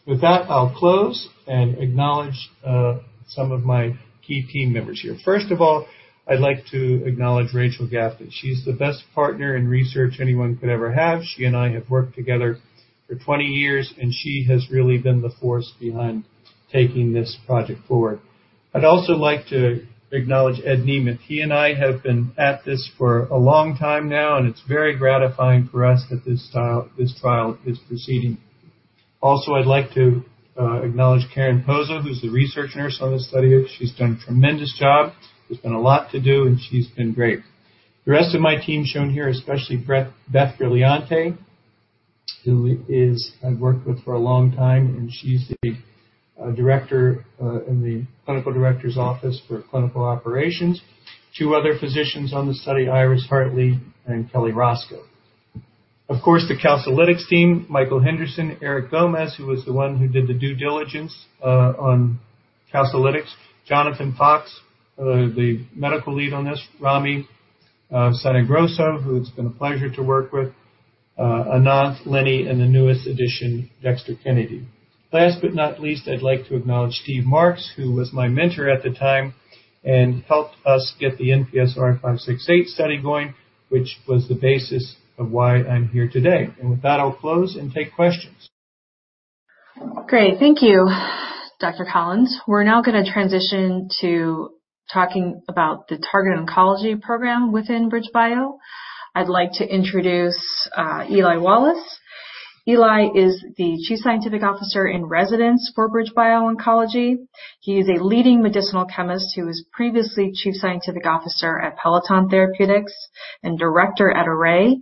With that, I'll close and acknowledge some of my key team members here. First of all, I'd like to acknowledge Rachel Gafni. She's the best partner in research anyone could ever have. She and I have worked together for 20 years, and she has really been the force behind taking this project forward. I'd also like to acknowledge Ed Nemeth. He and I have been at this for a long time now, and it's very gratifying for us that this trial is proceeding. I'd like to acknowledge Karen Pozo, who's the research nurse on this study. She's done a tremendous job. There's been a lot to do, and she's been great. The rest of my team shown here, especially Beth Gagliardi, who I've worked with for a long time, and she's the director in the clinical director's office for clinical operations. Two other physicians on the study, Iris Hartley and Kelly Roszko. Of course, the calcilytics team, Michael Henderson, Eric Gomez, who was the one who did the due diligence on calcilytics, Jonathan Fox, the medical lead on this, Ramiro Sagastegui, who it's been a pleasure to work with, Ananth Limaye, and the newest addition, Dexter Kennedy. Last but not least, I'd like to acknowledge Stephen Marx, who was my mentor at the time and helped us get the NPS-R568 study going, which was the basis of why I'm here today. With that, I'll close and take questions. Great. Thank you, Dr. Collins. We're now going to transition to talking about the Targeted Oncology Program within BridgeBio. I'd like to introduce Eli Wallace. Eli is the Chief Scientific Officer in Residence for BridgeBio Oncology. He is a leading medicinal chemist who was previously chief scientific officer at Peloton Therapeutics and director at Array.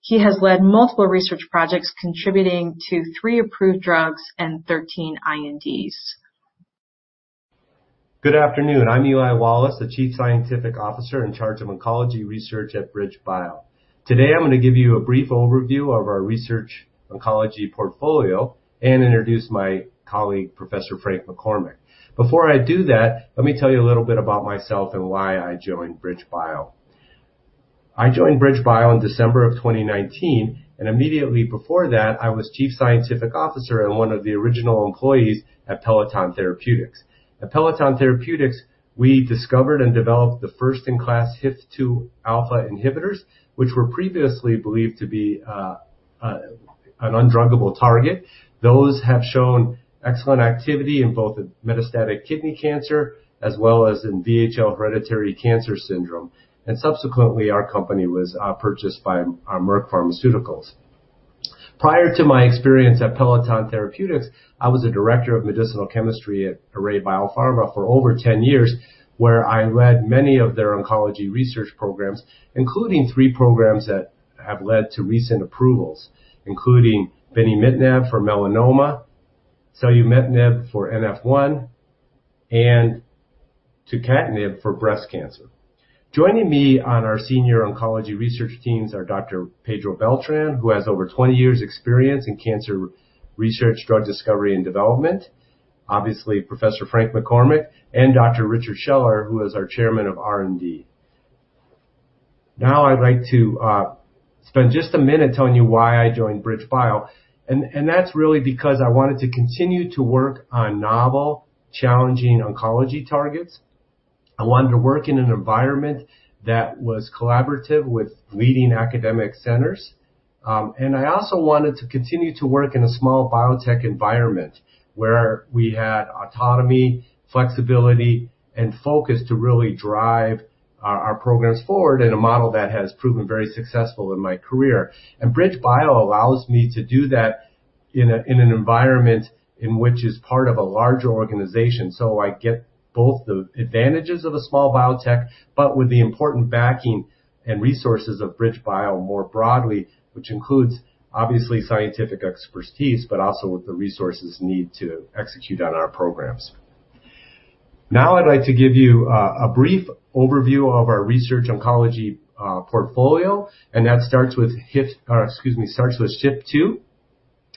He has led multiple research projects contributing to three approved drugs and 13 INDs. Good afternoon. I'm Eli Wallace, the Chief Scientific Officer in charge of oncology research at BridgeBio. Today, I'm going to give you a brief overview of our research oncology portfolio and introduce my colleague, Professor Frank McCormick. Before I do that, let me tell you a little bit about myself and why I joined BridgeBio. I joined BridgeBio in December of 2019. Immediately before that, I was Chief Scientific Officer and one of the original employees at Peloton Therapeutics. At Peloton Therapeutics, we discovered and developed the first-in-class HIF-2alpha inhibitors, which were previously believed to be an undruggable target. Those have shown excellent activity in both metastatic kidney cancer as well as in VHL hereditary cancer syndrome. Subsequently, our company was purchased by Merck. Prior to my experience at Peloton Therapeutics, I was the director of medicinal chemistry at Array BioPharma for over 10 years, where I led many of their oncology research programs, including three programs that have led to recent approvals, including encorafenib for melanoma, selumetinib for NF1, and tucatinib for breast cancer. Joining me on our senior oncology research teams are Dr. Pedro Beltrán, who has over 20 years experience in cancer research, drug discovery, and development. Obviously, Professor Frank McCormick and Dr. Richard Scheller, who is our chairman of R&D. I'd like to spend just a minute telling you why I joined BridgeBio, and that's really because I wanted to continue to work on novel, challenging oncology targets. I wanted to work in an environment that was collaborative with leading academic centers. I also wanted to continue to work in a small biotech environment where we had autonomy, flexibility, and focus to really drive our programs forward in a model that has proven very successful in my career. BridgeBio allows me to do that in an environment in which is part of a larger organization. I get both the advantages of a small biotech, but with the important backing and resources of BridgeBio more broadly, which includes, obviously, scientific expertise, but also with the resources need to execute on our programs. Now I'd like to give you a brief overview of our research oncology portfolio, and that starts with SHP2.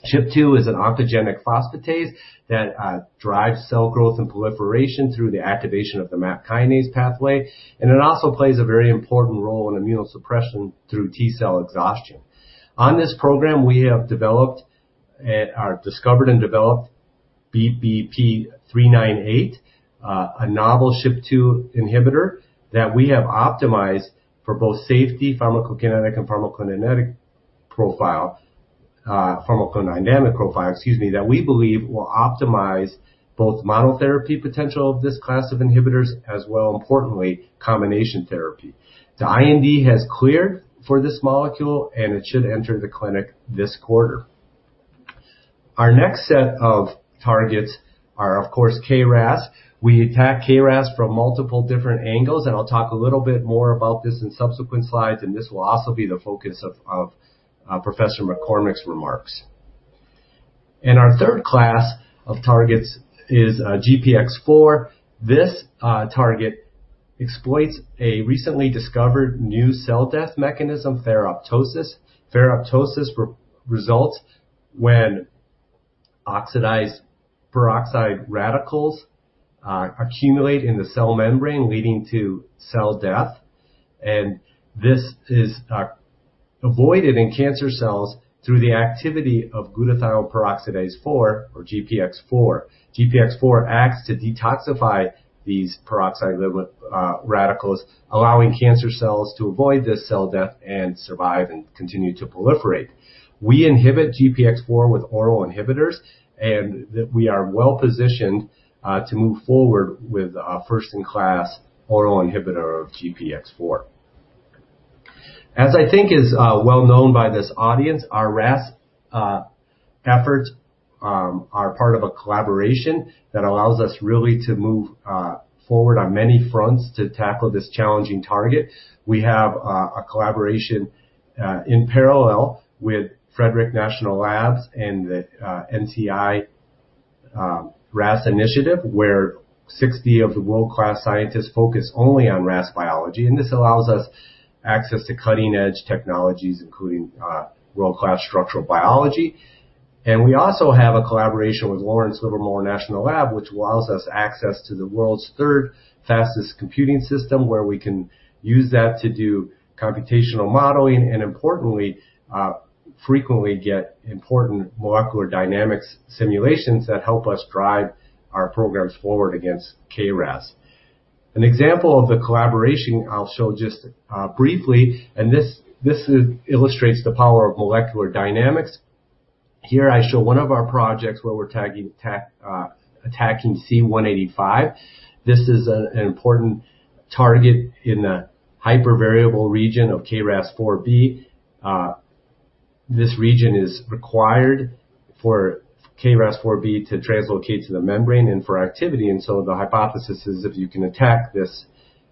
SHP2 is an oncogenic phosphatase that drives cell growth and proliferation through the activation of the MAP kinase pathway, and it also plays a very important role in immunosuppression through T cell exhaustion. On this program, we have discovered and developed BBP-398, a novel SHP2 inhibitor that we have optimized for both safety, pharmacokinetic, and pharmacodynamic profile, that we believe will optimize both monotherapy potential of this class of inhibitors as well, importantly, combination therapy. The IND has cleared for this molecule. It should enter the clinic this quarter. Our next set of targets are, of course, KRAS. We attack KRAS from multiple different angles. I'll talk a little bit more about this in subsequent slides, and this will also be the focus of Professor McCormick's remarks. Our third class of targets is GPX4. This target exploits a recently discovered new cell death mechanism, ferroptosis. Ferroptosis results when oxidized peroxide radicals accumulate in the cell membrane, leading to cell death. This is avoided in cancer cells through the activity of glutathione peroxidase 4, or GPX4. GPX4 acts to detoxify these peroxide radicals, allowing cancer cells to avoid this cell death and survive and continue to proliferate. We inhibit GPX4 with oral inhibitors, we are well-positioned to move forward with a first-in-class oral inhibitor of GPX4. As I think is well known by this audience, our RAS efforts are part of a collaboration that allows us really to move forward on many fronts to tackle this challenging target. We have a collaboration in parallel with Frederick National Labs and the NCI RAS Initiative, where 60 of the world-class scientists focus only on RAS biology. This allows us access to cutting-edge technologies, including world-class structural biology. We also have a collaboration with Lawrence Livermore National Lab, which allows us access to the world's third fastest computing system, where we can use that to do computational modeling, importantly, frequently get important molecular dynamics simulations that help us drive our programs forward against KRAS. An example of the collaboration I'll show just briefly, and this illustrates the power of molecular dynamics. Here I show one of our projects where we're attacking C185. This is an important target in the hypervariable region of KRAS4B. This region is required for KRAS4B to translocate to the membrane and for activity, and so the hypothesis is if you can attack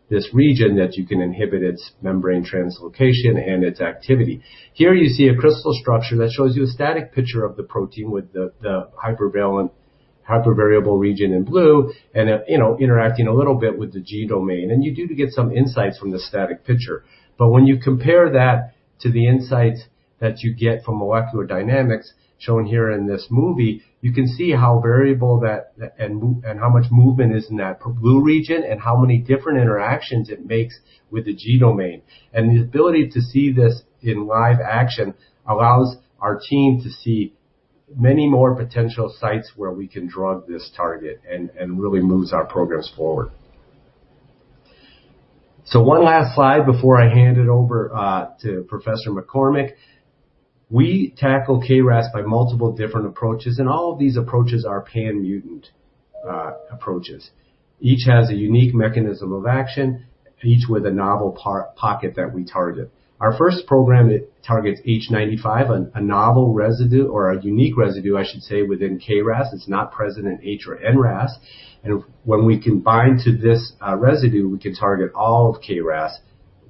this region, that you can inhibit its membrane translocation and its activity. Here you see a crystal structure that shows you a static picture of the protein with the hypervariable region in blue and interacting a little bit with the G domain. You do get some insights from the static picture. When you compare that to the insights that you get from molecular dynamics, shown here in this movie, you can see how variable and how much movement is in that blue region, and how many different interactions it makes with the G domain. The ability to see this in live action allows our team to see many more potential sites where we can drug this target and really moves our programs forward. One last slide before I hand it over to Professor McCormick. We tackle KRAS by multiple different approaches, and all of these approaches are pan-mutant approaches. Each has a unique mechanism of action, each with a novel pocket that we target. Our first program, it targets H95, a novel residue, or a unique residue, I should say, within KRAS. It's not present in H or NRAS. When we can bind to this residue, we can target all of KRAS,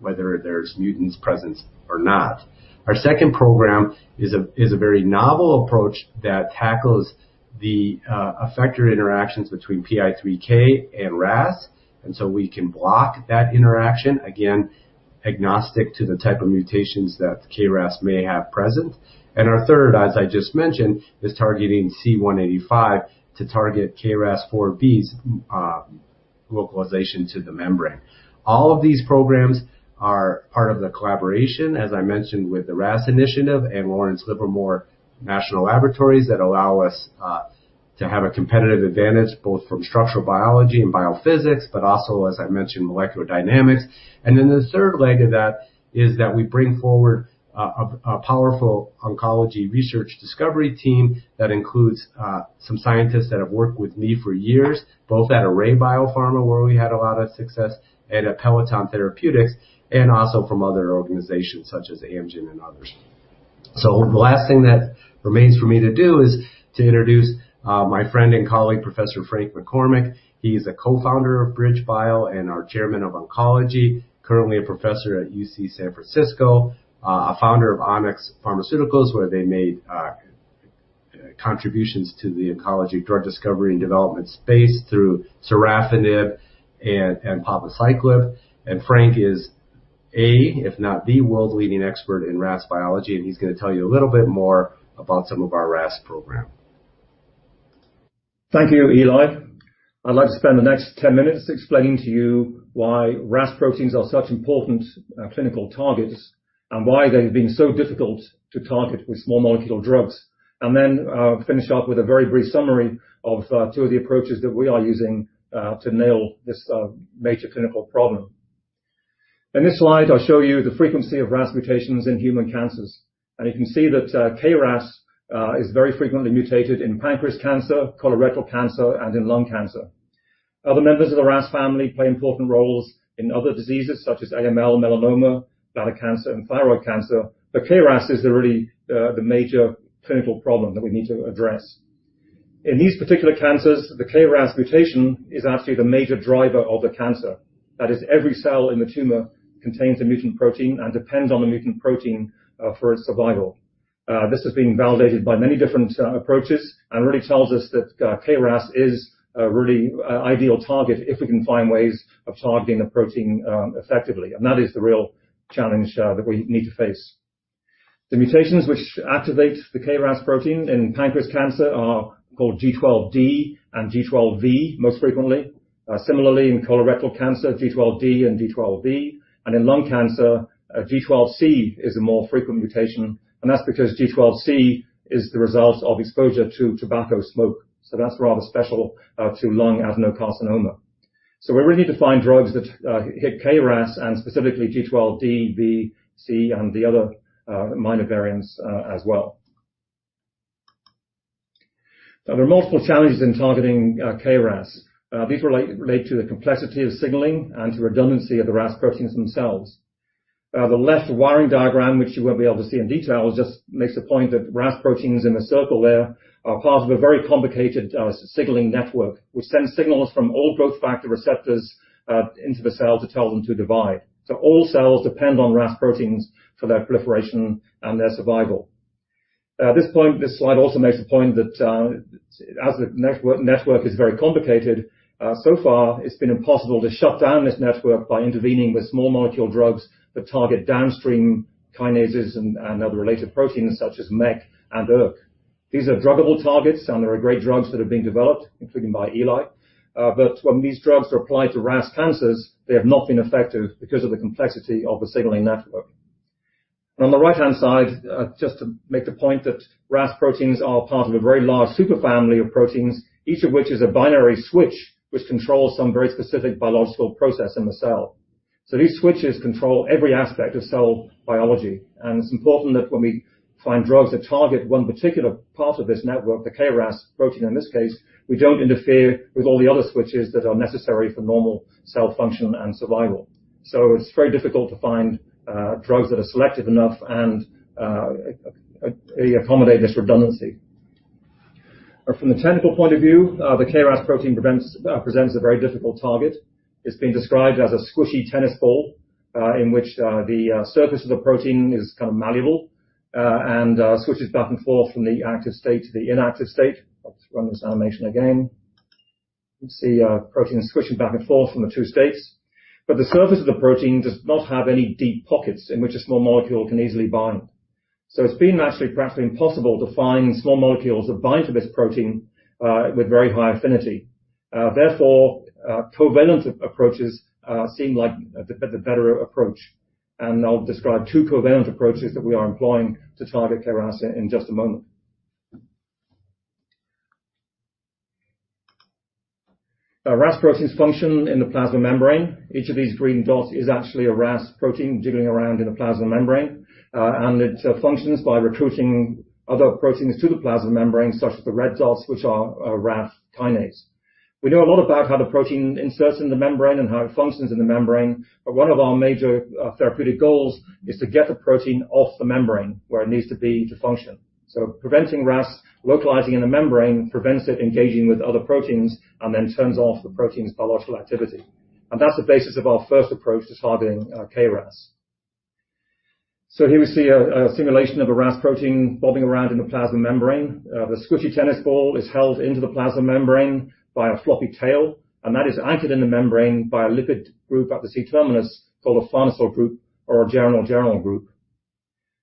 whether there's mutants present or not. Our second program is a very novel approach that tackles the effector interactions between PI3K and RAS, and so we can block that interaction, again, agnostic to the type of mutations that KRAS may have present. Our third, as I just mentioned, is targeting C185 to target KRAS4B's localization to the membrane. All of these programs are part of the collaboration, as I mentioned, with the RAS Initiative and Lawrence Livermore National Laboratory that allow us to have a competitive advantage, both from structural biology and biophysics, but also, as I mentioned, molecular dynamics. The third leg of that is that we bring forward a powerful oncology research discovery team that includes some scientists that have worked with me for years, both at Array BioPharma, where we had a lot of success, and at Peloton Therapeutics, and also from other organizations such as Amgen and others. The last thing that remains for me to do is to introduce my friend and colleague, Professor Frank McCormick. He is a co-founder of BridgeBio and our chairman of oncology, currently a professor at University of California, San Francisco, a founder of Onyx Pharmaceuticals, where they made contributions to the oncology drug discovery and development space through sorafenib and palbociclib. Frank is a, if not the, world's leading expert in RAS biology, and he's going to tell you a little bit more about some of our RAS program. Thank you, Eli. I'd like to spend the next 10 minutes explaining to you why RAS proteins are such important clinical targets and why they've been so difficult to target with small molecule drugs. Finish up with a very brief summary of two of the approaches that we are using to nail this major clinical problem. In this slide, I'll show you the frequency of RAS mutations in human cancers. You can see that KRAS is very frequently mutated in pancreas cancer, colorectal cancer, and in lung cancer. Other members of the RAS family play important roles in other diseases such as AML, melanoma, bladder cancer, and thyroid cancer. KRAS is really the major clinical problem that we need to address. In these particular cancers, the KRAS mutation is actually the major driver of the cancer. That is, every cell in the tumor contains a mutant protein and depends on the mutant protein for its survival. This has been validated by many different approaches and really tells us that KRAS is a really ideal target if we can find ways of targeting the protein effectively. That is the real challenge that we need to face. The mutations which activate the KRAS protein in pancreas cancer are called G12D and G12V, most frequently. In colorectal cancer, G12D and G12V. In lung cancer, G12C is a more frequent mutation, and that's because G12C is the result of exposure to tobacco smoke. That's rather special to lung adenocarcinoma. We really need to find drugs that hit KRAS and specifically G12D, B, C, and the other minor variants as well. There are multiple challenges in targeting KRAS. These relate to the complexity of signaling and to redundancy of the RAS proteins themselves. The left wiring diagram, which you won't be able to see in detail, just makes the point that RAS proteins in the circle there are part of a very complicated signaling network, which sends signals from all growth factor receptors into the cell to tell them to divide. All cells depend on RAS proteins for their proliferation and their survival. At this point, this slide also makes the point that as the network is very complicated, so far it's been impossible to shut down this network by intervening with small molecule drugs that target downstream kinases and other related proteins such as MEK and ERK. These are druggable targets, and there are great drugs that are being developed, including by Eli. When these drugs are applied to RAS cancers, they have not been effective because of the complexity of the signaling network. On the right-hand side, just to make the point that RAS proteins are part of a very large superfamily of proteins, each of which is a binary switch which controls some very specific biological process in the cell. These switches control every aspect of cell biology, and it's important that when we find drugs that target one particular part of this network, the KRAS protein in this case, we don't interfere with all the other switches that are necessary for normal cell function and survival. It's very difficult to find drugs that are selective enough and accommodate this redundancy. From the technical point of view, the KRAS protein presents a very difficult target. It's been described as a squishy tennis ball, in which the surface of the protein is kind of malleable, and switches back and forth from the active state to the inactive state. I'll just run this animation again. You can see a protein switching back and forth from the two states. The surface of the protein does not have any deep pockets in which a small molecule can easily bind. It's been actually practically impossible to find small molecules that bind to this protein, with very high affinity. Therefore, covalent approaches seem like the better approach. I'll describe two covalent approaches that we are employing to target KRAS in just a moment. RAS proteins function in the plasma membrane. Each of these green dots is actually a RAS protein jiggling around in a plasma membrane. It functions by recruiting other proteins to the plasma membrane, such as the red dots, which are RAF kinase. We know a lot about how the protein inserts in the membrane and how it functions in the membrane. One of our major therapeutic goals is to get the protein off the membrane where it needs to be to function. Preventing RAS localizing in the membrane prevents it engaging with other proteins and then turns off the protein's biological activity. That's the basis of our first approach to targeting KRAS. Here we see a simulation of a RAS protein bobbing around in the plasma membrane. The squishy tennis ball is held into the plasma membrane by a floppy tail, and that is anchored in the membrane by a lipid group at the C-terminus called a farnesyl group or a geranylgeranyl group.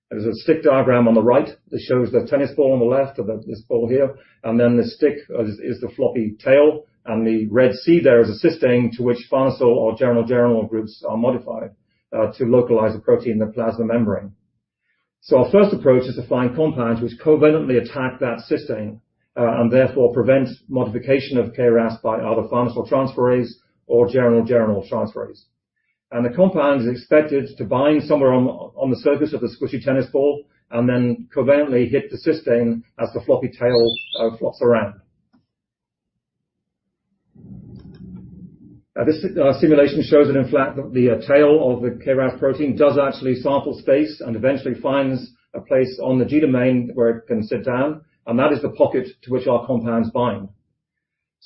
There's a stick diagram on the right that shows the tennis ball on the left of this ball here, and then the stick is the floppy tail. The red C there is a cysteine to which farnesyl or geranylgeranyl groups are modified to localize the protein in the plasma membrane. Our first approach is to find compounds which covalently attack that cysteine, and therefore prevent modification of KRAS by other farnesyltransferases or geranylgeranyltransferases. The compound is expected to bind somewhere on the surface of the squishy tennis ball and then covalently hit the cysteine as the floppy tail flops around. This simulation shows that, in fact, the tail of the KRAS protein does actually sample space and eventually finds a place on the G domain where it can sit down, and that is the pocket to which our compounds bind.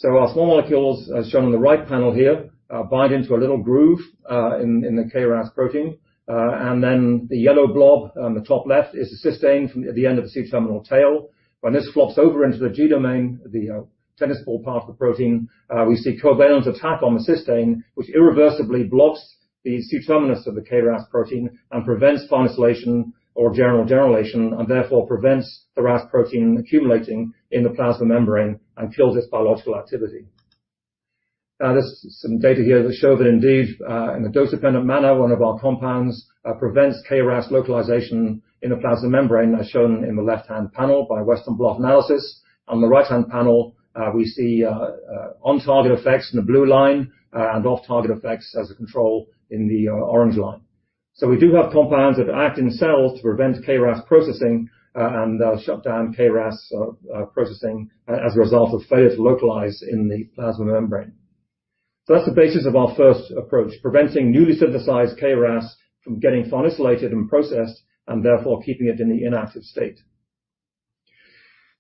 Our small molecules, as shown on the right panel here, bind into a little groove in the KRAS protein, and then the yellow blob on the top left is the cysteine from the end of the C-terminal tail. When this flops over into the G domain, the tennis ball part of the protein, we see covalent attack on the cysteine, which irreversibly blocks the C terminus of the KRAS protein and prevents farnesylation or geranylgeranylation, and therefore prevents the RAS protein accumulating in the plasma membrane and kills its biological activity. There's some data here that show that indeed, in a dose-dependent manner, one of our compounds prevents KRAS localization in the plasma membrane, as shown in the left-hand panel by Western blot analysis. On the right-hand panel, we see on-target effects in the blue line and off-target effects as a control in the orange line. We do have compounds that act in the cell to prevent KRAS processing, and they'll shut down KRAS processing as a result of failure to localize in the plasma membrane. That's the basis of our first approach, preventing newly synthesized KRAS from getting farnesylated and processed, and therefore keeping it in the inactive state.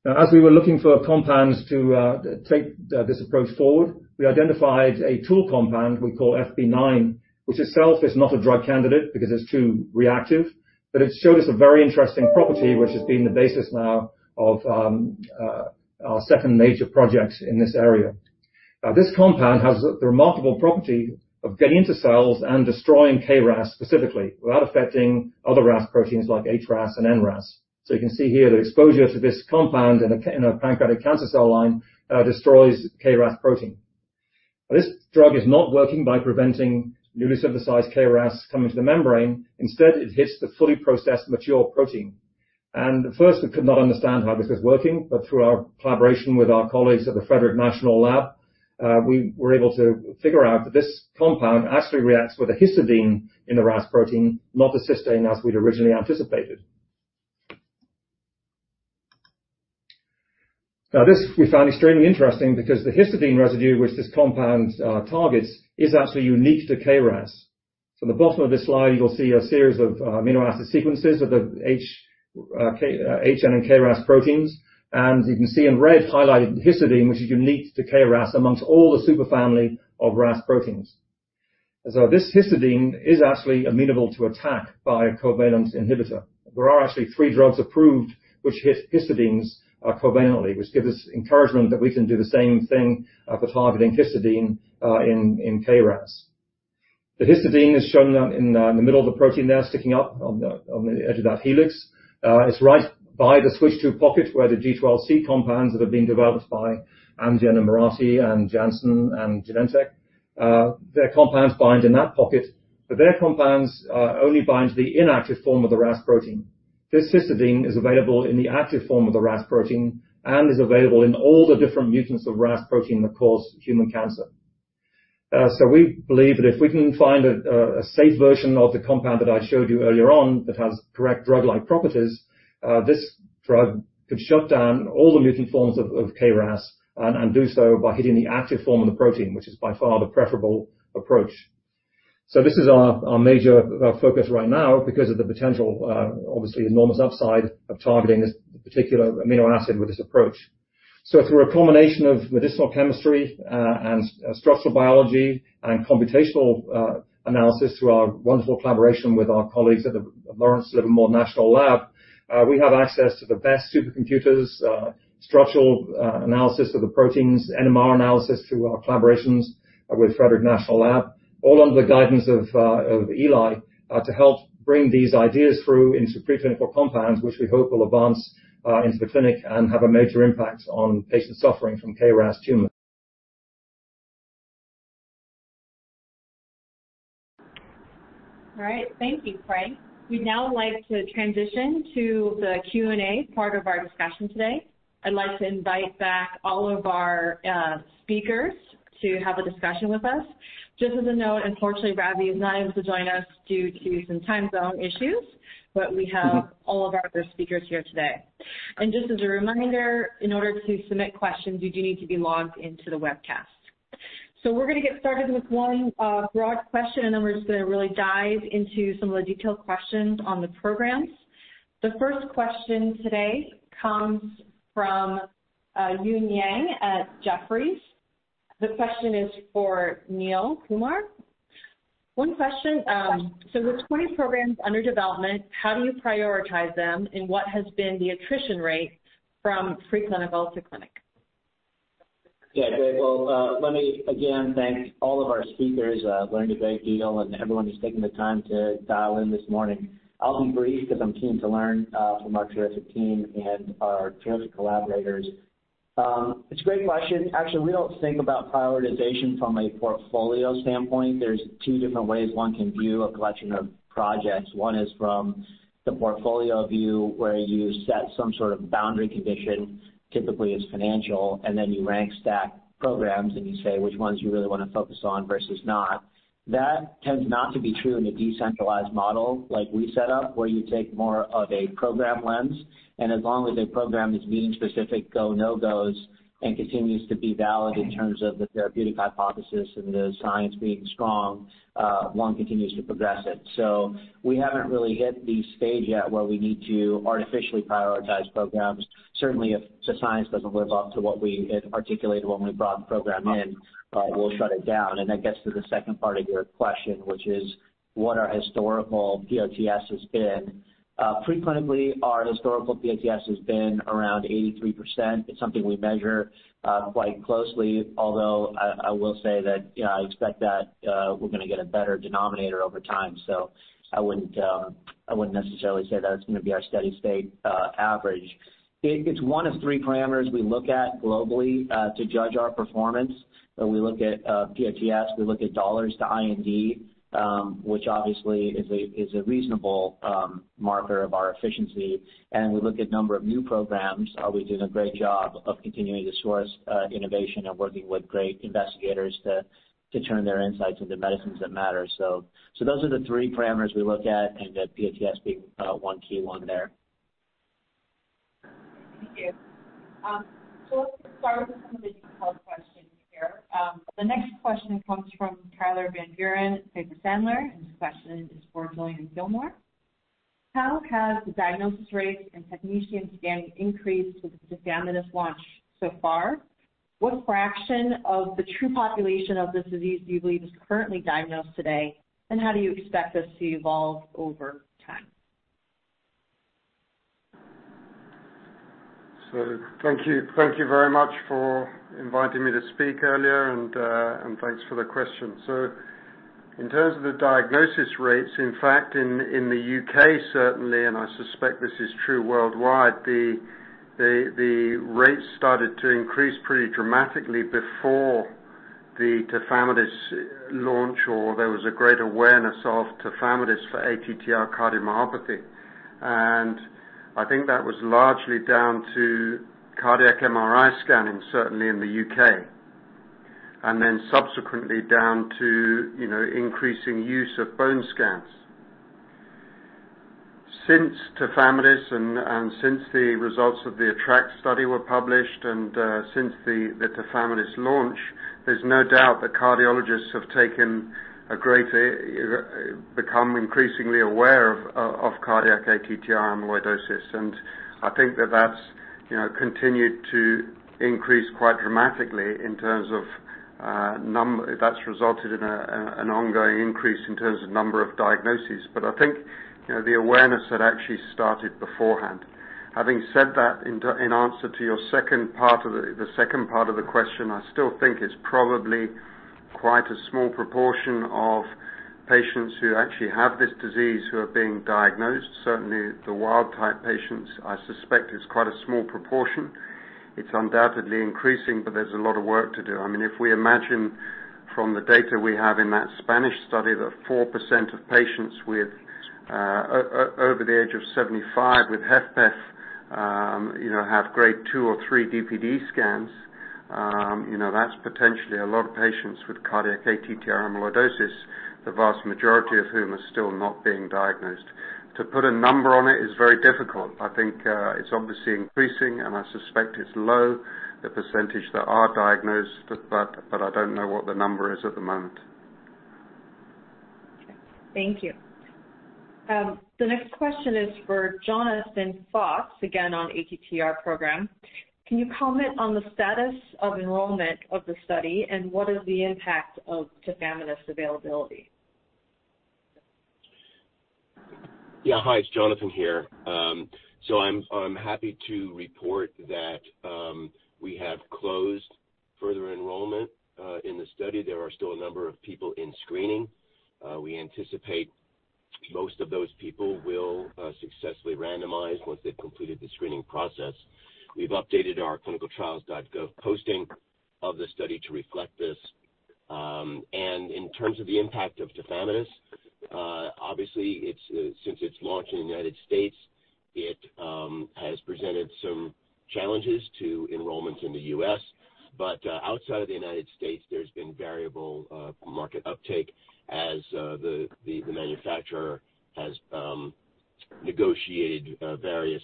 As we were looking for compounds to take this approach forward, we identified a tool compound we call FP9, which itself is not a drug candidate because it's too reactive. It showed us a very interesting property, which has been the basis now of our second major project in this area. This compound has the remarkable property of getting into cells and destroying KRAS specifically without affecting other RAS proteins like HRAS and NRAS. You can see here that exposure to this compound in a pancreatic cancer cell line destroys KRAS protein. This drug is not working by preventing newly synthesized KRAS coming to the membrane. Instead, it hits the fully processed mature protein. At first, we could not understand how this was working, but through our collaboration with our colleagues at the Frederick National Lab, we were able to figure out that this compound actually reacts with a histidine in the RAS protein, not the cysteine as we'd originally anticipated. This, we found extremely interesting because the histidine residue which this compound targets is actually unique to KRAS. At the bottom of this slide, you'll see a series of amino acid sequences of the H, N, and KRAS proteins, and you can see in red highlighted histidine, which is unique to KRAS amongst all the superfamily of RAS proteins. This histidine is actually amenable to attack by a covalent inhibitor. There are actually three drugs approved which hit histidines covalently, which give us encouragement that we can do the same thing for targeting histidine in KRAS. The histidine is shown in the middle of the protein there, sticking up on the edge of that helix. It's right by the switch II pocket where the G12C compounds that have been developed by Amgen and Mirati and Janssen and Genentech, their compounds bind in that pocket. Their compounds only bind to the inactive form of the RAS protein. This histidine is available in the active form of the RAS protein and is available in all the different mutants of RAS protein that cause human cancer. We believe that if we can find a safe version of the compound that I showed you earlier on that has correct drug-like properties, this drug could shut down all the mutant forms of KRAS and do so by hitting the active form of the protein, which is by far the preferable approach. This is our major focus right now because of the potential, obviously enormous upside of targeting this particular amino acid with this approach. Through a combination of medicinal chemistry and structural biology and computational analysis through our wonderful collaboration with our colleagues at the Lawrence Livermore National Lab, we have access to the best supercomputers, structural analysis of the proteins, NMR analysis through our collaborations with Frederick National Lab, all under the guidance of Eli to help bring these ideas through into preclinical compounds, which we hope will advance into the clinic and have a major impact on patients suffering from KRAS tumor. All right. Thank you, Frank. We'd now like to transition to the Q&A part of our discussion today. I'd like to invite back all of our speakers to have a discussion with us. Just as a note, unfortunately, Ravi is not able to join us due to some time zone issues, but we have all of our other speakers here today. Just as a reminder, in order to submit questions, you do need to be logged into the webcast. We're going to get started with one broad question, then we're just going to really dive into some of the detailed questions on the programs. The first question today comes from Eun Yang at Jefferies. The question is for Neil Kumar. One question. With 20 programs under development, how do you prioritize them, and what has been the attrition rate from preclinical to clinic? Yeah, great. Well, let me again thank all of our speakers. I've learned a great deal, and everyone who's taking the time to dial in this morning. I'll be brief because I'm keen to learn from our terrific team and our terrific collaborators. It's a great question. Actually, we don't think about prioritization from a portfolio standpoint. There's two different ways one can view a collection of projects. One is from the portfolio view, where you set some sort of boundary condition, typically it's financial, and then you rank stack programs, and you say which ones you really want to focus on versus not. That tends not to be true in a decentralized model like we set up, where you take more of a program lens, as long as a program is meeting specific go/no-gos and continues to be valid in terms of the therapeutic hypothesis and the science being strong, one continues to progress it. We haven't really hit the stage yet where we need to artificially prioritize programs. Certainly, if the science doesn't live up to what we had articulated when we brought the program in, we'll shut it down. That gets to the second part of your question, which is what our historical PTS has been. Preclinically, our historical PTS has been around 83%. It's something we measure quite closely, although I will say that I expect that we're going to get a better denominator over time. I wouldn't necessarily say that it's going to be our steady state average. It's one of three parameters we look at globally to judge our performance. We look at PTS, we look at dollars to IND, which obviously is a reasonable marker of our efficiency. We look at number of new programs. Are we doing a great job of continuing to source innovation and working with great investigators to turn their insights into medicines that matter? Those are the three parameters we look at and the PTS being one key one there. Thank you. Let's start with some of the detailed questions here. The next question comes from Tyler Van Buren, Piper Sandler, and this question is for Julian Gillmore. How has the diagnosis rates and technician scanning increased with tafamidis launch so far? What fraction of the true population of this disease do you believe is currently diagnosed today, and how do you expect this to evolve over time? Thank you very much for inviting me to speak earlier, and thanks for the question. In terms of the diagnosis rates, in fact, in the U.K. certainly, and I suspect this is true worldwide, the rates started to increase pretty dramatically before the tafamidis launch, or there was a great awareness of tafamidis for ATTR cardiomyopathy. I think that was largely down to cardiac MRI scanning, certainly in the U.K., and then subsequently down to increasing use of bone scans. Since tafamidis and since the results of the ATTR-ACT study were published and since the tafamidis launch, there's no doubt that cardiologists have become increasingly aware of cardiac ATTR amyloidosis. I think that that's continued to increase quite dramatically in terms of number. That's resulted in an ongoing increase in terms of number of diagnoses. I think, the awareness had actually started beforehand. Having said that, in answer to the second part of the question, I still think it's probably quite a small proportion of patients who actually have this disease who are being diagnosed. Certainly, the wild type patients, I suspect it's quite a small proportion. It's undoubtedly increasing, but there's a lot of work to do. If we imagine from the data we have in that Spanish study, that 4% of patients over the age of 75 with HFpEF have grade 2 or 3 DPD scans. That's potentially a lot of patients with cardiac ATTR amyloidosis, the vast majority of whom are still not being diagnosed. To put a number on it is very difficult. I think it's obviously increasing, and I suspect it's low, the percentage that are diagnosed, but I don't know what the number is at the moment. Okay. Thank you. The next question is for Jonathan Fox, again on ATTR program. Can you comment on the status of enrollment of the study and what is the impact of tafamidis availability? Yeah. Hi, it's Jonathan here. I'm happy to report that we have closed further enrollment in the study. There are still a number of people in screening. We anticipate most of those people will successfully randomize once they've completed the screening process. We've updated our clinicaltrials.gov posting of the study to reflect this. In terms of the impact of tafamidis, obviously, since its launch in the U.S., it has presented some challenges to enrollment in the U.S. Outside of the U.S., there's been variable market uptake as the manufacturer has negotiated various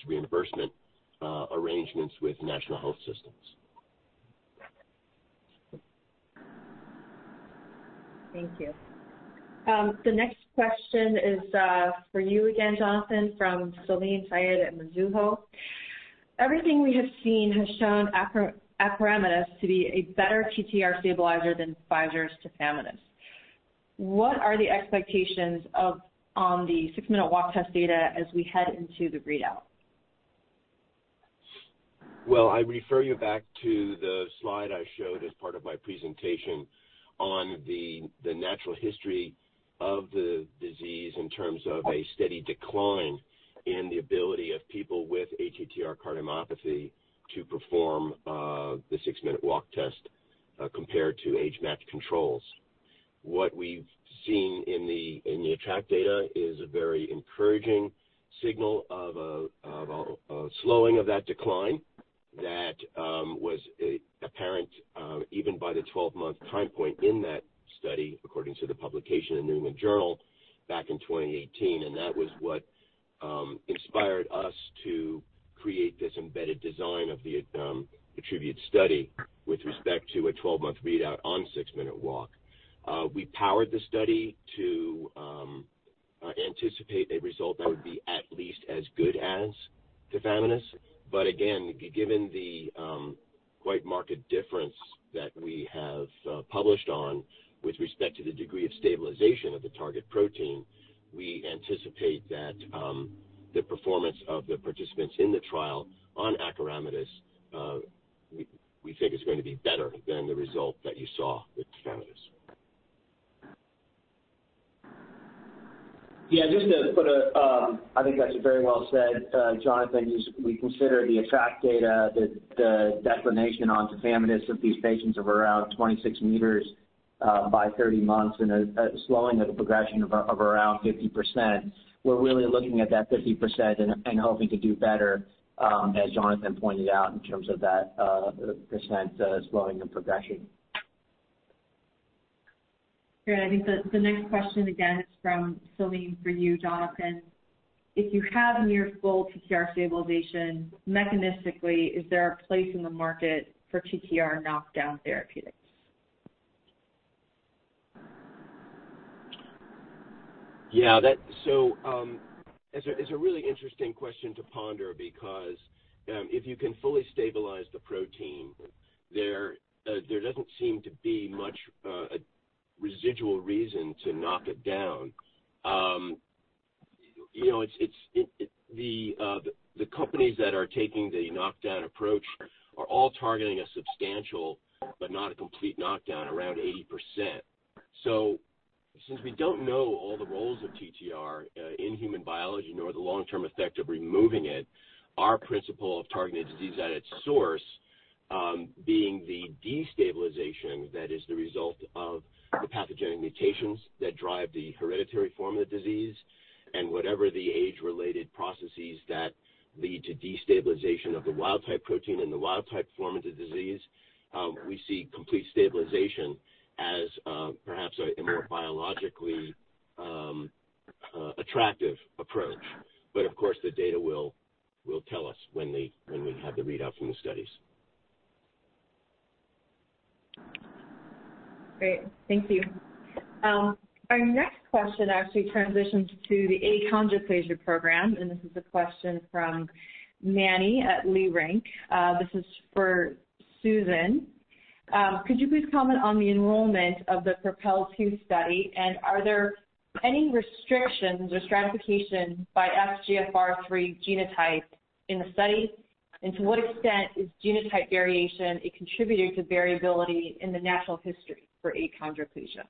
reimbursement arrangements with national health systems. Thank you. The next question is for you again, Jonathan, from Salim Syed at Mizuho. Everything we have seen has shown acoramidis to be a better TTR stabilizer than Pfizer's tafamidis. What are the expectations on the six-minute walk test data as we head into the readout? Well, I refer you back to the slide I showed as part of my presentation on the natural history of the disease in terms of a steady decline in the ability of people with ATTR cardiomyopathy to perform the six-minute walk test compared to age-matched controls. What we've seen in the ATTR-ACT data is a very encouraging signal of a slowing of that decline that was Even by the 12-month time point in that study, according to the publication in The New England Journal back in 2018, and that was what inspired us to create this embedded design of the ATTRibute-CM study with respect to a 12-month readout on six-minute walk. We powered the study to anticipate a result that would be at least as good as tafamidis. Again, given the quite marked difference that we have published on with respect to the degree of stabilization of the target protein, we anticipate that the performance of the participants in the trial on acoramidis, we think is going to be better than the result that you saw with tafamidis. Yeah. I think that's very well said, Jonathan. We consider the ATTR-ACT data, the declination on tafamidis with these patients of around 26 meters by 30 months, and a slowing of the progression of around 50%. We're really looking at that 50% and hoping to do better, as Jonathan pointed out, in terms of that % slowing the progression. Great. I think the next question, again, is from Salim for you, Jonathan. If you have near full TTR stabilization, mechanistically, is there a place in the market for TTR knockdown therapeutics? Yeah. It's a really interesting question to ponder, because if you can fully stabilize the protein, there doesn't seem to be much residual reason to knock it down. The companies that are taking the knockdown approach are all targeting a substantial, but not a complete knockdown, around 80%. Since we don't know all the roles of TTR in human biology, nor the long-term effect of removing it, our principle of targeting the disease at its source, being the destabilization that is the result of the pathogenic mutations that drive the hereditary form of the disease, and whatever the age-related processes that lead to destabilization of the wild type protein and the wild type form of the disease, we see complete stabilization as perhaps a more biologically attractive approach. Of course, the data will tell us when we have the readout from the studies. Great. Thank you. Our next question actually transitions to the achondroplasia program. This is a question from Mani at Leerink. This is for Susan. Could you please comment on the enrollment of the PROPEL 2 study? Are there any restrictions or stratification by FGFR3 genotype in the study? To what extent is genotype variation a contributor to variability in the natural history for achondroplasia?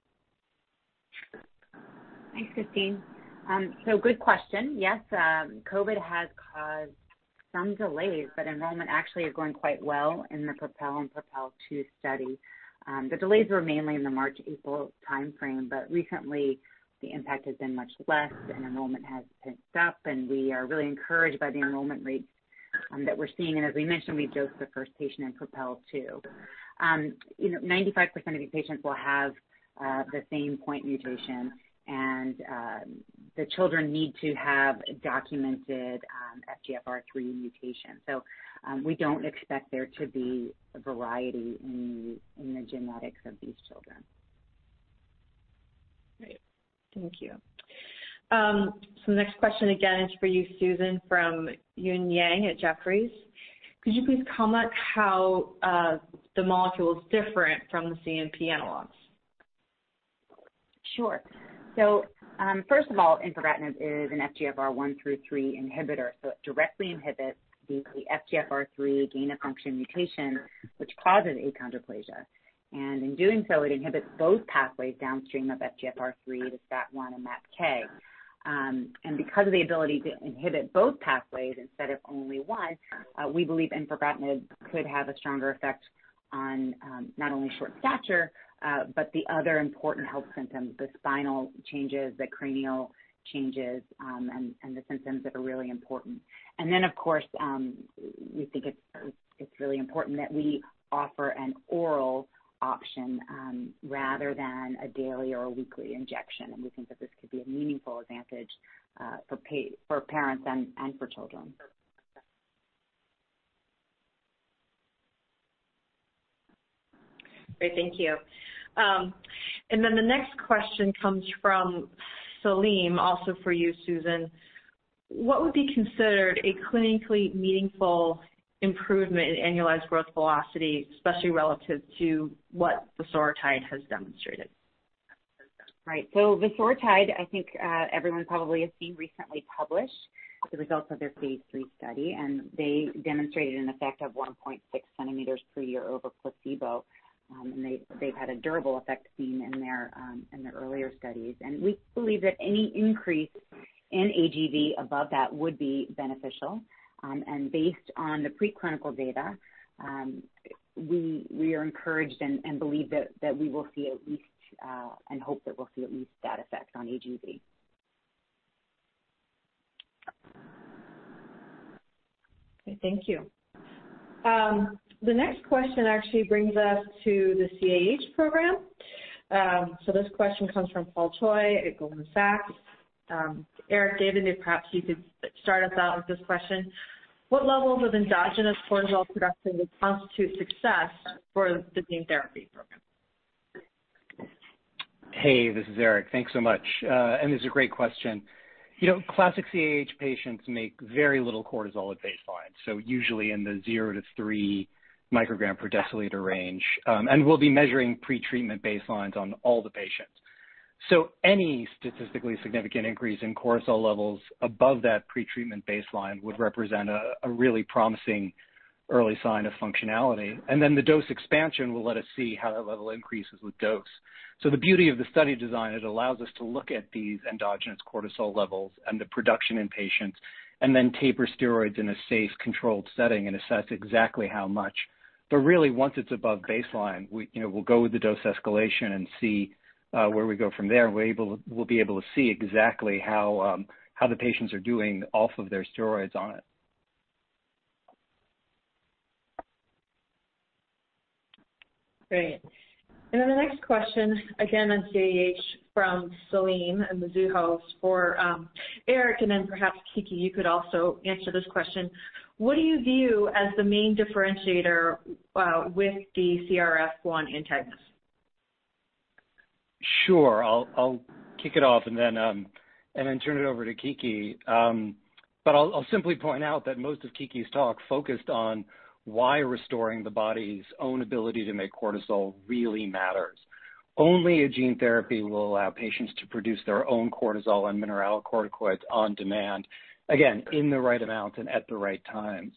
Thanks, Christine. Good question. Yes, COVID has caused some delays. Enrollment actually is going quite well in the PROPEL and PROPEL 2 study. The delays were mainly in the March-April timeframe. Recently the impact has been much less and enrollment has picked up. We are really encouraged by the enrollment rates that we're seeing. As we mentioned, we dosed the first patient in PROPEL 2. 95% of these patients will have the same point mutation. The children need to have documented FGFR3 mutation. We don't expect there to be a variety in the genetics of these children. Great. Thank you. The next question again is for you, Susan, from Eun Yang at Jefferies. Could you please comment how the molecule's different from the CNP analogs? Sure. First of all, infigratinib is an FGFR1-3 inhibitor, so it directly inhibits the FGFR3 gain-of-function mutation, which causes achondroplasia. In doing so, it inhibits both pathways downstream of FGFR3 to STAT1 and MAPKK. Because of the ability to inhibit both pathways instead of only one, we believe infigratinib could have a stronger effect on, not only short stature, but the other important health symptoms, the spinal changes, the cranial changes, and the symptoms that are really important. Of course, we think it's really important that we offer an oral option rather than a daily or a weekly injection, and we think that this could be a meaningful advantage for parents and for children. Great. Thank you. Then the next question comes from Salim, also for you, Susan. What would be considered a clinically meaningful improvement in annualized growth velocity, especially relative to what vosoritide has demonstrated? Right. Vosoritide, I think everyone probably has seen recently published the results of their phase III study. They demonstrated an effect of 1.6 centimeters per year over placebo. They've had a durable effect seen in their earlier studies. We believe that any increase in AGV above that would be beneficial. Based on the preclinical data, we are encouraged and believe that we will see at least, and hope that we'll see at least that effect on AGV. Okay, thank you. The next question actually brings us to the CAH program. This question comes from Paul Choi at Goldman Sachs. Eric David, perhaps you could start us out with this question. What levels of endogenous cortisol production would constitute success for the gene therapy program? Hey, this is Eric. Thanks so much, this is a great question. Classic CAH patients make very little cortisol at baseline, usually in the zero to three microgram per deciliter range. We'll be measuring pretreatment baselines on all the patients. Any statistically significant increase in cortisol levels above that pretreatment baseline would represent a really promising early sign of functionality. The dose expansion will let us see how that level increases with dose. The beauty of the study design, it allows us to look at these endogenous cortisol levels and the production in patients, and then taper steroids in a safe, controlled setting and assess exactly how much. Really, once it's above baseline, we'll go with the dose escalation and see where we go from there. We'll be able to see exactly how the patients are doing off of their steroids on it. Great. The next question, again, on CAH from Salim at Mizuho for Eric, and then perhaps Kiki, you could also answer this question. What do you view as the main differentiator with the CRF1 antagonist? Sure. I'll kick it off and then turn it over to Kiki. I'll simply point out that most of Kiki's talk focused on why restoring the body's own ability to make cortisol really matters. Only a gene therapy will allow patients to produce their own cortisol and mineralocorticoids on demand. Again, in the right amounts and at the right times.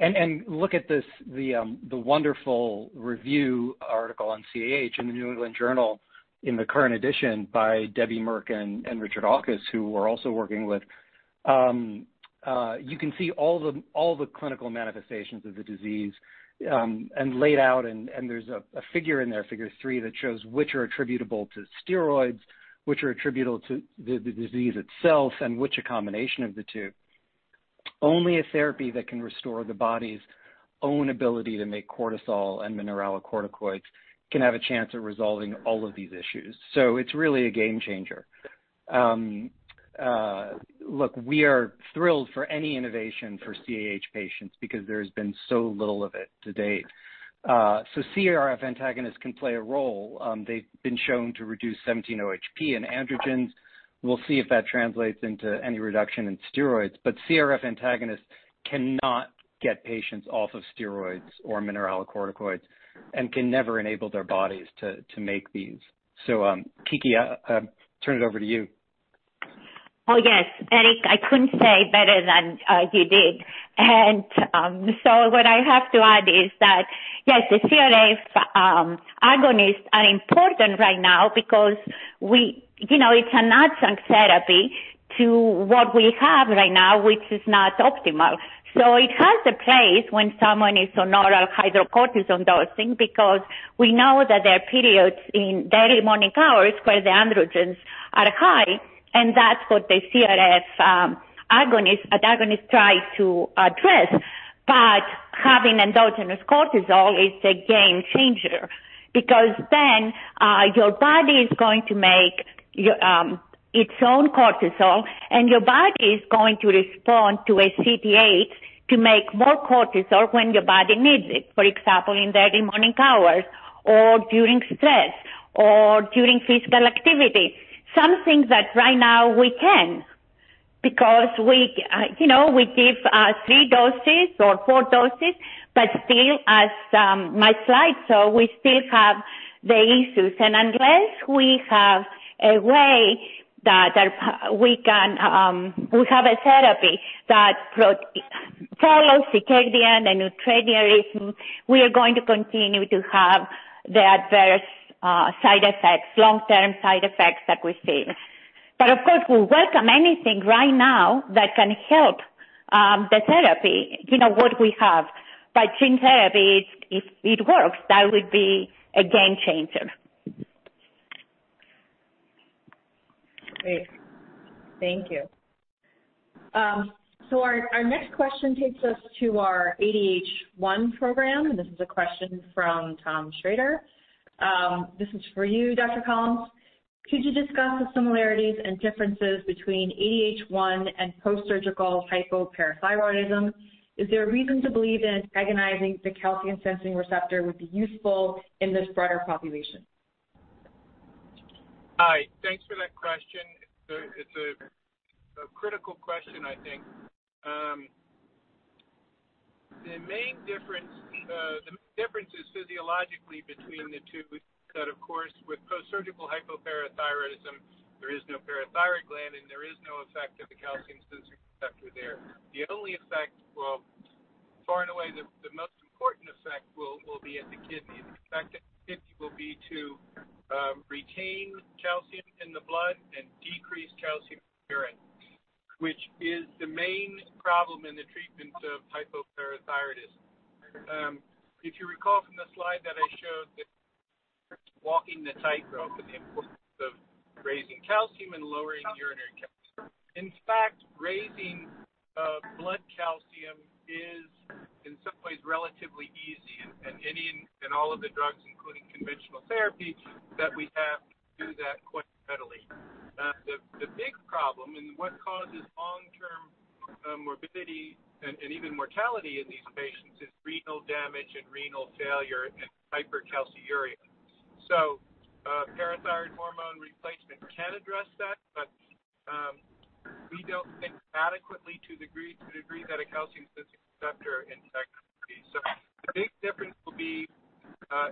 Look at the wonderful review article on CAH in The New England Journal in the current edition by Debbie Merke and Richard Auchus, who we're also working with. You can see all the clinical manifestations of the disease, laid out, and there's a figure in there, Figure three, that shows which are attributable to steroids, which are attributable to the disease itself, and which are a combination of the two. Only a therapy that can restore the body's own ability to make cortisol and mineralocorticoids can have a chance at resolving all of these issues. It's really a game changer. Look, we are thrilled for any innovation for CAH patients because there has been so little of it to date. CRF antagonists can play a role. They've been shown to reduce 17-OHP and androgens. We'll see if that translates into any reduction in steroids. CRF antagonists cannot get patients off of steroids or mineralocorticoids and can never enable their bodies to make these. Kiki, I turn it over to you. Oh, yes, Eric, I couldn't say better than you did. What I have to add is that, yes, the CRF antagonists are important right now because it's an adjunct therapy to what we have right now, which is not optimal. It has a place when someone is on oral hydrocortisone dosing because we know that there are periods in daily morning hours where the androgens are high, and that's what the CRF agonist tries to address. Having endogenous cortisol is a game changer because then your body is going to make its own cortisol, and your body is going to respond to ACTH to make more cortisol when your body needs it. For example, in the early morning hours or during stress or during physical activity. Something that right now we can't, because we give three doses or four doses, still as my slide shows, we still have the issues. Unless we have a way that we have a therapy that follows circadian and ultradian rhythm, we are going to continue to have the adverse side effects, long-term side effects that we see. Of course, we welcome anything right now that can help the therapy, what we have. Gene therapy, if it works, that would be a game changer. Great. Thank you. Our next question takes us to our ADH1 program. This is a question from Thomas Shrader. This is for you, Dr. Collins. Could you discuss the similarities and differences between ADH1 and post-surgical hypoparathyroidism? Is there a reason to believe that antagonizing the calcium-sensing receptor would be useful in this broader population? Hi. Thanks for that question. It's a critical question, I think. The main difference is physiologically between the two, that of course, with post-surgical hypoparathyroidism, there is no parathyroid gland and there is no effect of the calcium-sensing receptor there. The only effect, well, far and away, the most important effect will be at the kidneys. The effect at the kidney will be to retain calcium in the blood and decrease calcium in urine, which is the main problem in the treatment of hypoparathyroidism. If you recall the importance of raising calcium and lowering urinary calcium. In fact, raising blood calcium is in some ways relatively easy. Any and all of the drugs, including conventional therapy that we have, do that quite readily. The big problem and what causes long-term morbidity and even mortality in these patients is renal damage and renal failure and hypercalciuria. Parathyroid hormone replacement can address that, but we don't think adequately to the degree that a calcium-sensing receptor in fact can be. The big difference will be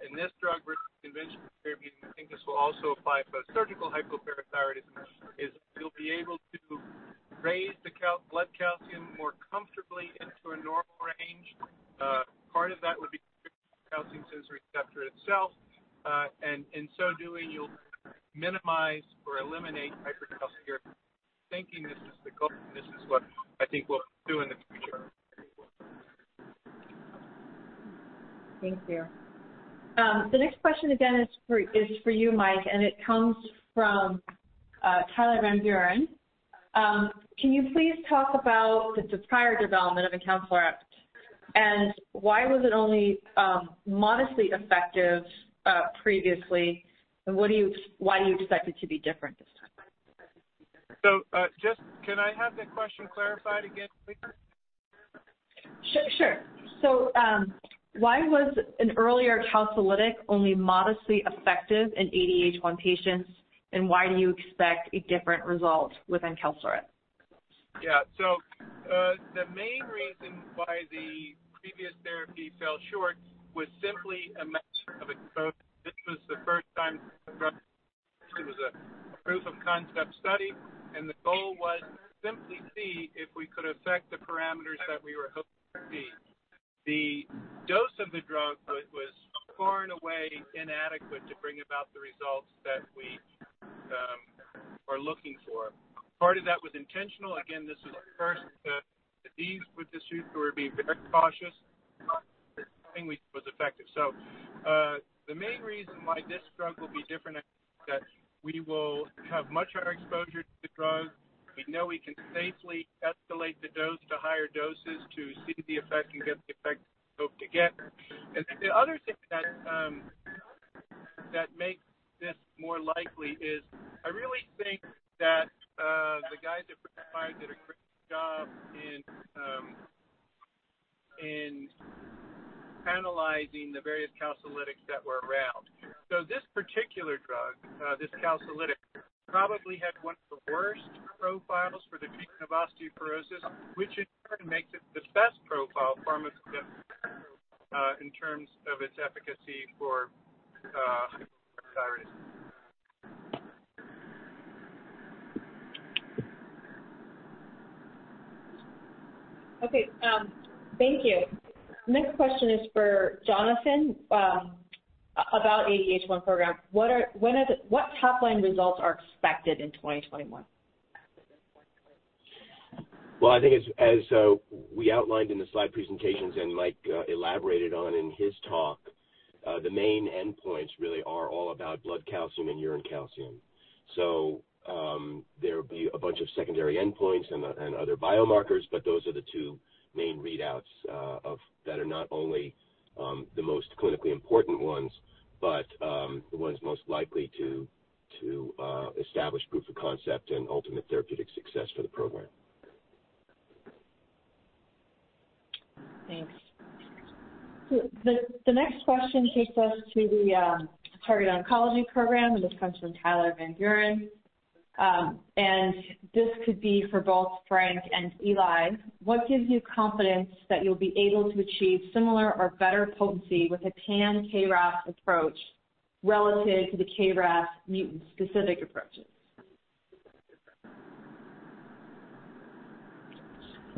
in this drug versus conventional therapy, and I think this will also apply for surgical hypoparathyroidism, is you'll be able to raise the blood calcium more comfortably into a normal range. Part of that would be calcium-sensing receptor itself. In so doing, you'll minimize or eliminate hypercalciuria. Thinking this is the goal, and this is what I think we'll do in the future. Thank you. The next question again is for you, Mike, and it comes from Tyler Van Buren. Can you please talk about the prior development of encaleret? Why was it only modestly effective previously, and why do you expect it to be different this time? Just can I have that question clarified again, please? Sure. Why was an earlier calcilytic only modestly effective in ADH1 patients, and why do you expect a different result with encaleret? The main reason why the previous therapy fell short was simply a matter of a dose. This was the first time it was a proof of concept study, and the goal was to simply see if we could affect the parameters that we were hoping to see. The dose of the drug was far and away inadequate to bring about the results that we were looking for. Part of that was intentional. Again, this was the first of these with this use. We were being very cautious. The main reason why this drug will be different is that we will have much higher exposure to the drug. We know we can safely escalate the dose to higher doses to see the effect and get the effect we hope to get. The other thing that makes this more likely is I really think that the guys at did a great job in analyzing the various calcilytics that were around. This particular drug, this calcilytic, probably had one of the worst profiles for the treatment of osteoporosis, which in turn makes it the best profile pharmacogenomic in terms of its efficacy for hypoparathyroidism. Okay. Thank you. Next question is for Jonathan about ADH1 program. What top-line results are expected in 2021? Well, I think as we outlined in the slide presentations and Mike elaborated on in his talk, the main endpoints really are all about blood calcium and urine calcium. There'll be a bunch of secondary endpoints and other biomarkers, but those are the two main readouts that are not only the most clinically important ones, but the ones most likely to establish proof of concept and ultimate therapeutic success for the program. Thanks. The next question takes us to the targeted oncology program, and this comes from Tyler Van Buren. This could be for both Frank and Eli. What gives you confidence that you'll be able to achieve similar or better potency with a pan-KRAS approach relative to the KRAS mutant-specific approaches?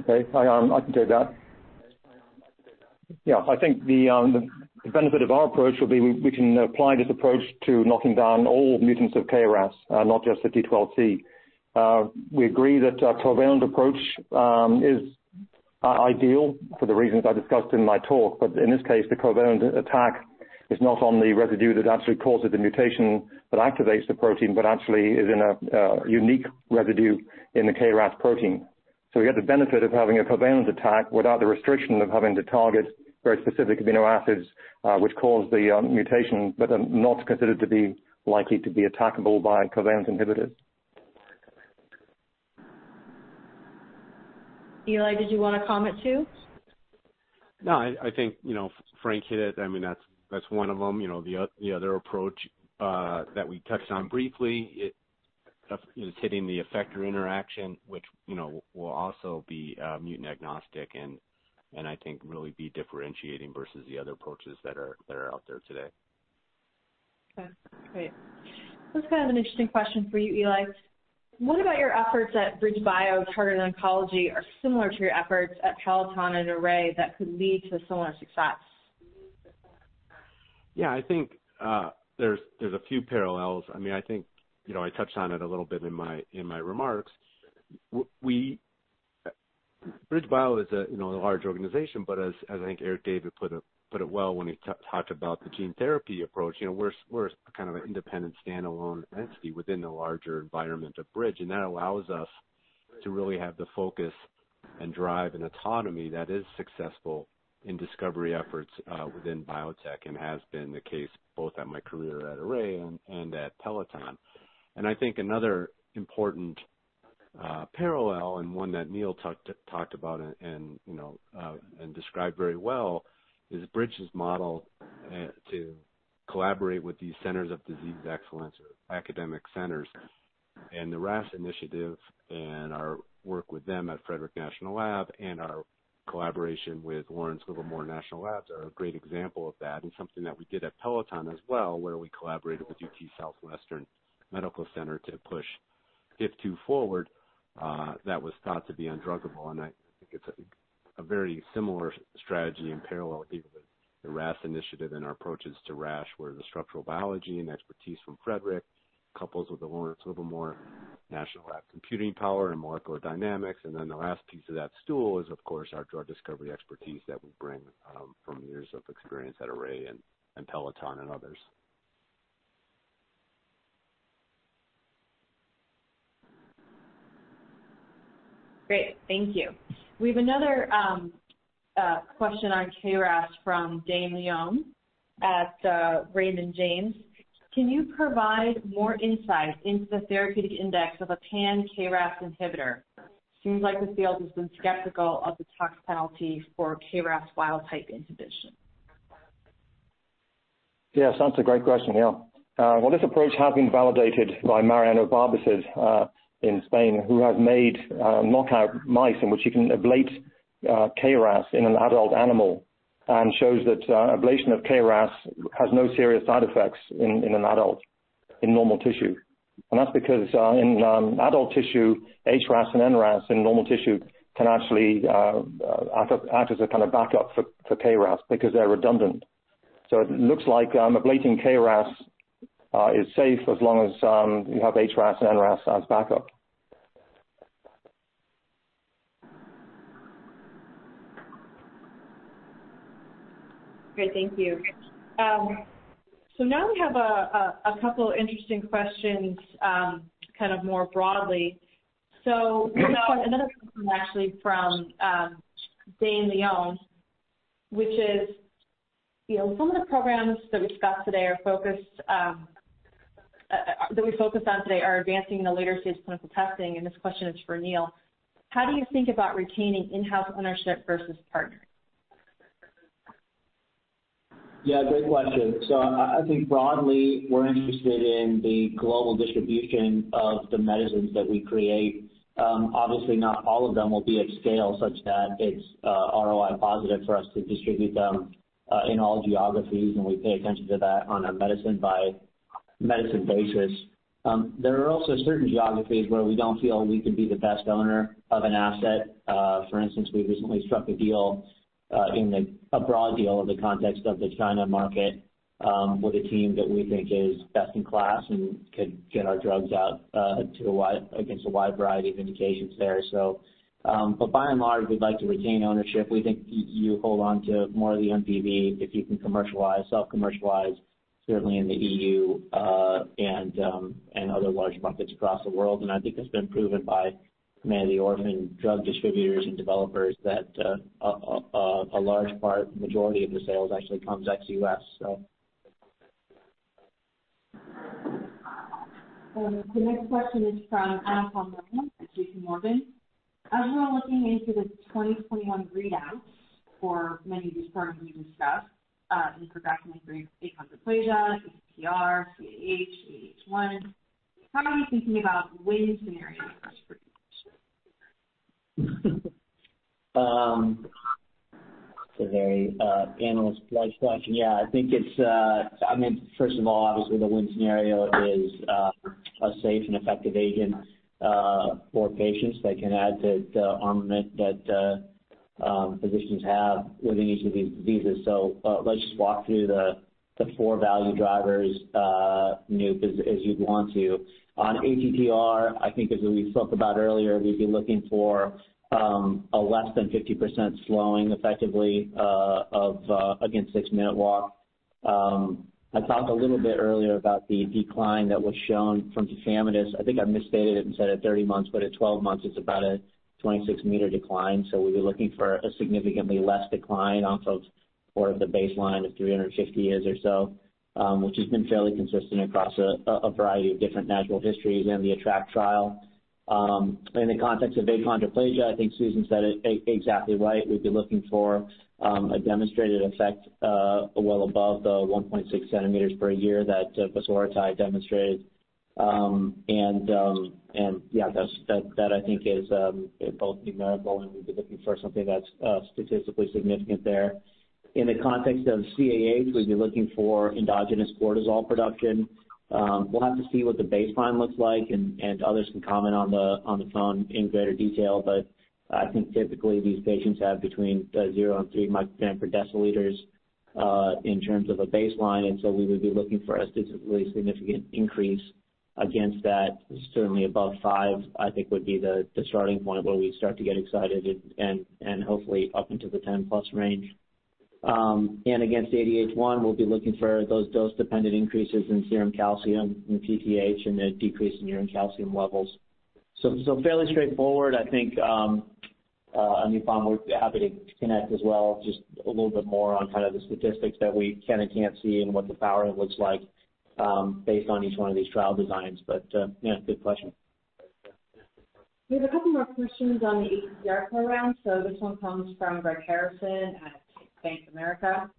Okay. I can take that. Yeah, I think the benefit of our approach will be we can apply this approach to knocking down all mutants of KRAS, not just the G12C. We agree that a covalent approach is ideal for the reasons I discussed in my talk. In this case, the covalent attack is not on the residue that actually causes the mutation that activates the protein, but actually is in a unique residue in the KRAS protein. We get the benefit of having a covalent attack without the restriction of having to target very specific amino acids which cause the mutation but are not considered to be likely to be attackable by covalent inhibitors. Eli, did you want to comment, too? No, I think Frank hit it. That's one of them. The other approach that we touched on briefly is hitting the effector interaction, which will also be mutant-agnostic and I think really be differentiating versus the other approaches that are out there today. Okay, great. This is kind of an interesting question for you, Eli. What about your efforts at BridgeBio targeted oncology are similar to your efforts at Peloton and Array that could lead to similar success? Yeah, I think there's a few parallels. I think I touched on it a little bit in my remarks. BridgeBio is a large organization, but as I think Eric David put it well when he talked about the gene therapy approach, we're a kind of independent standalone entity within the larger environment of Bridge, and that allows us to really have the focus and drive and autonomy that is successful in discovery efforts within biotech, and has been the case both at my career at Array and at Peloton. I think another important parallel, and one that Neil talked about and described very well, is Bridge's model to collaborate with these centers of disease excellence or academic centers. The RAS Initiative and our work with them at Frederick National Lab and our collaboration with Lawrence Livermore National Labs are a great example of that, something that we did at Peloton as well, where we collaborated with UT Southwestern Medical Center to push HIF-2 forward, that was thought to be undruggable. I think it's a very similar strategy in parallel, even with the RAS Initiative and our approaches to RAS, where the structural biology and expertise from Frederick couples with the Lawrence Livermore National Lab computing power and molecular dynamics. Then the last piece of that stool is of course our drug discovery expertise that we bring from years of experience at Array and Peloton and others. Great. Thank you. We have another question on KRAS from Dane Leone at Raymond James. Can you provide more insight into the therapeutic index of a pan KRAS inhibitor? Seems like the field has been skeptical of the toxicity for KRAS wild type inhibition. That's a great question. This approach has been validated by Mariano Barbacid in Spain, who has made knockout mice in which he can ablate KRAS in an adult animal and shows that ablation of KRAS has no serious side effects in an adult in normal tissue. That's because in adult tissue, HRAS and NRAS in normal tissue can actually act as a kind of backup for KRAS because they're redundant. It looks like ablating KRAS is safe as long as you have HRAS and NRAS as backup. Great, thank you. Now we have a couple interesting questions kind of more broadly. We have another question actually from Dane Leone, which is, some of the programs that we focused on today are advancing in the later stage clinical testing, and this question is for Neil. How do you think about retaining in-house ownership versus partnering? Yeah, great question. I think broadly, we're interested in the global distribution of the medicines that we create. Obviously, not all of them will be at scale such that it's ROI positive for us to distribute them in all geographies, and we pay attention to that on a medicine basis. There are also certain geographies where we don't feel we could be the best owner of an asset. For instance, we recently struck a deal, a broad deal in the context of the China market, with a team that we think is best in class and could get our drugs out against a wide variety of indications there. By and large, we'd like to retain ownership. We think you hold on to more of the NPV if you can commercialize, self-commercialize, certainly in the EU, and other large markets across the world. I think that's been proven by many of the orphan drug distributors and developers that a large part, the majority of the sales actually comes ex-U.S. The next question is from Anupam Rama at JPMorgan. As we're looking into the 2021 readouts for many of these programs we discussed, and progressing achondroplasia, ATTR, CAH, ADH1, how are you thinking about win scenarios for each? It's a very analyst-like question. I think, first of all, obviously the win scenario is a safe and effective agent for patients that can add to the armament that physicians have within each of these diseases. Let's just walk through the four value drivers, Nup, as you'd want to. On ATTR, I think as we spoke about earlier, we'd be looking for a less than 50% slowing, effectively, against six-minute walk. I talked a little bit earlier about the decline that was shown from tafamidis. I think I misstated it and said at 30 months, but at 12 months it's about a 26-meter decline. We'd be looking for a significantly less decline off of more of the baseline of 350 meters or so, which has been fairly consistent across a variety of different natural histories in the ATTRACT trial. In the context of achondroplasia, I think Susan said it exactly right. We would be looking for a demonstrated effect well above the 1.6 centimeters per year that vosoritide demonstrated. Yeah, that I think is both numerical and we would be looking for something that is statistically significant there. In the context of CAH, we would be looking for endogenous cortisol production. We will have to see what the baseline looks like, and others can comment on the phone in greater detail. I think typically these patients have between zero and three microgram per deciliters in terms of a baseline, and so we would be looking for a statistically significant increase against that, certainly above five, I think would be the starting point where we start to get excited and hopefully up into the 10-plus range. Against ADH1, we'll be looking for those dose-dependent increases in serum calcium and PTH and a decrease in urine calcium levels. Fairly straightforward, I think. Anupam, we're happy to connect as well, just a little bit more on the statistics that we can and can't see and what the power looks like based on each one of these trial designs. Yeah, good question. We have a couple more questions on the ATTR program. This one comes from Greg Harrison at Bank of America.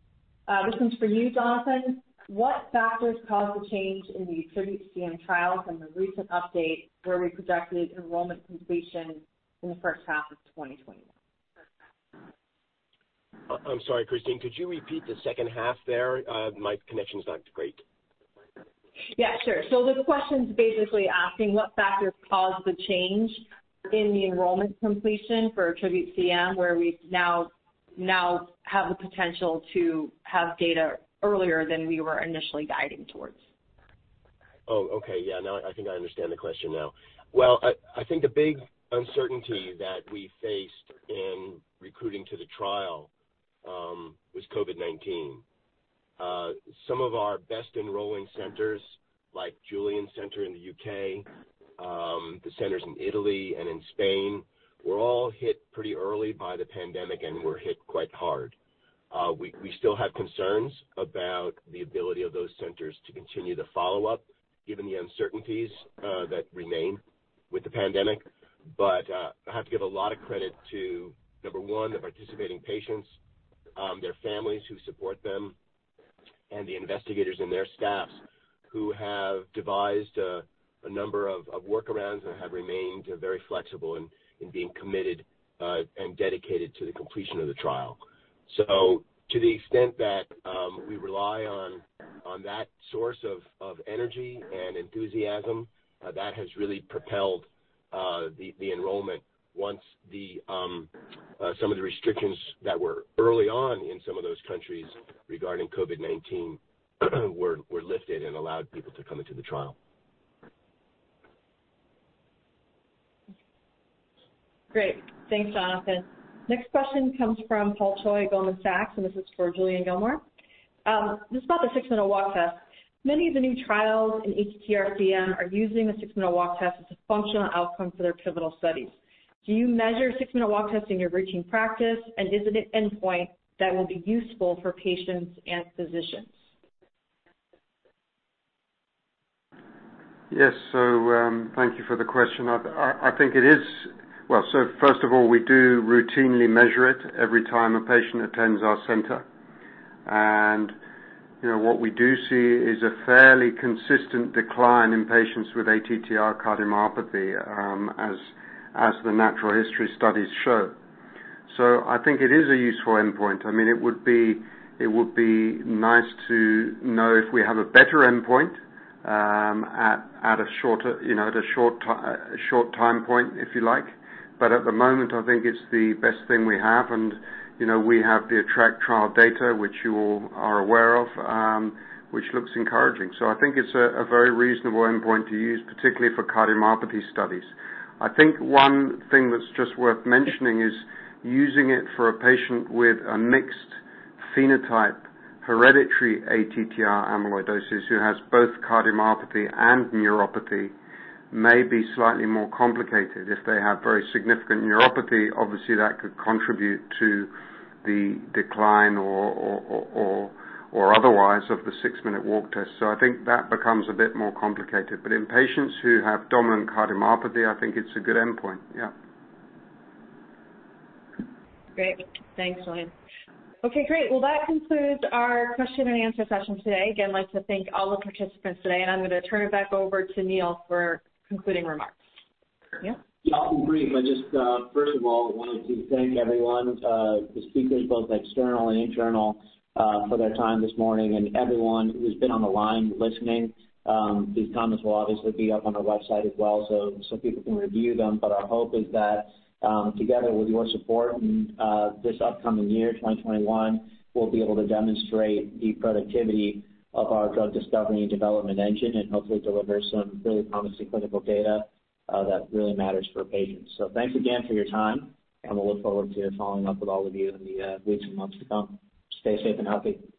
This one's for you, Jonathan. What factors caused the change in the ATTRibute-CM trial from the recent update where we projected enrollment completion in the first half of 2021? I'm sorry, Christine, could you repeat the second half there? My connection's not great. Yeah, sure. The question's basically asking what factors caused the change in the enrollment completion for ATTRibute-CM, where we now have the potential to have data earlier than we were initially guiding towards. Oh, okay. Yeah. Now I think I understand the question now. Well, I think the big uncertainty that we faced in recruiting to the trial was COVID-19. Some of our best enrolling centers, like Julian's center in the U.K., the centers in Italy and in Spain, were all hit pretty early by the pandemic and were hit quite hard. We still have concerns about the ability of those centers to continue the follow-up, given the uncertainties that remain with the pandemic. I have to give a lot of credit to, number one, the participating patients, their families who support them, and the investigators and their staffs who have devised a number of workarounds and have remained very flexible in being committed and dedicated to the completion of the trial. To the extent that we rely on that source of energy and enthusiasm, that has really propelled the enrollment once some of the restrictions that were early on in some of those countries regarding COVID-19 were lifted and allowed people to come into the trial. Great. Thanks, Jonathan. Next question comes from Paul Choi, Goldman Sachs. This is for Julian Gillmore. This is about the six-minute walk test. Many of the new trials in ATTR-CM are using the six-minute walk test as a functional outcome for their pivotal studies. Do you measure six-minute walk tests in your routine practice, and is it an endpoint that will be useful for patients and physicians? Yes. Thank you for the question. First of all, we do routinely measure it every time a patient attends our center. What we do see is a fairly consistent decline in patients with ATTR cardiomyopathy, as the natural history studies show. I think it is a useful endpoint. It would be nice to know if we have a better endpoint at a short time point, if you like. At the moment, I think it's the best thing we have, and we have the ATTR-ACT trial data, which you all are aware of, which looks encouraging. I think it's a very reasonable endpoint to use, particularly for cardiomyopathy studies. I think one thing that's just worth mentioning is using it for a patient with a mixed phenotype, hereditary ATTR amyloidosis who has both cardiomyopathy and neuropathy may be slightly more complicated. If they have very significant neuropathy, obviously that could contribute to the decline or otherwise of the six-minute walk test. I think that becomes a bit more complicated. In patients who have dominant cardiomyopathy, I think it's a good endpoint. Yeah. Great. Thanks, Julian. Okay, great. Well, that concludes our question and answer session today. Like to thank all the participants today, and I'm going to turn it back over to Neil for concluding remarks. Yeah? I'll be brief. I just, first of all, wanted to thank everyone, the speakers, both external and internal, for their time this morning and everyone who's been on the line listening. These comments will obviously be up on our website as well, people can review them. Our hope is that together with your support in this upcoming year, 2021, we'll be able to demonstrate the productivity of our drug discovery and development engine and hopefully deliver some really promising clinical data that really matters for patients. Thanks again for your time, and we'll look forward to following up with all of you in the weeks and months to come. Stay safe and healthy.